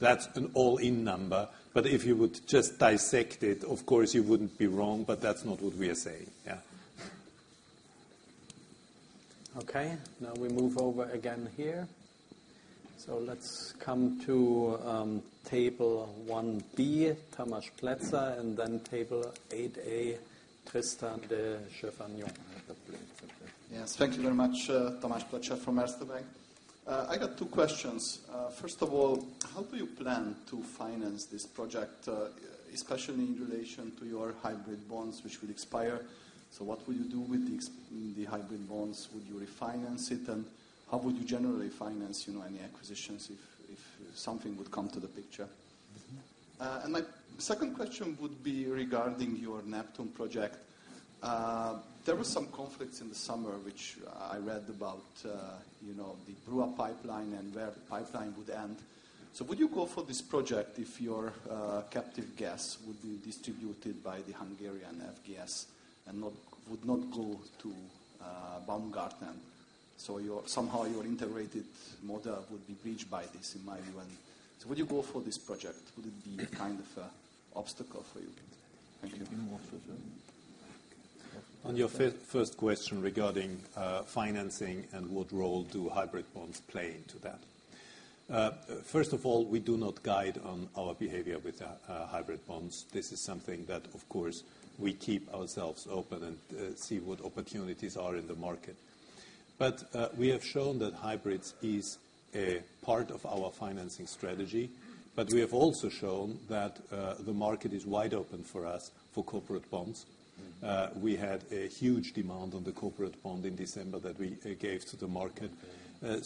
That's an all-in number. If you would just dissect it, of course, you wouldn't be wrong, but that's not what we are saying. Yeah. Okay. Now we move over again here. Let's come to table 1B, Tamas Pletser, and then table 8A, Tristan de Jerphanion. Yes. Thank you very much. Tamas Pletser from Erste Bank. I got two questions. First of all, how do you plan to finance this project, especially in relation to your hybrid bonds, which will expire? What will you do with the hybrid bonds? Would you refinance it? How would you generally finance any acquisitions if something would come to the picture? My second question would be regarding your Neptun project. There was some conflicts in the summer, which I read about, the Druzhba pipeline and where the pipeline would end. Would you go for this project if your captive gas would be distributed by the Hungarian FGSZ and would not go to Baumgarten? Somehow your integrated model would be breached by this, in my view. Would you go for this project? Would it be kind of a obstacle for you? Thank you. On your first question regarding financing and what role do hybrid bonds play into that? First of all, we do not guide on our behavior with hybrid bonds. This is something that, of course, we keep ourselves open and see what opportunities are in the market. We have shown that hybrids is a part of our financing strategy. We have also shown that the market is wide open for us for corporate bonds. We had a huge demand on the corporate bond in December that we gave to the market.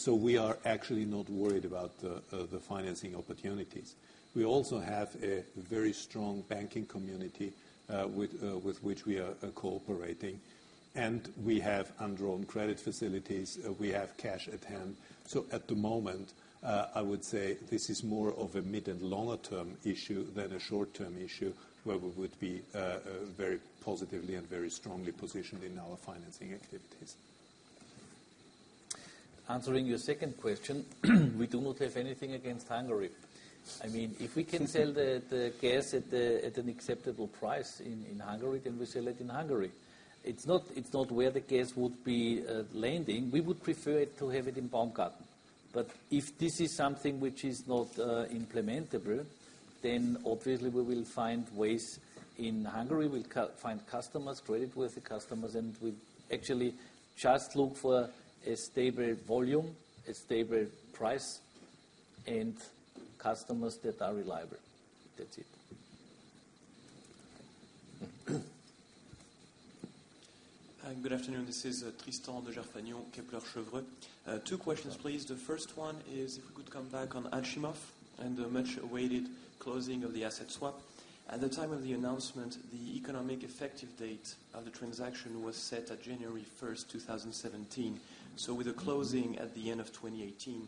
We are actually not worried about the financing opportunities. We also have a very strong banking community with which we are cooperating. We have undrawn credit facilities. We have cash at hand. At the moment, I would say this is more of a mid and longer term issue than a short-term issue, where we would be very positively and very strongly positioned in our financing activities. Answering your second question, we do not have anything against Hungary. If we can sell the gas at an acceptable price in Hungary, we sell it in Hungary. It's not where the gas would be landing. We would prefer to have it in Baumgarten. If this is something which is not implementable, obviously we will find ways in Hungary, we'll find customers, creditworthy customers, we actually just look for a stable volume, a stable price, and customers that are reliable. That's it. Good afternoon. This is Tristan de Jerphanion, Kepler Cheuvreux. Two questions, please. The first one is if we could come back on Achimov and the much-awaited closing of the asset swap. At the time of the announcement, the economic effective date of the transaction was set at January 1st, 2017. With the closing at the end of 2018,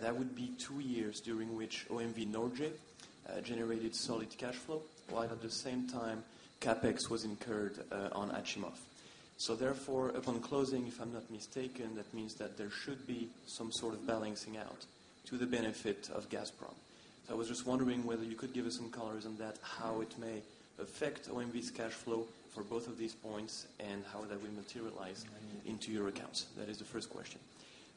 that would be two years during which OMV Norge generated solid cash flow, while at the same time, CapEx was incurred on Achimov. Therefore, upon closing, if I'm not mistaken, that means that there should be some sort of balancing out to the benefit of Gazprom. I was just wondering whether you could give us some colors on that, how it may affect OMV's cash flow for both of these points, and how that will materialize into your accounts. That is the first question.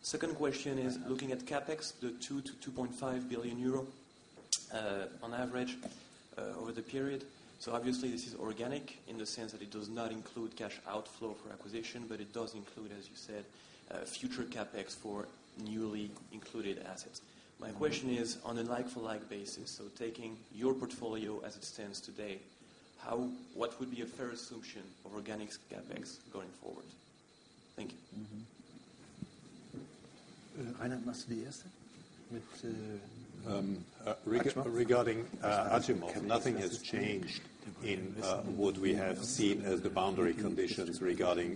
Second question is looking at CapEx, the 2 billion to 2.5 billion euro on average over the period. Obviously this is organic in the sense that it does not include cash outflow for acquisition, but it does include, as you said, future CapEx for newly included assets. My question is on a like for like basis, taking your portfolio as it stands today, what would be a fair assumption of organics CapEx going forward? Thank you. Reinhard, Regarding Achimov, nothing has changed in what we have seen as the boundary conditions regarding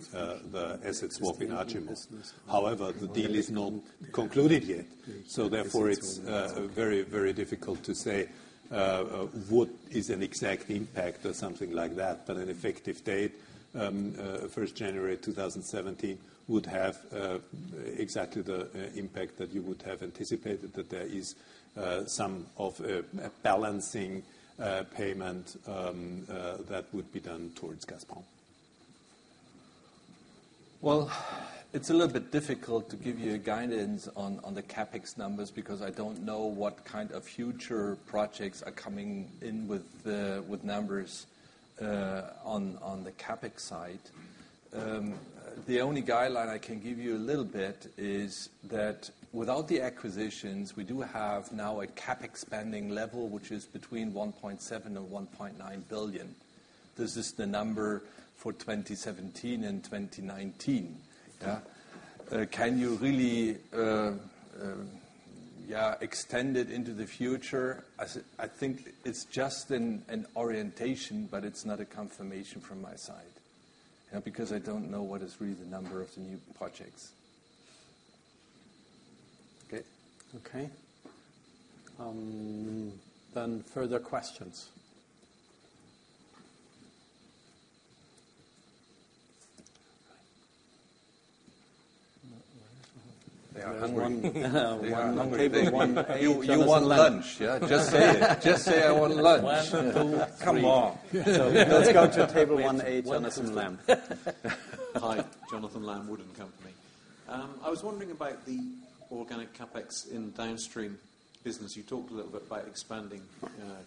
the asset swap in Achimov. However, the deal is not concluded yet, therefore it's very difficult to say what is an exact impact or something like that. An effective date, January 1st, 2017, would have exactly the impact that you would have anticipated, that there is some of a balancing payment that would be done towards Gazprom. Well, it's a little bit difficult to give you a guidance on the CapEx numbers because I don't know what kind of future projects are coming in with numbers on the CapEx side. The only guideline I can give you a little bit is that without the acquisitions, we do have now a CapEx spending level which is between 1.7 billion and 1.9 billion. This is the number for 2017 and 2019. Yeah. Can you really extend it into the future? I think it's just an orientation, but it's not a confirmation from my side. I don't know what is really the number of the new projects. Okay. Okay. Further questions. They are hungry. Table one. You want lunch, yeah? Just say, "I want lunch." Come on. Let's go to table 1A, Jonathan Lamb. Hi. Jonathan Lamb, Wood & Company. I was wondering about the organic CapEx in downstream business. You talked a little bit about expanding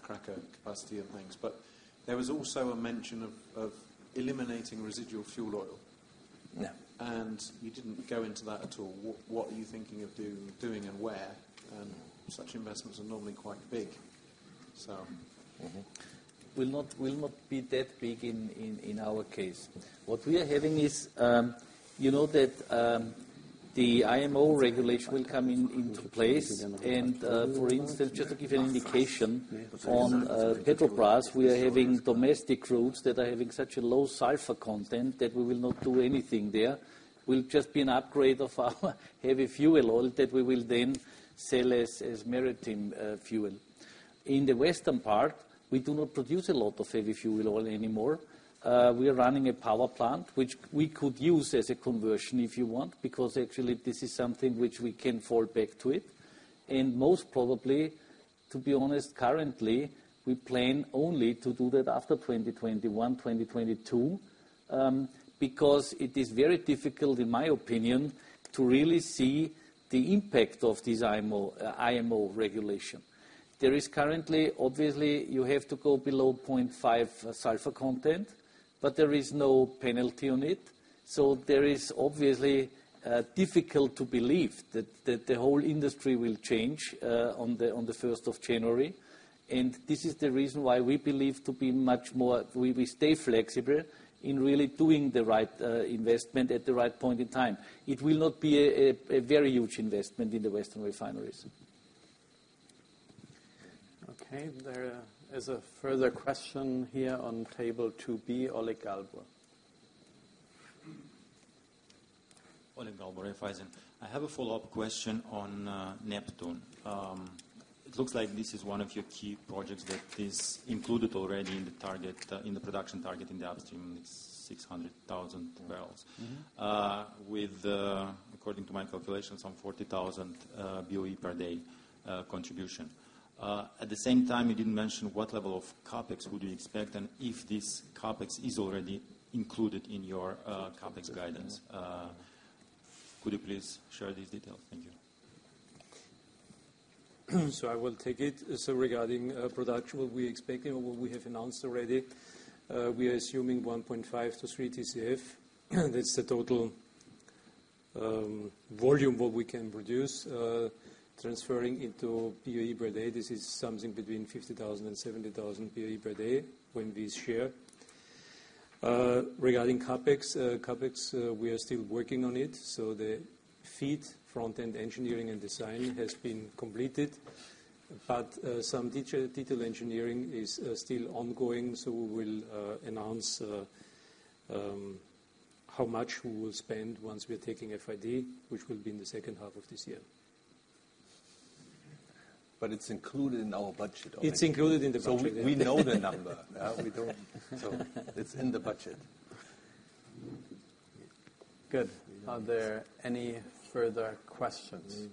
cracker capacity and things, but there was also a mention of eliminating residual fuel oil. Yeah. You didn't go into that at all. What are you thinking of doing and where? Such investments are normally quite big. So It will not be that big in our case. What we are having is, you know that the IMO regulation will come into place. For instance, just to give you an indication on Petrobrazi, we are having domestic routes that are having such a low sulfur content that we will not do anything there. It will just be an upgrade of our heavy fuel oil that we will then sell as maritime fuel. In the western part, we do not produce a lot of heavy fuel oil anymore. We are running a power plant, which we could use as a conversion if you want, because actually this is something which we can fall back to it. To be honest, currently, we plan only to do that after 2021, 2022, because it is very difficult, in my opinion, to really see the impact of this IMO regulation. There is currently, obviously, you have to go below 0.5 sulfur content, but there is no penalty on it. There is obviously difficult to believe that the whole industry will change on the 1st of January. This is the reason why we believe to be much more, we stay flexible in really doing the right investment at the right point in time. It will not be a very huge investment in the western refineries. Okay, there is a further question here on table 2B, Oleg Galbur. Oleg Galbur, Raiffeisen. I have a follow-up question on Neptun. It looks like this is one of your key projects that is included already in the production target in the upstream. It's 600,000 barrels. With, according to my calculations, some 40,000 BOE per day contribution. At the same time, you didn't mention what level of CapEx would you expect and if this CapEx is already included in your CapEx guidance. Could you please share these details? Thank you. I will take it. Regarding production, what we expect and what we have announced already, we are assuming 1.5-3 TCF. That's the total volume what we can produce, transferring into BOE per day. This is something between 50,000-70,000 BOE per day when we share. Regarding CapEx, we are still working on it. The FEED, Front-End Engineering and Design, has been completed. Some detailed engineering is still ongoing. We will announce how much we will spend once we are taking FID, which will be in the second half of this year. It's included in our budget. It's included in the budget. We know the number. It's in the budget. Good. Are there any further questions?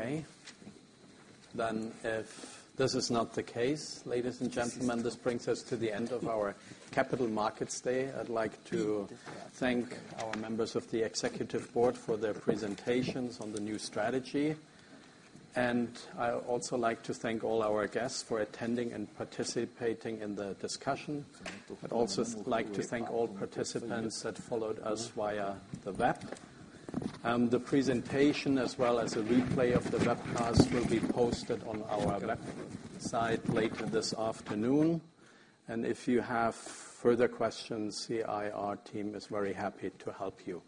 If this is not the case, ladies and gentlemen, this brings us to the end of our Capital Markets Day. I'd like to thank our members of the executive board for their presentations on the new strategy. I also like to thank all our guests for attending and participating in the discussion. I'd also like to thank all participants that followed us via the web. The presentation as well as a replay of the webcast will be posted on our website later this afternoon. If you have further questions, the IR team is very happy to help you.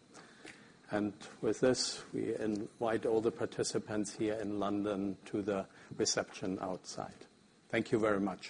With this, we invite all the participants here in London to the reception outside. Thank you very much.